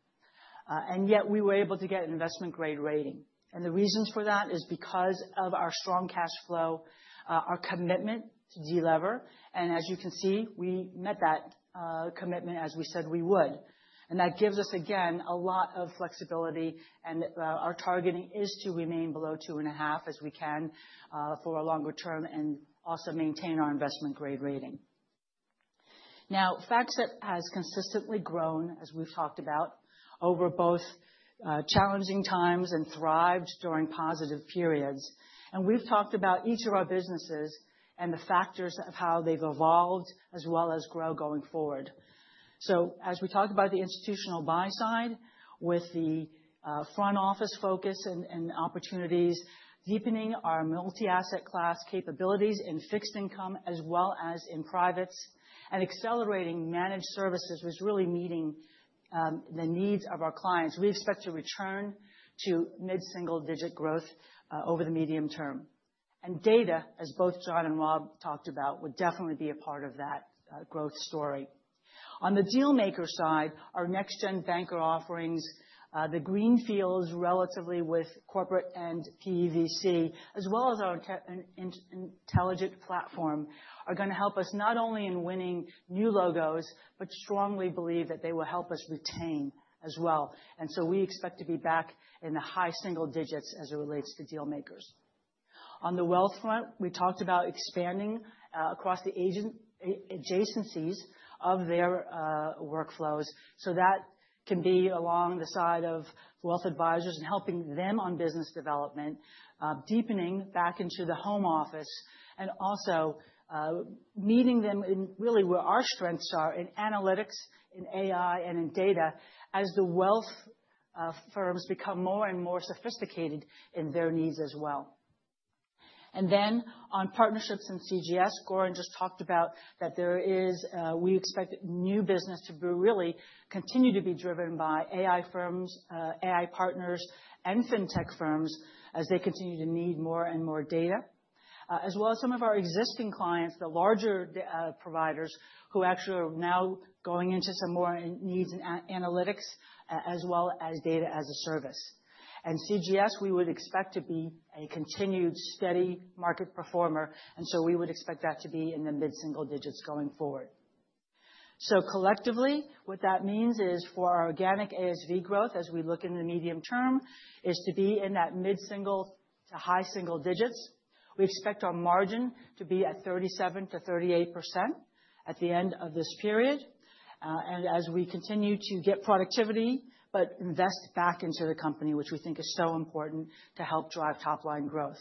And yet we were able to get an investment-grade rating. And the reasons for that is because of our strong cash flow, our commitment to de-lever. As you can see, we met that commitment as we said we would. And that gives us, again, a lot of flexibility. And our targeting is to remain below two and a half as we can for a longer term and also maintain our investment-grade rating. Now, FactSet has consistently grown, as we've talked about, over both challenging times and thrived during positive periods. And we've talked about each of our businesses and the factors of how they've evolved as well as grow going forward. So as we talked about the Institutional Buy-Side with the front office focus and opportunities, deepening our multi-asset class capabilities in fixed income as well as in privates, and accelerating Managed Services was really meeting the needs of our clients. We expect to return to mid-single-digit growth over the medium term. And data, as both John and Rob talked about, would definitely be a part of that growth story. On the Dealmakers side, our next-gen banker offerings, the greenfield is relatively with Corporates and PE/VC, as well as our intelligent platform, are going to help us not only in winning new logos, but we strongly believe that they will help us retain as well. And so we expect to be back in the high single digits as it relates to Dealmakers. On the Wealth front, we talked about expanding across the agency adjacencies of their workflows so that can be alongside wealth advisors and helping them on business development, deepening back into the home office, and also meeting them right where our strengths are in analytics, in AI, and in data as the Wealth firms become more and more sophisticated in their needs as well. And then on partnerships and CGS, Goran just talked about that we expect new business to really continue to be driven by AI firms, AI partners, and fintech firms as they continue to need more and more data, as well as some of our existing clients, the larger providers who actually are now going into some more needs and analytics, as well as Data as a Service. And CGS, we would expect to be a continued steady market performer. And so we would expect that to be in the mid-single digits going forward. So collectively, what that means is for our organic ASV growth, as we look in the medium term, is to be in that mid-single to high single digits. We expect our margin to be at 37%-38% at the end of this period. As we continue to get productivity, but invest back into the company, which we think is so important to help drive top-line growth.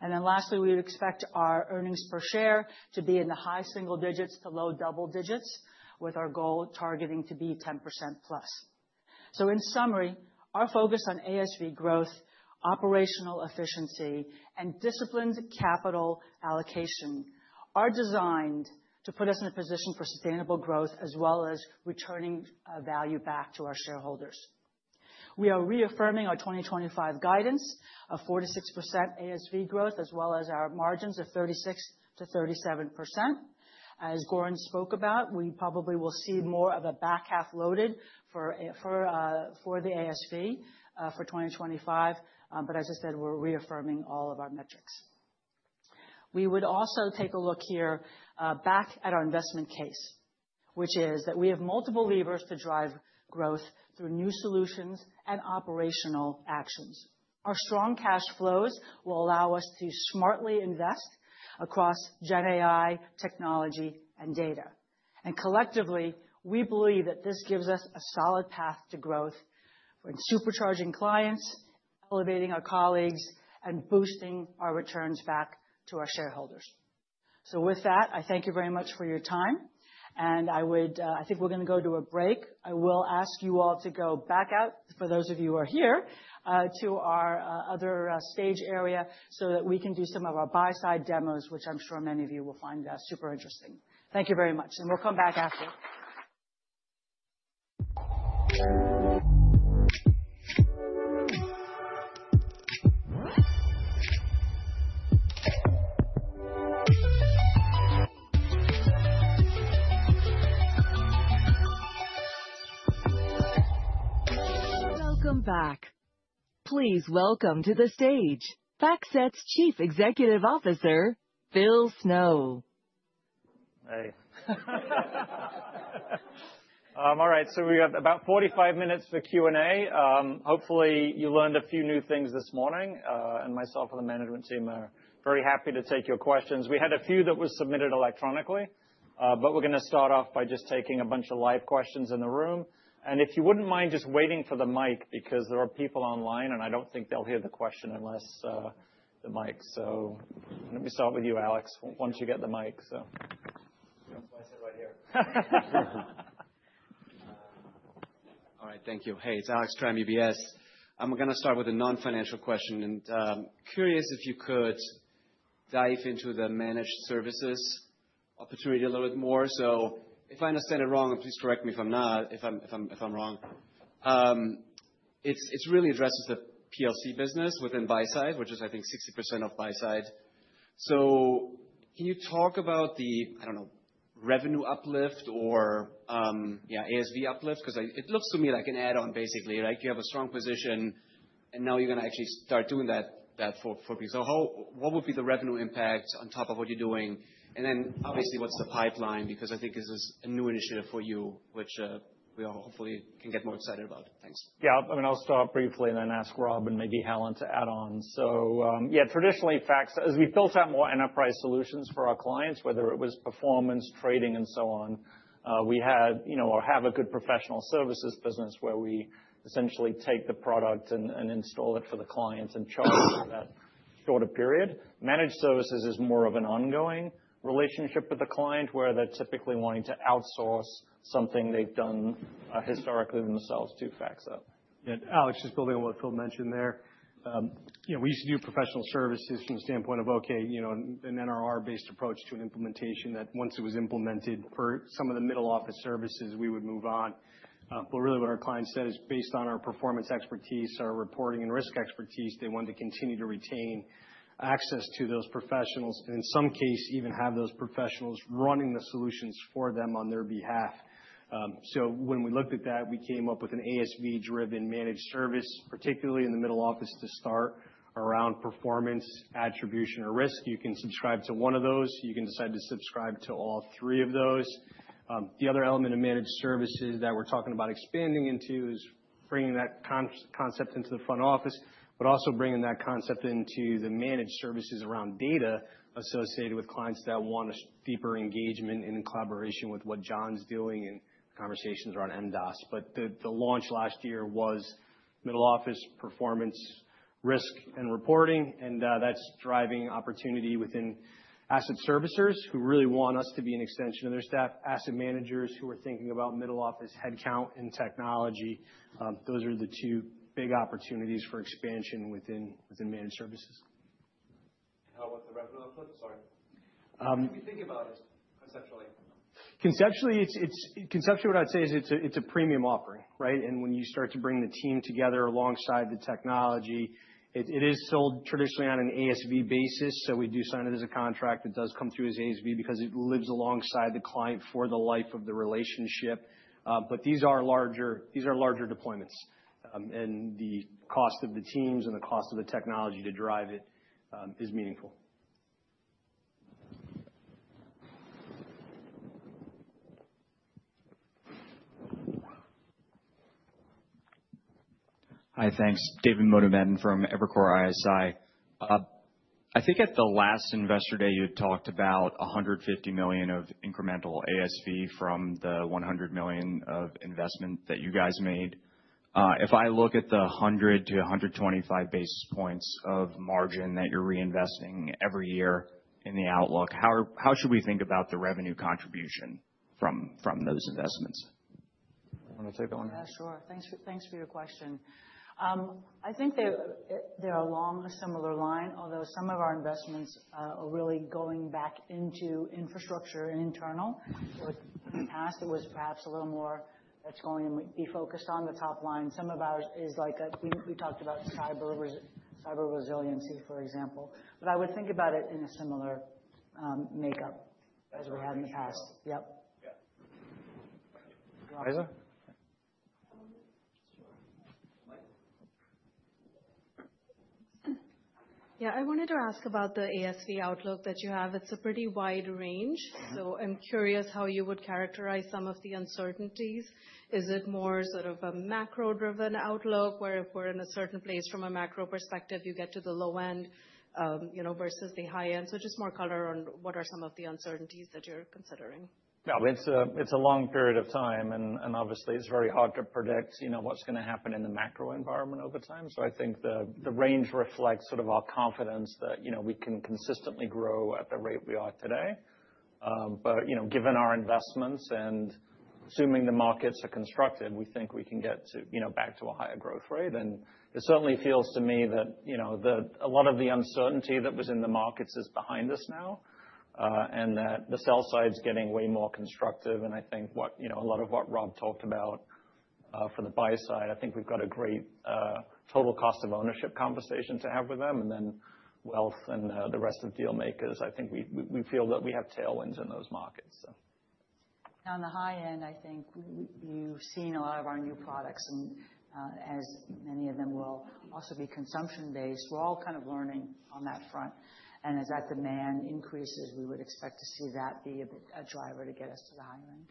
Then lastly, we would expect our earnings per share to be in the high-single digits to low-double digits, with our goal targeting to be 10+. In summary, our focus on ASV growth, operational efficiency, and disciplined capital allocation are designed to put us in a position for sustainable growth as well as returning value back to our shareholders. We are reaffirming our 2025 guidance of 4%-6% ASV growth, as well as our margins of 36%-37%. As Goran spoke about, we probably will see more of a back half loaded for the ASV for 2025. As I said, we're reaffirming all of our metrics. We would also take a look here back at our investment case, which is that we have multiple levers to drive growth through new solutions and operational actions. Our strong cash flows will allow us to smartly invest across GenAI technology and data, and collectively, we believe that this gives us a solid path to growth when supercharging clients, elevating our colleagues, and boosting our returns back to our shareholders, so with that, I thank you very much for your time, and I think we're going to go to a break. I will ask you all to go back out, for those of you who are here, to our other stage area so that we can do some of our Buy-Side demos, which I'm sure many of you will find super interesting. Thank you very much, and we'll come back after. Welcome back. Please welcome to the stage FactSet's Chief Executive Officer, Phil Snow. Hey. All right. So we have about 45 minutes for Q&A. Hopefully, you learned a few new things this morning. And myself and the management team are very happy to take your questions. We had a few that were submitted electronically. But we're going to start off by just taking a bunch of live questions in the room. And if you wouldn't mind just waiting for the mic, because there are people online, and I don't think they'll hear the question unless the mic. So let me start with you, Alex, once you get the mic. All right. Thank you. Hey, it's Alex from UBS. I'm going to start with a non-financial question. And curious if you could dive into the Managed Services opportunity a little bit more. So, if I understand it wrong, and please correct me if I'm wrong. It really addresses the PLC business within Buy-Side, which is, I think, 60% of Buy-Side. So can you talk about the, I don't know, revenue uplift or ASV uplift? Because it looks to me like an add-on, basically. You have a strong position, and now you're going to actually start doing that for people. So what would be the revenue impact on top of what you're doing? And then obviously, what's the pipeline? Because I think this is a new initiative for you, which we hopefully can get more excited about. Thanks. Yeah. I mean, I'll start briefly and then ask Rob and maybe Helen to add on. Yeah, traditionally, FactSet, as we built out more Enterprise Solutions for our clients, whether it was performance, trading, and so on, we have a good professional services business where we essentially take the product and install it for the clients and charge for that shorter period. Managed Services is more of an ongoing relationship with the client where they're typically wanting to outsource something they've done historically themselves to FactSet. Yeah. Alex, just building on what Phil mentioned there, we used to do professional services from the standpoint of, okay, an NRR-based approach to an implementation that once it was implemented. For some of the middle office services, we would move on. But really, what our clients said is based on our performance expertise, our reporting, and risk expertise, they wanted to continue to retain access to those professionals, and in some cases, even have those professionals running the solutions for them on their behalf. So when we looked at that, we came up with an ASV-driven managed service, particularly in the middle office to start around performance, attribution, or risk. You can subscribe to one of those. You can decide to subscribe to all three of those. The other element of Managed Services that we're talking about expanding into is bringing that concept into the front office, but also bringing that concept into the Managed Services around data associated with clients that want a deeper engagement and collaboration with what John's doing and conversations around MDaaS. But the launch last year was middle office performance, risk, and reporting. That's driving opportunity within asset servicers who really want us to be an extension of their staff, asset managers who are thinking about middle office headcount and technology. Those are the two big opportunities for expansion within Managed Services. And how about the revenue uplift? Sorry. How do you think about it conceptually? Conceptually, what I'd say is it's a premium offering. And when you start to bring the team together alongside the technology, it is sold traditionally on an ASV basis. So we do sign it as a contract. It does come through as ASV because it lives alongside the client for the life of the relationship. But these are larger deployments. And the cost of the teams and the cost of the technology to drive it is meaningful. Hi, thanks. David Motemaden from Evercore ISI. I think at the last investor day, you had talked about $150 million of incremental ASV from the $100 million of investment that you guys made. If I look at the 100 basis points-125 basis points of margin that you're reinvesting every year in the outlook, how should we think about the revenue contribution from those investments? Want to take that one? Yeah, sure. Thanks for your question. I think they're along a similar line, although some of our investments are really going back into infrastructure and internal. In the past, it was perhaps a little more that's going to be focused on the top line. Some of ours is like we talked about cyber resiliency, for example. But I would think about it in a similar makeup as we had in the past. Yep. Yeah. Yeah, I wanted to ask about the ASV outlook that you have. It's a pretty wide range. So I'm curious how you would characterize some of the uncertainties? Is it more sort of a macro-driven outlook where if we're in a certain place from a macro perspective, you get to the low end versus the high end? So just more color on what are some of the uncertainties that you're considering? Yeah, it's a long period of time. Obviously, it's very hard to predict what's going to happen in the macro environment over time. I think the range reflects sort of our confidence that we can consistently grow at the rate we are today. Given our investments and assuming the markets are conducive, we think we can get back to a higher growth rate. It certainly feels to me that a lot of the uncertainty that was in the markets is behind us now and that the sell side is getting way more constructive. I think a lot of what Rob talked about for the Buy-Side, I think we've got a great total cost of ownership conversation to have with them. And then Wealth and the rest of Dealmakers, I think we feel that we have tailwinds in those markets. On the high end, I think you've seen a lot of our new products, and as many of them will also be consumption-based, we're all kind of learning on that front. And as that demand increases, we would expect to see that be a driver to get us to the higher end.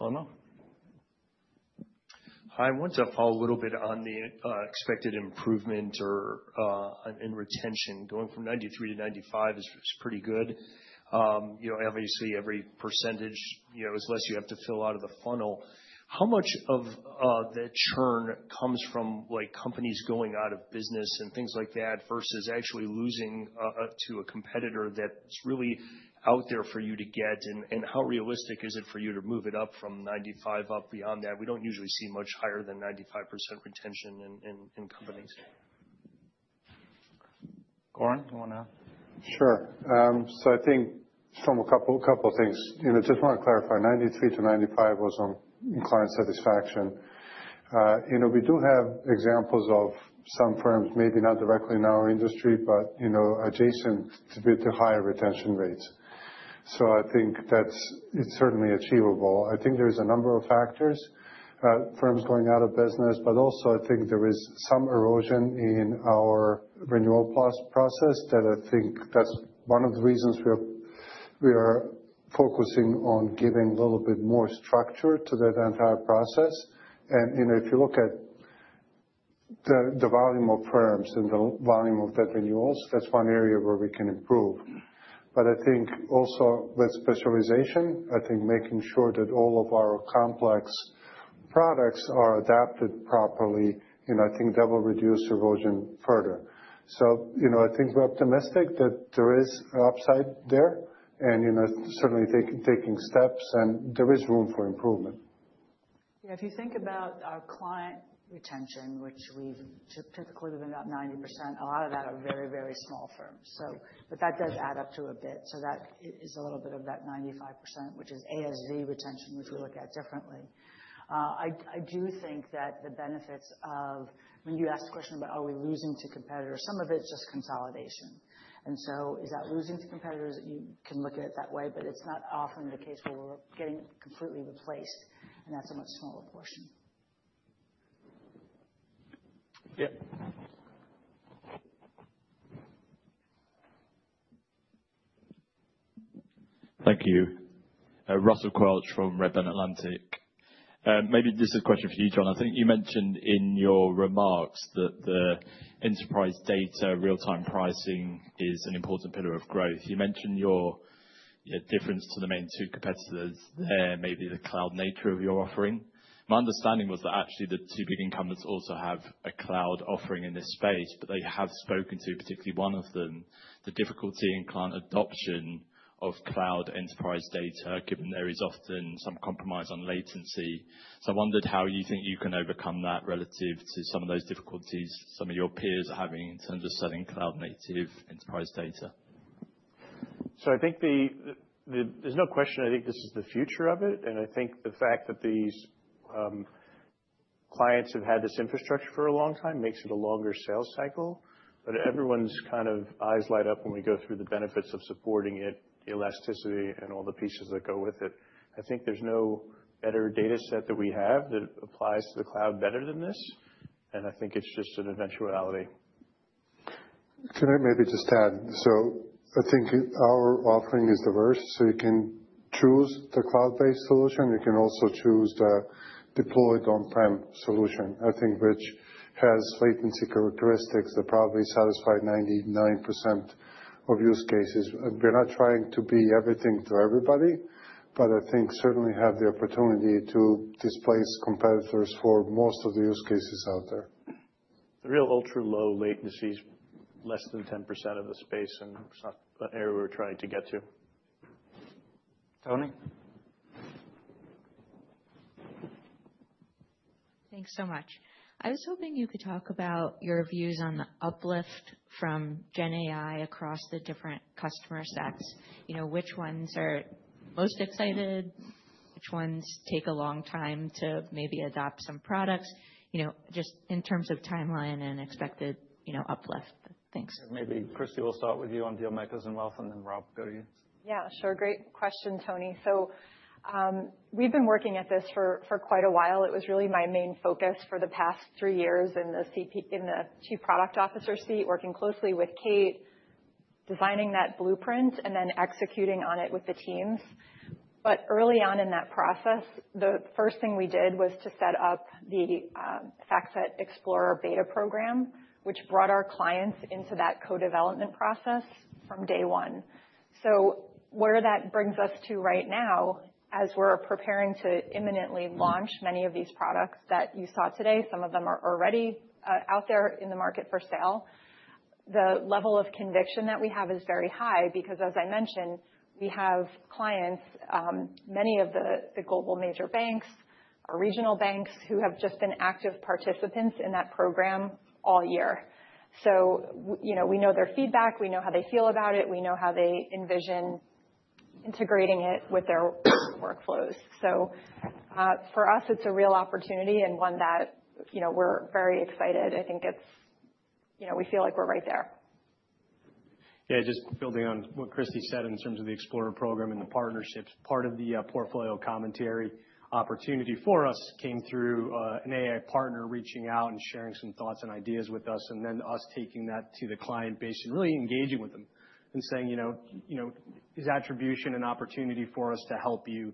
Shlomo? Hi, I want to follow a little bit on the expected improvement in retention. Going from 93% to 95% is pretty good. Obviously, every percentage, unless you have to fall out of the funnel, how much of that churn comes from companies going out of business and things like that versus actually losing to a competitor that's really out to get you? And how realistic is it for you to move it up from 95% up beyond that? We don't usually see much higher than 95% retention in companies. Goran, you want to? Sure. So I think from a couple of things, just want to clarify, 93% to 95% was on client satisfaction. We do have examples of some firms, maybe not directly in our industry, but adjacent, to be at the higher retention rates. So I think that it's certainly achievable. I think there is a number of factors, firms going out of business. But also, I think there is some erosion in our renewal process that I think that's one of the reasons we are focusing on giving a little bit more structure to that entire process. And if you look at the volume of firms and the volume of that renewals, that's one area where we can improve. But I think also with specialization, I think making sure that all of our complex products are adapted properly, I think that will reduce erosion further. So I think we're optimistic that there is upside there and certainly taking steps, and there is room for improvement. Yeah, if you think about our client retention, which we've typically been about 90%, a lot of that are very, very small firms. But that does add up to a bit. So that is a little bit of that 95%, which is ASV retention, which we look at differently. I do think that the benefits of when you ask the question about are we losing to competitors. Some of it is just consolidation. And so is that losing to competitors? You can look at it that way. But it's not often the case where we're getting completely replaced, and that's a much smaller portion. Yep. Thank you. Russell Quelch from Redburn Atlantic. Maybe this is a question for you, John. I think you mentioned in your remarks that the enterprise data real-time pricing is an important pillar of growth. You mentioned your difference to the main two competitors there, maybe the cloud nature of your offering. My understanding was that actually the two big incumbents also have a cloud offering in this space, but they have spoken to particularly one of them, the difficulty in client adoption of cloud enterprise data, given there is often some compromise on latency. So I wondered how you think you can overcome that relative to some of those difficulties some of your peers are having in terms of selling cloud-native enterprise data? So I think there's no question. I think this is the future of it. And I think the fact that these clients have had this infrastructure for a long time makes it a longer sales cycle. But everyone's kind of eyes light up when we go through the benefits of supporting it, the elasticity, and all the pieces that go with it. I think there's no better dataset that we have that applies to the cloud better than this. And I think it's just an eventuality. Can I maybe just add? So I think our offering is diverse. So you can choose the cloud-based solution. You can also choose the deployed on-prem solution, I think, which has latency characteristics that probably satisfy 99% of use cases. We're not trying to be everything to everybody, but I think certainly have the opportunity to displace competitors for most of the use cases out there. The real ultra-low latency is less than 10% of the space, and it's not an area we're trying to get to. Toni? Thanks so much. I was hoping you could talk about your views on the uplift from GenAI across the different customer sets. Which ones are most excited? Which ones take a long time to maybe adopt some products? Just in terms of timeline and expected uplift. Thanks. Maybe Kristy, we'll start with you on Dealmakers and Wealth, and then Rob, go to you. Yeah, sure. Great question, Toni. So we've been working at this for quite a while. It was really my main focus for the past three years in the Chief Product Officer seat, working closely with Kate, designing that blueprint, and then executing on it with the teams. But early on in that process, the first thing we did was to set up the FactSet Explorer Beta program, which brought our clients into that co-development process from day one. So where that brings us to right now, as we're preparing to imminently launch many of these products that you saw today, some of them are already out there in the market for sale, the level of conviction that we have is very high because, as I mentioned, we have clients, many of the global major banks, our regional banks, who have just been active participants in that program all year. So we know their feedback. We know how they feel about it. We know how they envision integrating it with their workflows. So for us, it's a real opportunity and one that we're very excited. I think we feel like we're right there. Yeah, just building on what Kristy said in terms of the Explorer program and the partnerships, part of the Portfolio Commentary opportunity for us came through an AI partner reaching out and sharing some thoughts and ideas with us, and then us taking that to the client base and really engaging with them and saying, "Is attribution an opportunity for us to help you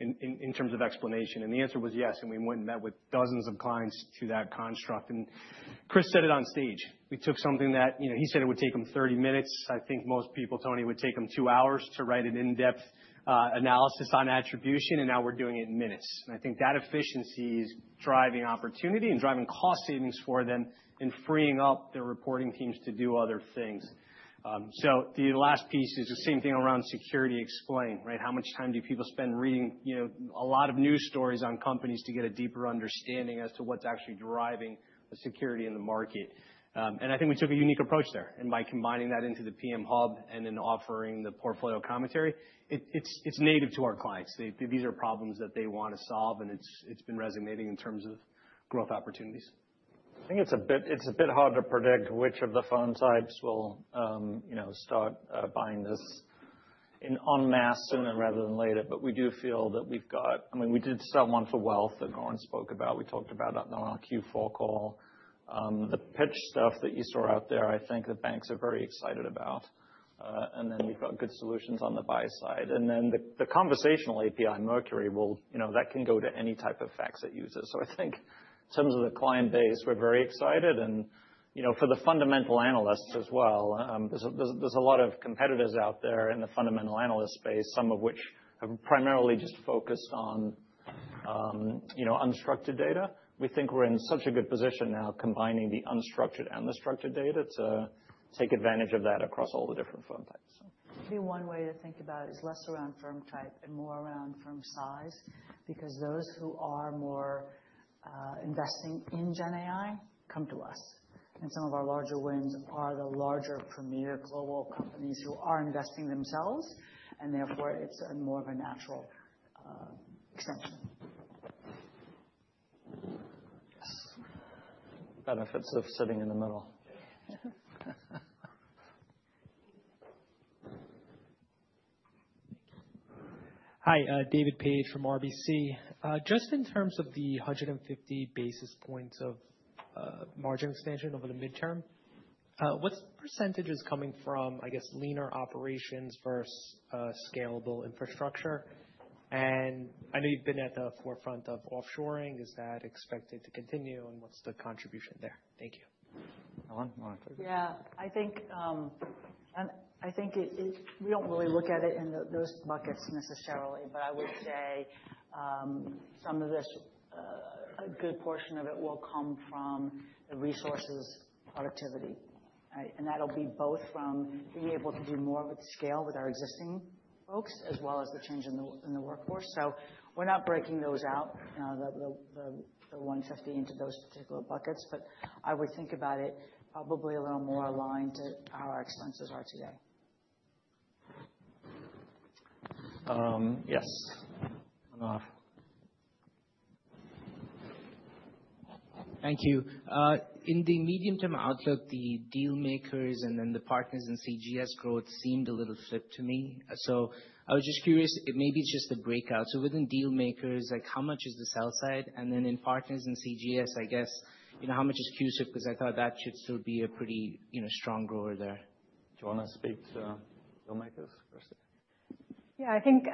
in terms of explanation?" And the answer was yes. And we went and met with dozens of clients to that construct. And Chris said it on stage. We took something that he said it would take him 30 minutes. I think most people, Toni, would take them two hours to write an in-depth analysis on attribution. And now we're doing it in minutes. And I think that efficiency is driving opportunity and driving cost savings for them and freeing up their reporting teams to do other things. So the last piece is the same thing around Security Explain, right? How much time do people spend reading a lot of news stories on companies to get a deeper understanding as to what's actually driving the security in the market? And I think we took a unique approach there. And by combining that into the PM Hub and then offering the Portfolio Commentary, it's native to our clients. These are problems that they want to solve, and it's been resonating in terms of growth opportunities. I think it's a bit hard to predict which of the fund types will start buying this en masse sooner rather than later. But we do feel that we've got. I mean, we did something for Wealth that Goran spoke about. We talked about it on our Q4 call. The pitch stuff that you saw out there, I think the banks are very excited about. And then we've got good solutions on the buy side. And then the conversational API, Mercury, that can go to any type of FactSet it uses. So I think in terms of the client base, we're very excited. And for the fundamental analysts as well, there's a lot of competitors out there in the fundamental analyst space, some of which have primarily just focused on unstructured data. We think we're in such a good position now combining the unstructured and the structured data to take advantage of that across all the different fund types. Maybe one way to think about it is less around firm type and more around firm size because those who are more investing in GenAI come to us. And some of our larger wins are the larger premier global companies who are investing themselves. And therefore, it's more of a natural extension. Benefits of sitting in the middle. Hi, David Paige from RBC. Just in terms of the 150 basis points of margin expansion over the midterm, what percentage is coming from, I guess, leaner operations versus scalable infrastructure? And I know you've been at the forefront of offshoring. Is that expected to continue? And what's the contribution there? Thank you. Yeah, I think we don't really look at it in those buckets necessarily. But I would say some of this, a good portion of it will come from the resources productivity. And that'll be both from being able to do more with scale with our existing folks as well as the change in the workforce. So we're not breaking those out, the 150 basis points into those particular buckets. But I would think about it probably a little more aligned to how our expenses are today. Yes. Thank you. In the medium-term outlook, the Dealmakers and then the partners in CGS growth seemed a little flipped to me. So I was just curious. Maybe it's just the breakouts. So within Dealmakers, how much is the sell side? And then in partners in CGS, I guess, how much is CUSIP? Because I thought that should still be a pretty strong grower there. Do you want to speak to Dealmakers first, Kristy? Yeah, I think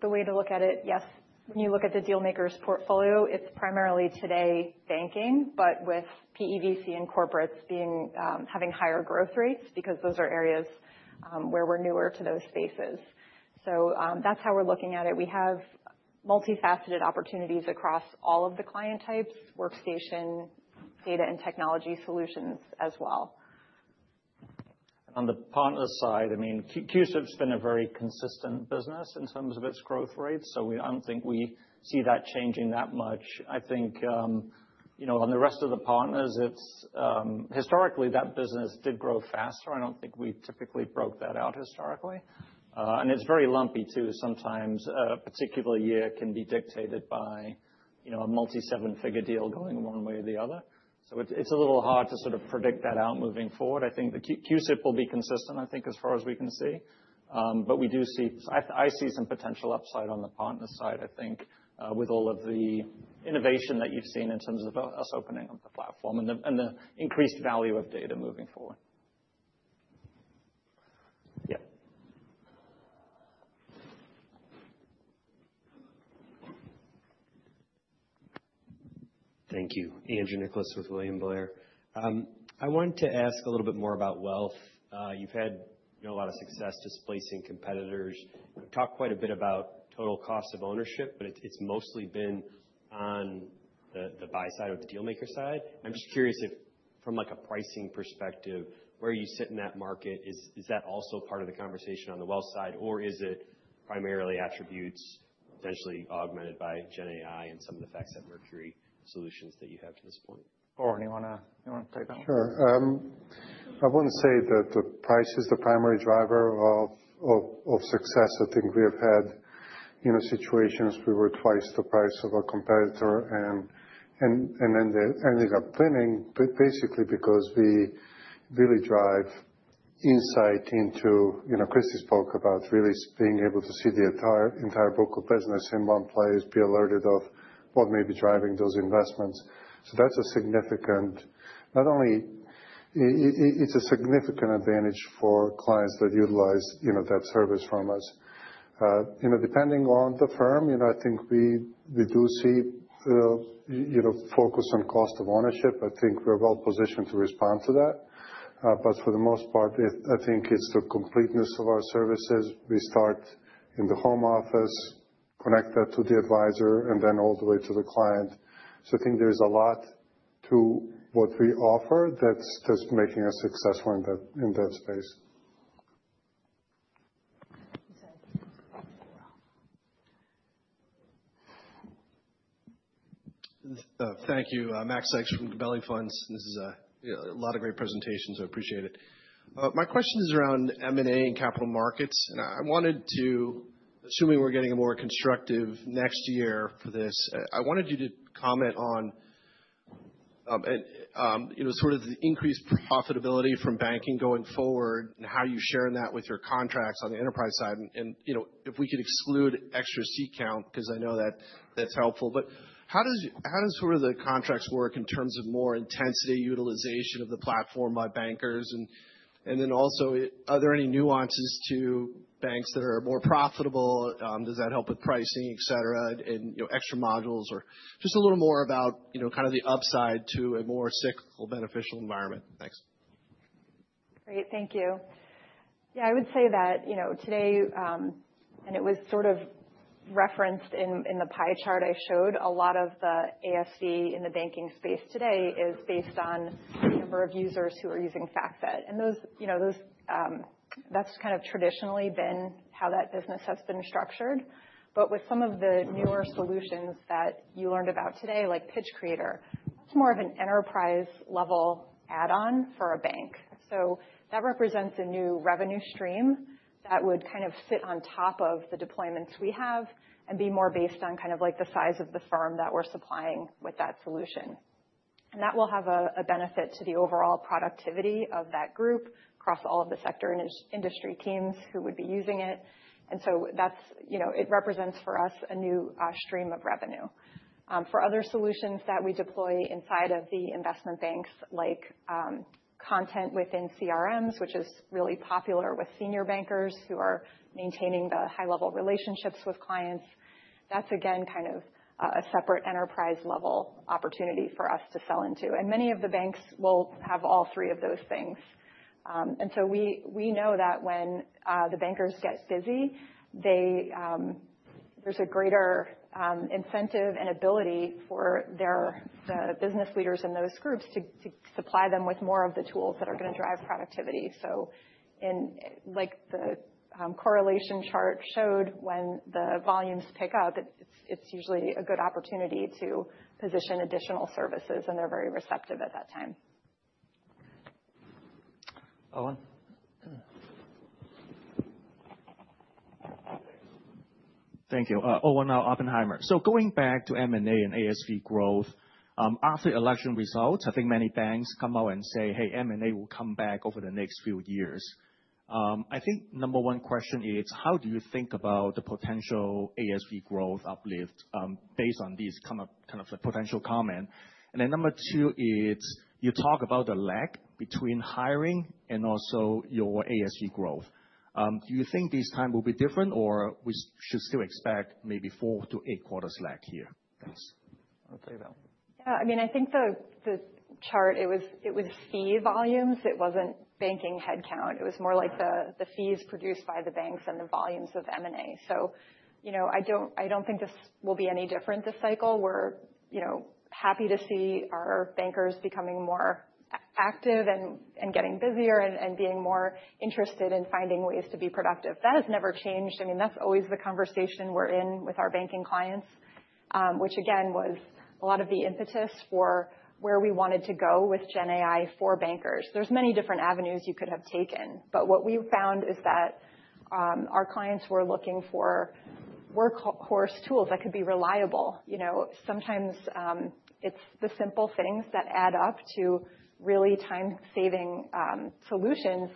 the way to look at it, yes. When you look at the Dealmakers portfolio, it's primarily today Banking, but with PE/VC and Corporates having higher growth rates because those are areas where we're newer to those spaces. So that's how we're looking at it. We have multifaceted opportunities across all of the client types, workstation, data, and technology solutions as well. On the partner side, I mean, CUSIP's been a very consistent business in terms of its growth rate. So I don't think we see that changing that much. I think on the rest of the partners, historically, that business did grow faster. I don't think we typically broke that out historically, and it's very lumpy too. Sometimes a particular year can be dictated by a multi-seven-figure deal going one way or the other. So it's a little hard to sort of predict that out moving forward. I think the CUSIP will be consistent, I think, as far as we can see. But I see some potential upside on the partner side, I think, with all of the innovation that you've seen in terms of us opening up the platform and the increased value of data moving forward. Yeah. Thank you. Andrew Nicholas with William Blair. I wanted to ask a little bit more about Wealth. You've had a lot of success displacing competitors. You talk quite a bit about total cost of ownership, but it's mostly been on the Buy-Side or the Dealmakers side. I'm just curious if, from a pricing perspective, where you sit in that market, is that also part of the conversation on the Wealth side? Or is it primarily attributes potentially augmented by GenAI and some of the FactSet Mercury solutions that you have to this point? Goran, you want to take that on? Sure. I wouldn't say that the price is the primary driver of success. I think we have had situations where we were twice the price of a competitor and then ended up winning, basically, because we really drive insight into client's book about really being able to see the entire book of business in one place, be alerted of what may be driving those investments. So that's a significant advantage, not only is it a significant advantage for clients that utilize that service from us. Depending on the firm, I think we do see focus on cost of ownership. I think we're well-positioned to respond to that. For the most part, I think it's the completeness of our services. We start in the home office, connect that to the advisor, and then all the way to the client. So I think there's a lot to what we offer that's making us successful in that space. Thank you. Mac Sykes from Gabelli Funds. These are a lot of great presentations. I appreciate it. My question is around M&A and capital markets, and I wanted to, assuming we're getting a more constructive next year for this, comment on sort of the increased profitability from banking going forward and how you're sharing that with your contracts on the enterprise side, and if we could exclude extra seat count, because I know that that's helpful. But how does sort of the contracts work in terms of more intensive utilization of the platform by bankers, and then also, are there any nuances to banks that are more profitable? Does that help with pricing, et cetera, and extra modules? Or just a little more about kind of the upside to a more cyclical beneficial environment. Thanks. Great. Thank you. Yeah, I would say that today, and it was sort of referenced in the pie chart I showed, a lot of the ASV in the Banking space today is based on the number of users who are using FactSet. And that's kind of traditionally been how that business has been structured. But with some of the newer solutions that you learned about today, like Pitch Creator, that's more of an enterprise-level add-on for a bank. So that represents a new revenue stream that would kind of sit on top of the deployments we have and be more based on kind of the size of the firm that we're supplying with that solution. That will have a benefit to the overall productivity of that group across all of the sector and industry teams who would be using it. It represents for us a new stream of revenue. For other solutions that we deploy inside of the investment banks, like content within CRMs, which is really popular with senior bankers who are maintaining the high-level relationships with clients, that is, again, kind of a separate enterprise-level opportunity for us to sell into. Many of the banks will have all three of those things. We know that when the bankers get busy, there is a greater incentive and ability for the business leaders in those groups to supply them with more of the tools that are going to drive productivity. Like the correlation chart showed, when the volumes pick up, it is usually a good opportunity to position additional services. And they're very receptive at that time. Owen? Thank you. Owen Lau, Oppenheimer. So going back to M&A and ASV growth, after election results, I think many banks come out and say, "Hey, M&A will come back over the next few years." I think number one question is, how do you think about the potential ASV growth uplift based on these kind of potential comments? And then number two is, you talk about the lag between hiring and also your ASV growth. Do you think this time will be different, or we should still expect maybe four to eight quarters lag here? Thanks. Kate? Want to take that one? Yeah. I mean, I think the chart, it was fee volumes. It wasn't banking headcount. It was more like the fees produced by the banks and the volumes of M&A. So I don't think this will be any different this cycle. We're happy to see our bankers becoming more active and getting busier and being more interested in finding ways to be productive. That has never changed. I mean, that's always the conversation we're in with our banking clients, which, again, was a lot of the impetus for where we wanted to go with GenAI for bankers. There's many different avenues you could have taken. But what we found is that our clients were looking for workhorse tools that could be reliable. Sometimes it's the simple things that add up to really time-saving solutions.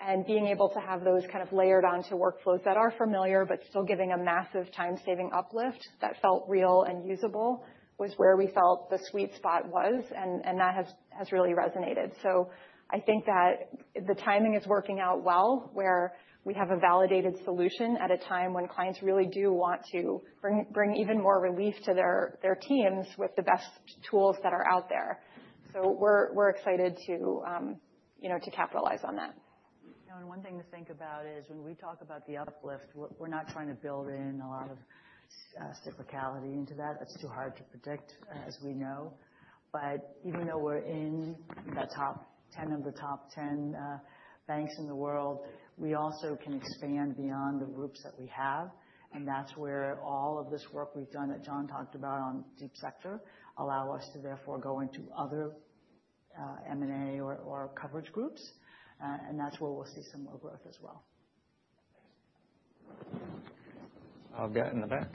And being able to have those kind of layered onto workflows that are familiar but still giving a massive time-saving uplift that felt real and usable was where we felt the sweet spot was. And that has really resonated. So I think that the timing is working out well where we have a validated solution at a time when clients really do want to bring even more relief to their teams with the best tools that are out there. So we're excited to capitalize on that. And one thing to think about is when we talk about the uplift, we're not trying to build in a lot of cyclicality into that. That's too hard to predict, as we know. But even though we're in that top 10 of the top 10 banks in the world, we also can expand beyond the groups that we have. And that's where all of this work we've done that John talked about on Deep Sector allows us to therefore go into other M&A or coverage groups. And that's where we'll see some more growth as well. Yeah, in the back?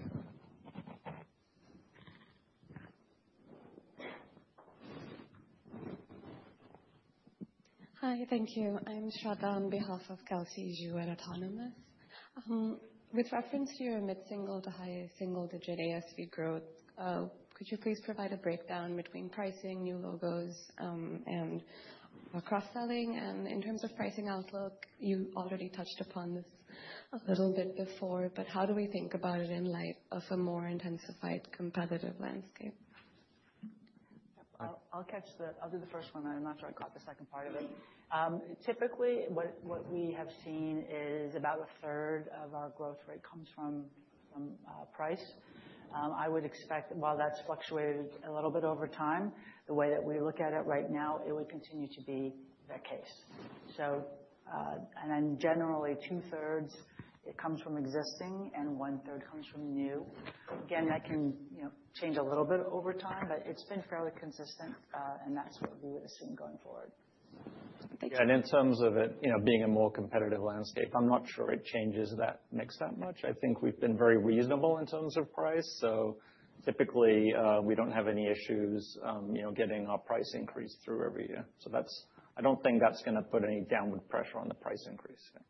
Thank you. I'm Shada on behalf of Kelsey Zhu from Autonomous. With reference to your mid-single to high single-digit ASV growth, could you please provide a breakdown between pricing, new logos, and cross-selling, and in terms of pricing outlook, you already touched upon this a little bit before, but how do we think about it in light of a more intensified competitive landscape? I'll do the first one, and after I catch the second part of it. Typically, what we have seen is about a third of our growth rate comes from price. I would expect that while that's fluctuated a little bit over time, the way that we look at it right now, it would continue to be that case. And then generally, two-thirds, it comes from existing, and one-third comes from new. Again, that can change a little bit over time, but it's been fairly consistent. And that's what we would assume going forward. Yeah. And in terms of it being a more competitive landscape, I'm not sure it changes that mix that much. I think we've been very reasonable in terms of price. So typically, we don't have any issues getting our price increase through every year. So I don't think that's going to put any downward pressure on the price increase. Yeah.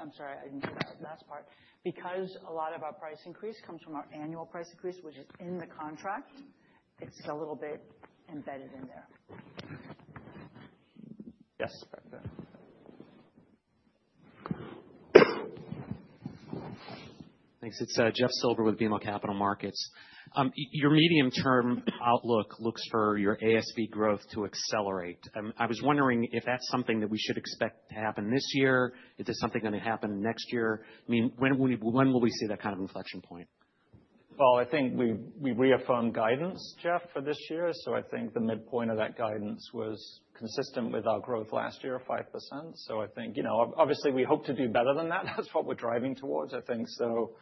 I'm sorry. I didn't hear that last part. Because a lot of our price increase comes from our annual price increase, which is in the contract, it's a little bit embedded in there. Yes. Thanks. It's Jeff Silber with BMO Capital Markets. Your medium-term outlook looks for your ASV growth to accelerate. I was wondering if that's something that we should expect to happen this year. Is it something going to happen next year? I mean, when will we see that kind of inflection point? Well, I think we reaffirmed guidance, Jeff, for this year. So I think the midpoint of that guidance was consistent with our growth last year, 5%. So I think, obviously, we hope to do better than that. That's what we're driving towards, I think. So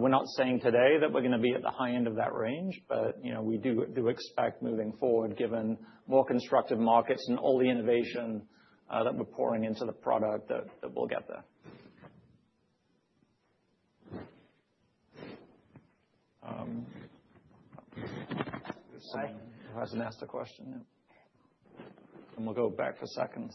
we're not saying today that we're going to be at the high end of that range. But we do expect moving forward, given more constructive markets and all the innovation that we're pouring into the product, that we'll get there. Hi. That's the last question, yeah. And we'll go back for seconds.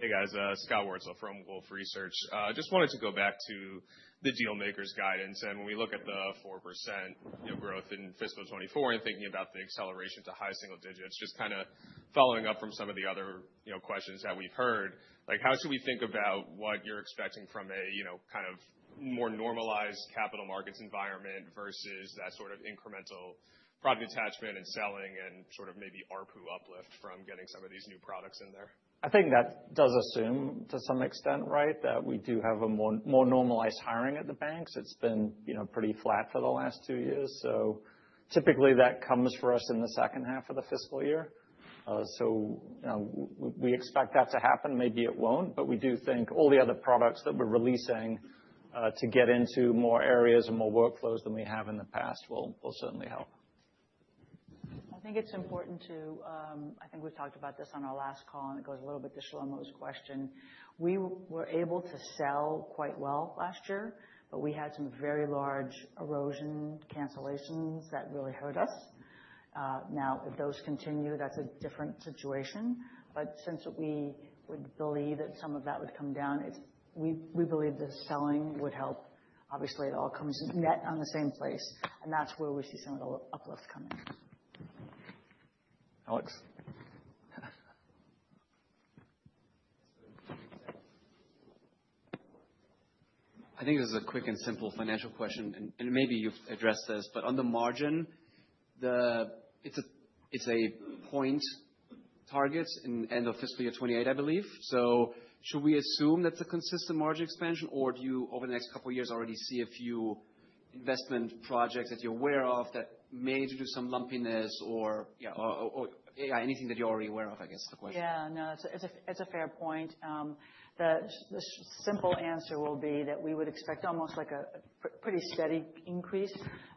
Hey, guys. Scott Wurtzel from Wolfe Research. I just wanted to go back to the Dealmakers' guidance. When we look at the 4% growth in FY 2024 and thinking about the acceleration to high single digits, just kind of following up from some of the other questions that we've heard, how should we think about what you're expecting from a kind of more normalized capital markets environment versus that sort of incremental product attachment and selling and sort of maybe ARPU uplift from getting some of these new products in there? I think that does assume to some extent, right, that we do have a more normalized hiring at the banks. It's been pretty flat for the last two years. So typically, that comes for us in the second half of the fiscal year. So we expect that to happen. Maybe it won't. But we do think all the other products that we're releasing to get into more areas and more workflows than we have in the past will certainly help. I think it's important too. I think we've talked about this on our last call. And it goes a little bit to Shlomo's question. We were able to sell quite well last year. But we had some very large erosion cancellations that really hurt us. Now, if those continue, that's a different situation. But since we would believe that some of that would come down, we believe the selling would help. Obviously, it all comes net on the same place. And that's where we see some of the uplift coming. Alex. I think this is a quick and simple financial question. And maybe you've addressed this. But on the margin, it's a point target in the end of fiscal year 2028, I believe. So should we assume that's a consistent margin expansion? Or do you, over the next couple of years, already see a few investment projects that you're aware of that may do some lumpiness or anything that you're already aware of, I guess is the question? Yeah. No, it's a fair point. The simple answer will be that we would expect almost like a pretty steady increase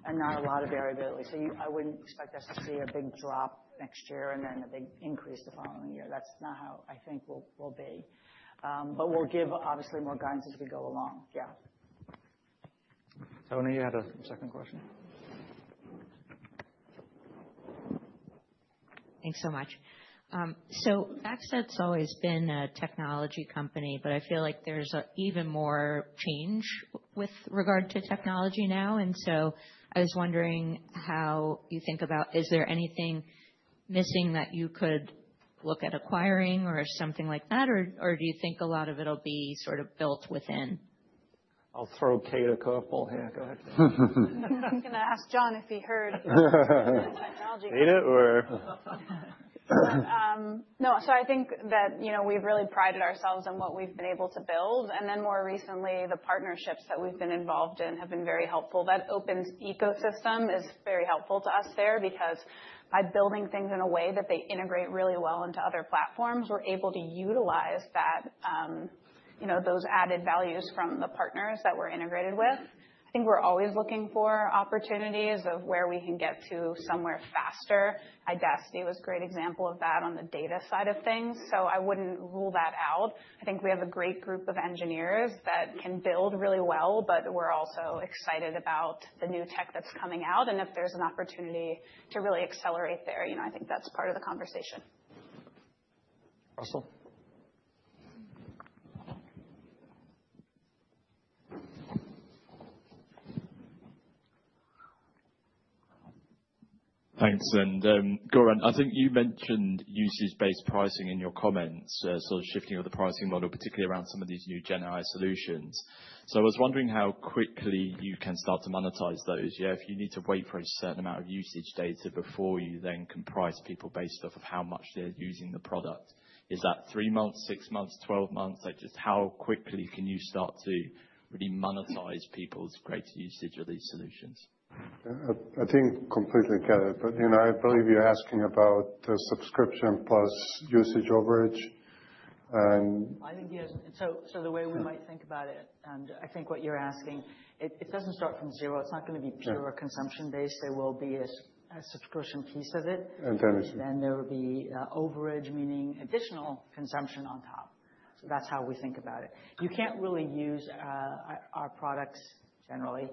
and not a lot of variability. So I wouldn't expect us to see a big drop next year and then a big increase the following year. That's not how I think we'll be. But we'll give, obviously, more guidance as we go along. Yeah. Toni, you had a second question. Thanks so much. So FactSet's always been a technology company. But I feel like there's even more change with regard to technology now. And so I was wondering how you think about, is there anything missing that you could look at acquiring or something like that? Or do you think a lot of it will be sort of built within? I'll throw Kate a couple. Yeah, go ahead. I was going to ask John if he heard technology. Heard it or? No. So I think that we've really prided ourselves on what we've been able to build. And then more recently, the partnerships that we've been involved in have been very helpful. That open ecosystem is very helpful to us there because by building things in a way that they integrate really well into other platforms, we're able to utilize those added values from the partners that we're integrated with. I think we're always looking for opportunities of where we can get to somewhere faster. Idaciti was a great example of that on the data side of things. So I wouldn't rule that out. I think we have a great group of engineers that can build really well. But we're also excited about the new tech that's coming out. And if there's an opportunity to really accelerate there, I think that's part of the conversation. Russell. Thanks. And Goran, I think you mentioned usage-based pricing in your comments, sort of shifting of the pricing model, particularly around some of these new GenAI solutions. So I was wondering how quickly you can start to monetize those. Yeah, if you need to wait for a certain amount of usage data before you then can price people based off of how much they're using the product. Is that three months, six months, 12 months? Just how quickly can you start to really monetize people's great usage of these solutions? I think I completely get it, but I believe you're asking about the subscription plus usage overage. And I think yes, so the way we might think about it, and I think what you're asking, it doesn't start from zero. It's not going to be pure consumption-based. There will be a subscription piece of it, and then there will be overage, meaning additional consumption on top, so that's how we think about it. You can't really use our products generally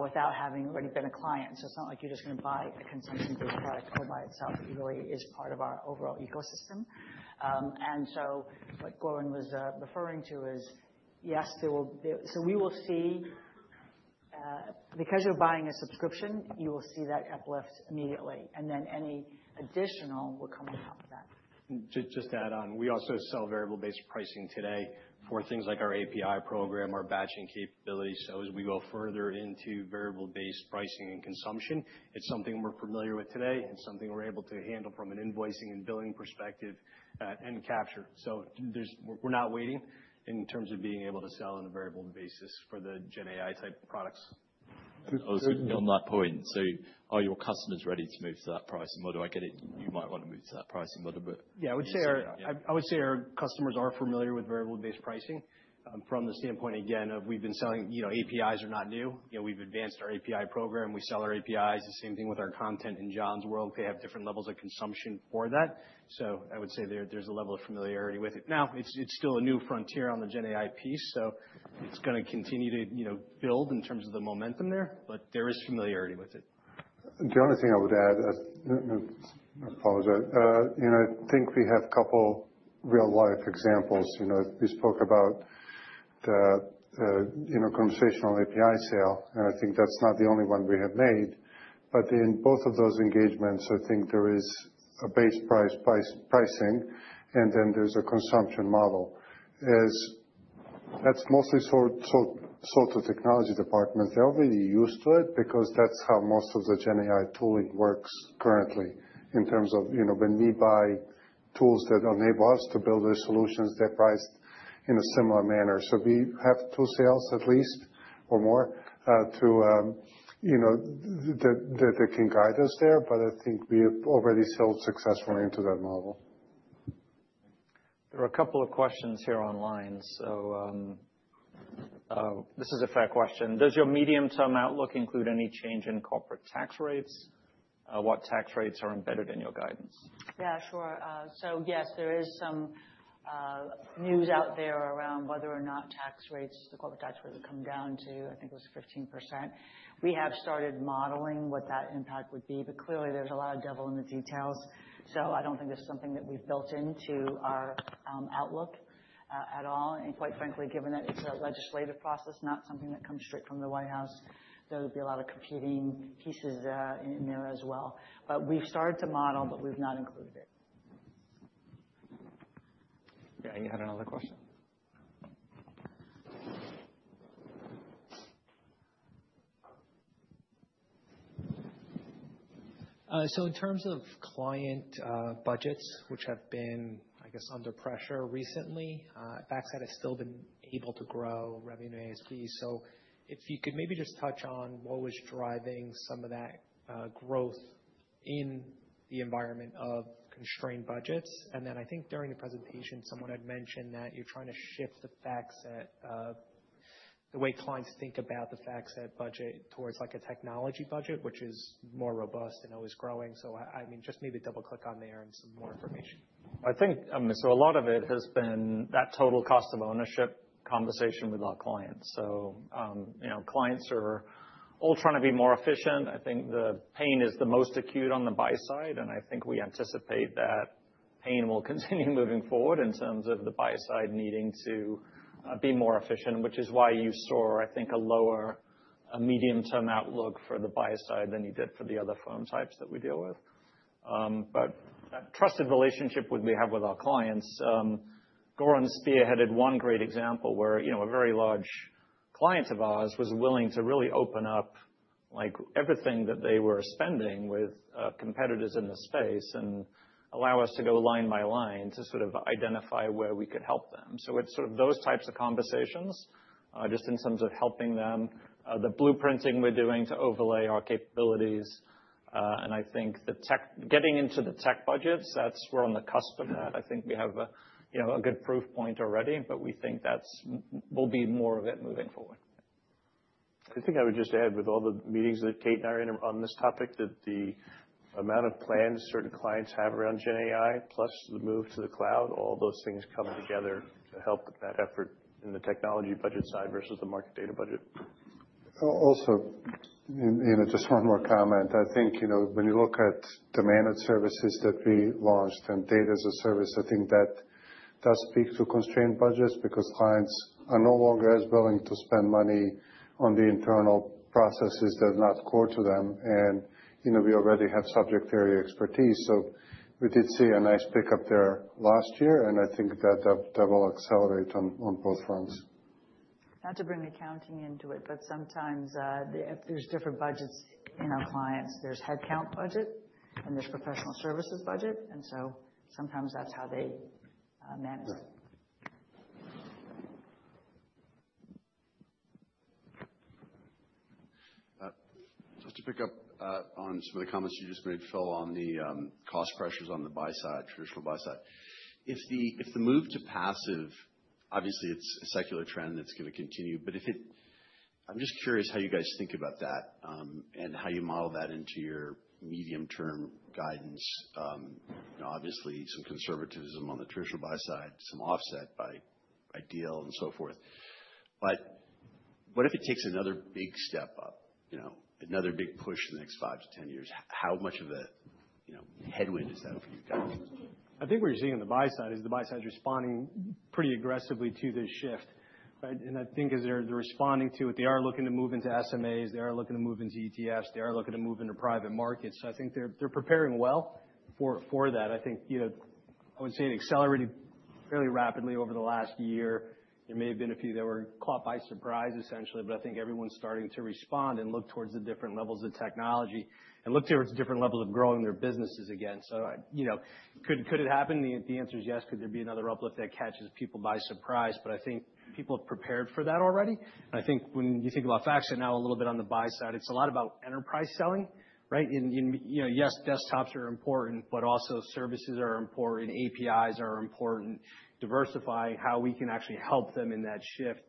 without having already been a client, so it's not like you're just going to buy a consumption-based product all by itself. It really is part of our overall ecosystem. And so what Goran was referring to is, yes, so we will see because you're buying a subscription, you will see that uplift immediately. And then any additional will come on top of that. Just to add on, we also sell variable-based pricing today for things like our API program, our batching capability. So as we go further into variable-based pricing and consumption, it's something we're familiar with today and something we're able to handle from an invoicing and billing perspective and capture. So we're not waiting in terms of being able to sell on a variable basis for the GenAI-type products. I was on that point. So are your customers ready to move to that pricing model? I get it. You might want to move to that pricing model. But yeah, I would say our customers are familiar with variable-based pricing from the standpoint, again, of we've been selling APIs are not new. We've advanced our API program. We sell our APIs. The same thing with our content in John's world. They have different levels of consumption for that. So I would say there's a level of familiarity with it. Now, it's still a new frontier on the GenAI piece. So it's going to continue to build in terms of the momentum there. But there is familiarity with it. The only thing I would add, I apologize. I think we have a couple real-life examples. We spoke about the Conversational API sale. And I think that's not the only one we have made. But in both of those engagements, I think there is a base price pricing. And then there's a consumption model. That's mostly sold to technology departments. They're already used to it because that's how most of the GenAI tooling works currently in terms of when we buy tools that enable us to build our solutions, they're priced in a similar manner. So we have two sales at least or more that can guide us there. But I think we have already sold successfully into that model. There are a couple of questions here online. So this is a fair question. Does your medium-term outlook include any change in corporate tax rates? What tax rates are embedded in your guidance? Yeah, sure. So yes, there is some news out there around whether or not tax rates, the corporate tax rate will come down to, I think it was 15%. We have started modeling what that impact would be. But clearly, there's a lot of devil in the details. So I don't think that's something that we've built into our outlook at all. And quite frankly, given that it's a legislative process, not something that comes straight from the White House, there would be a lot of competing pieces in there as well. But we've started to model, but we've not included it. Yeah. And you had another question. So in terms of client budgets, which have been, I guess, under pressure recently, FactSet has still been able to grow revenue ASP. So if you could maybe just touch on what was driving some of that growth in the environment of constrained budgets. And then I think during the presentation, someone had mentioned that you're trying to shift the way clients think about the FactSet budget towards a technology budget, which is more robust and always growing. So, I mean, just maybe double-click on there and some more information. I think, so a lot of it has been that total cost of ownership conversation with our clients. So clients are all trying to be more efficient. I think the pain is the most acute on the Buy-Side. And I think we anticipate that pain will continue moving forward in terms of the Buy-Side needing to be more efficient, which is why you saw, I think, a lower medium-term outlook for the Buy-Side than you did for the other client types that we deal with. But that trusted relationship we have with our clients. Goran spearheaded one great example where a very large client of ours was willing to really open up everything that they were spending with competitors in the space and allow us to go line by line to sort of identify where we could help them. So it's sort of those types of conversations just in terms of helping them, the blueprinting we're doing to overlay our capabilities. And I think getting into the tech budgets, that's where we're on the cusp of that. I think we have a good proof point already. But we think that will be more of it moving forward. I think I would just add with all the meetings that Kate and I are in on this topic, that the amount of plans certain clients have around GenAI plus the move to the cloud, all those things come together to help that effort in the technology budget side versus the market data budget. Also, just one more comment. I think when you look at Managed Services that we launched and Data as a Service, I think that does speak to constrained budgets because clients are no longer as willing to spend money on the internal processes that are not core to them, and we already have subject area expertise, so we did see a nice pickup there last year, and I think that will accelerate on both fronts. Not to bring accounting into it, but sometimes there's different budgets in our clients. There's headcount budget. There's professional services budget. So sometimes that's how they manage it. Just to pick up on some of the comments you just made, Phil, on the cost pressures on the Buy-Side, traditional Buy-Side. If the move to passive, obviously, it's a secular trend that's going to continue. I'm just curious how you guys think about that and how you model that into our medium-term guidance. Obviously, some conservatism on the traditional Buy-Side, some offset by ideal and so forth. What if it takes another big step up, another big push in the next five to 10 years? How much of a headwind is that for you guys? I think what you're seeing on the Buy-Side is responding pretty aggressively to this shift. I think they're responding to it. They are looking to move into SMAs. They are looking to move into ETFs. They are looking to move into private markets. So I think they're preparing well for that. I think I would say it accelerated fairly rapidly over the last year. There may have been a few that were caught by surprise, essentially. But I think everyone's starting to respond and look towards the different levels of technology and look towards different levels of growing their businesses again. So could it happen? The answer is yes. Could there be another uplift that catches people by surprise? But I think people have prepared for that already. And I think when you think about FactSet now a little bit on the buy side, it's a lot about enterprise selling. Yes, desktops are important. But also services are important. APIs are important. Diversifying how we can actually help them in that shift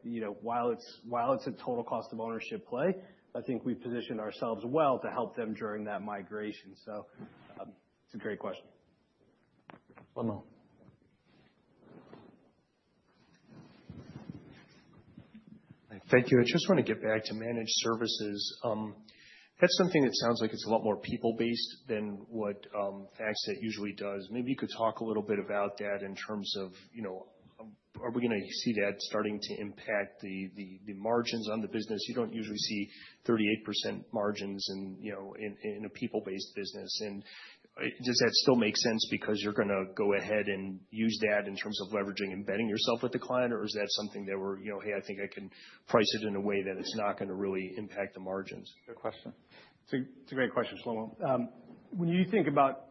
while it's a total cost of ownership play. I think we've positioned ourselves well to help them during that migration. So it's a great question. Shlomo. Thank you. I just want to get back to Managed Services. That's something that sounds like it's a lot more people-based than what FactSet usually does. Maybe you could talk a little bit about that in terms of are we going to see that starting to impact the margins on the business? You don't usually see 38% margins in a people-based business. And does that still make sense because you're going to go ahead and use that in terms of leveraging embedding yourself with the client? Or is that something that we're, hey, I think I can price it in a way that it's not going to really impact the margins? Good question. It's a great question, Shlomo. When you think about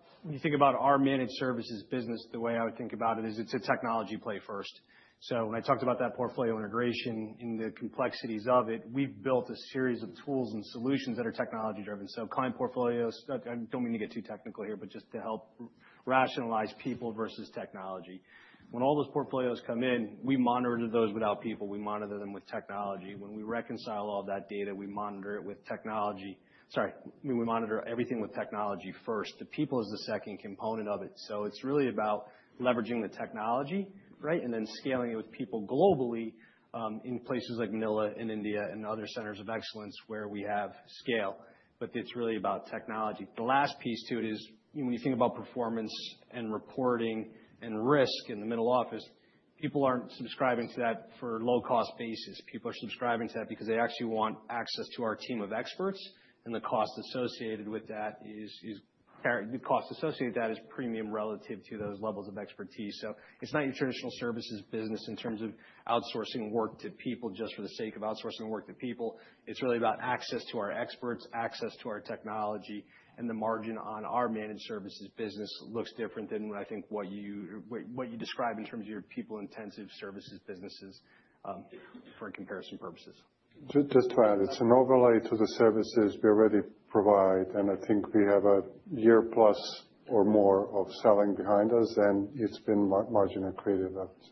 our Managed Services business, the way I would think about it is it's a technology play first. So when I talked about that portfolio integration and the complexities of it, we've built a series of tools and solutions that are technology-driven. So client portfolios, I don't mean to get too technical here, but just to help rationalize people versus technology. When all those portfolios come in, we monitor those without people. We monitor them with technology. When we reconcile all that data, we monitor it with technology. Sorry. We monitor everything with technology first. The people is the second component of it. So it's really about leveraging the technology and then scaling it with people globally in places like Manila and India and other Centers of Excellence where we have scale. But it's really about technology. The last piece to it is when you think about Performance and Reporting and Risk in the middle office, people aren't subscribing to that for a low-cost basis. People are subscribing to that because they actually want access to our team of experts. And the cost associated with that is premium relative to those levels of expertise. So it's not your traditional services business in terms of outsourcing work to people just for the sake of outsourcing work to people. It's really about access to our experts, access to our technology. And the margin on our Managed Services business looks different than I think what you describe in terms of your people-intensive services businesses for comparison purposes. Just to add, it's an overlay to the services we already provide. And I think we have a year-plus or more of selling behind us. And it's been marginally creative, I would say.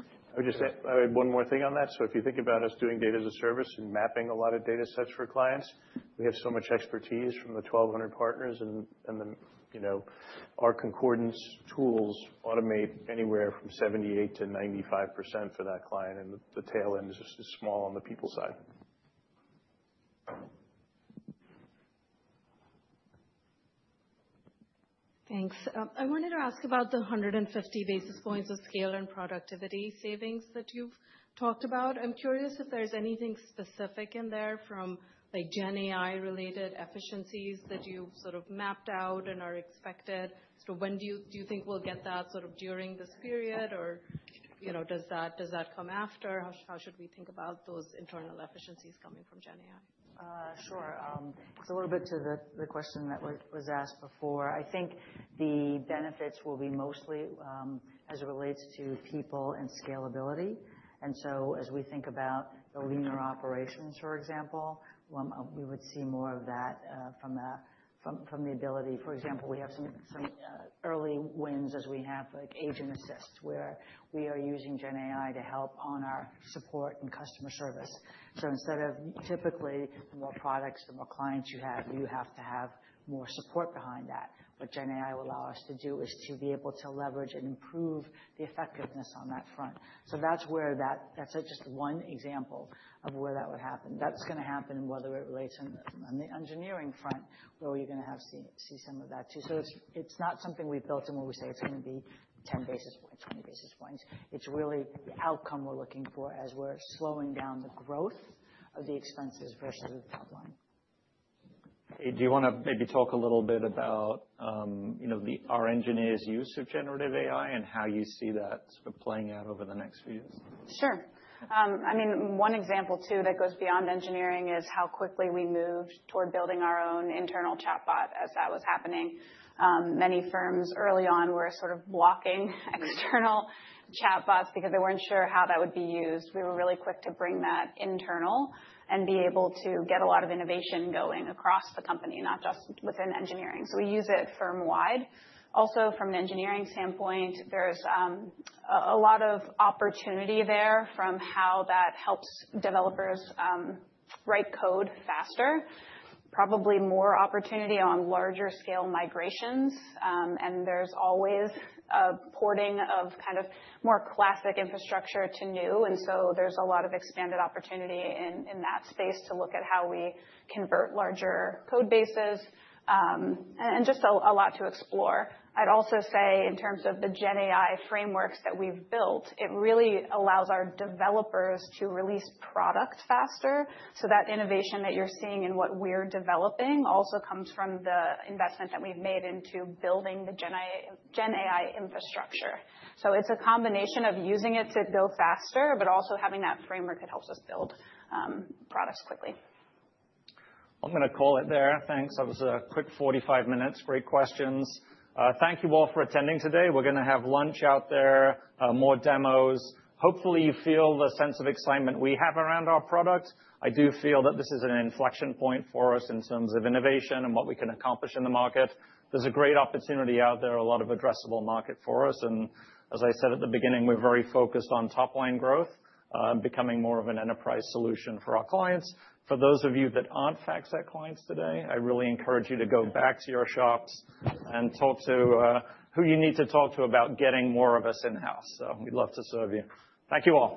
I would just add one more thing on that. So if you think about us doing Data as a Service and mapping a lot of datasets for clients, we have so much expertise from the 1,200 partners. And our concordance tools automate anywhere from 78%-95% for that client. And the tail end is just small on the people side. Thanks. I wanted to ask about the 150 basis points of scale and productivity savings that you've talked about. I'm curious if there's anything specific in there from GenAI-related efficiencies that you've sort of mapped out and are expected. So when do you think we'll get that sort of during this period? Or does that come after? How should we think about those internal efficiencies coming from GenAI? Sure. It's a little bit to the question that was asked before. I think the benefits will be mostly as it relates to people and scalability, and so as we think about the leaner operations, for example, we would see more of that from the ability. For example, we have some early wins as we have agent assists where we are using GenAI to help on our support and customer service, so instead of typically the more products, the more clients you have, you have to have more support behind that. What GenAI will allow us to do is to be able to leverage and improve the effectiveness on that front, so that's just one example of where that would happen. That's going to happen whether it relates on the engineering front where we're going to see some of that too, so it's not something we've built in where we say it's going to be 10 basis points, 20 basis points. It's really the outcome we're looking for as we're slowing down the growth of the expenses versus the top line. Kate, do you want to maybe talk a little bit about our engineers' use of generative AI and how you see that sort of playing out over the next few years? Sure. I mean, one example too that goes beyond engineering is how quickly we moved toward building our own internal chatbot as that was happening. Many firms early on were sort of blocking external chatbots because they weren't sure how that would be used. We were really quick to bring that internal and be able to get a lot of innovation going across the company, not just within engineering. So we use it firm-wide. Also, from an engineering standpoint, there's a lot of opportunity there from how that helps developers write code faster, probably more opportunity on larger scale migrations. And there's always a porting of kind of more classic infrastructure to new, and so there's a lot of expanded opportunity in that space to look at how we convert larger code bases and just a lot to explore. I'd also say in terms of the GenAI frameworks that we've built, it really allows our developers to release product faster, so that innovation that you're seeing in what we're developing also comes from the investment that we've made into building the GenAI infrastructure, so it's a combination of using it to go faster, but also having that framework that helps us build products quickly. I'm going to call it there. Thanks. That was a quick 45 minutes. Great questions. Thank you all for attending today. We're going to have lunch out there, more demos. Hopefully, you feel the sense of excitement we have around our product. I do feel that this is an inflection point for us in terms of innovation and what we can accomplish in the market. There's a great opportunity out there, a lot of addressable market for us. And as I said at the beginning, we're very focused on top-line growth, becoming more of an enterprise solution for our clients. For those of you that aren't FactSet clients today, I really encourage you to go back to your shops and talk to who you need to talk to about getting more of us in-house. So we'd love to serve you. Thank you all.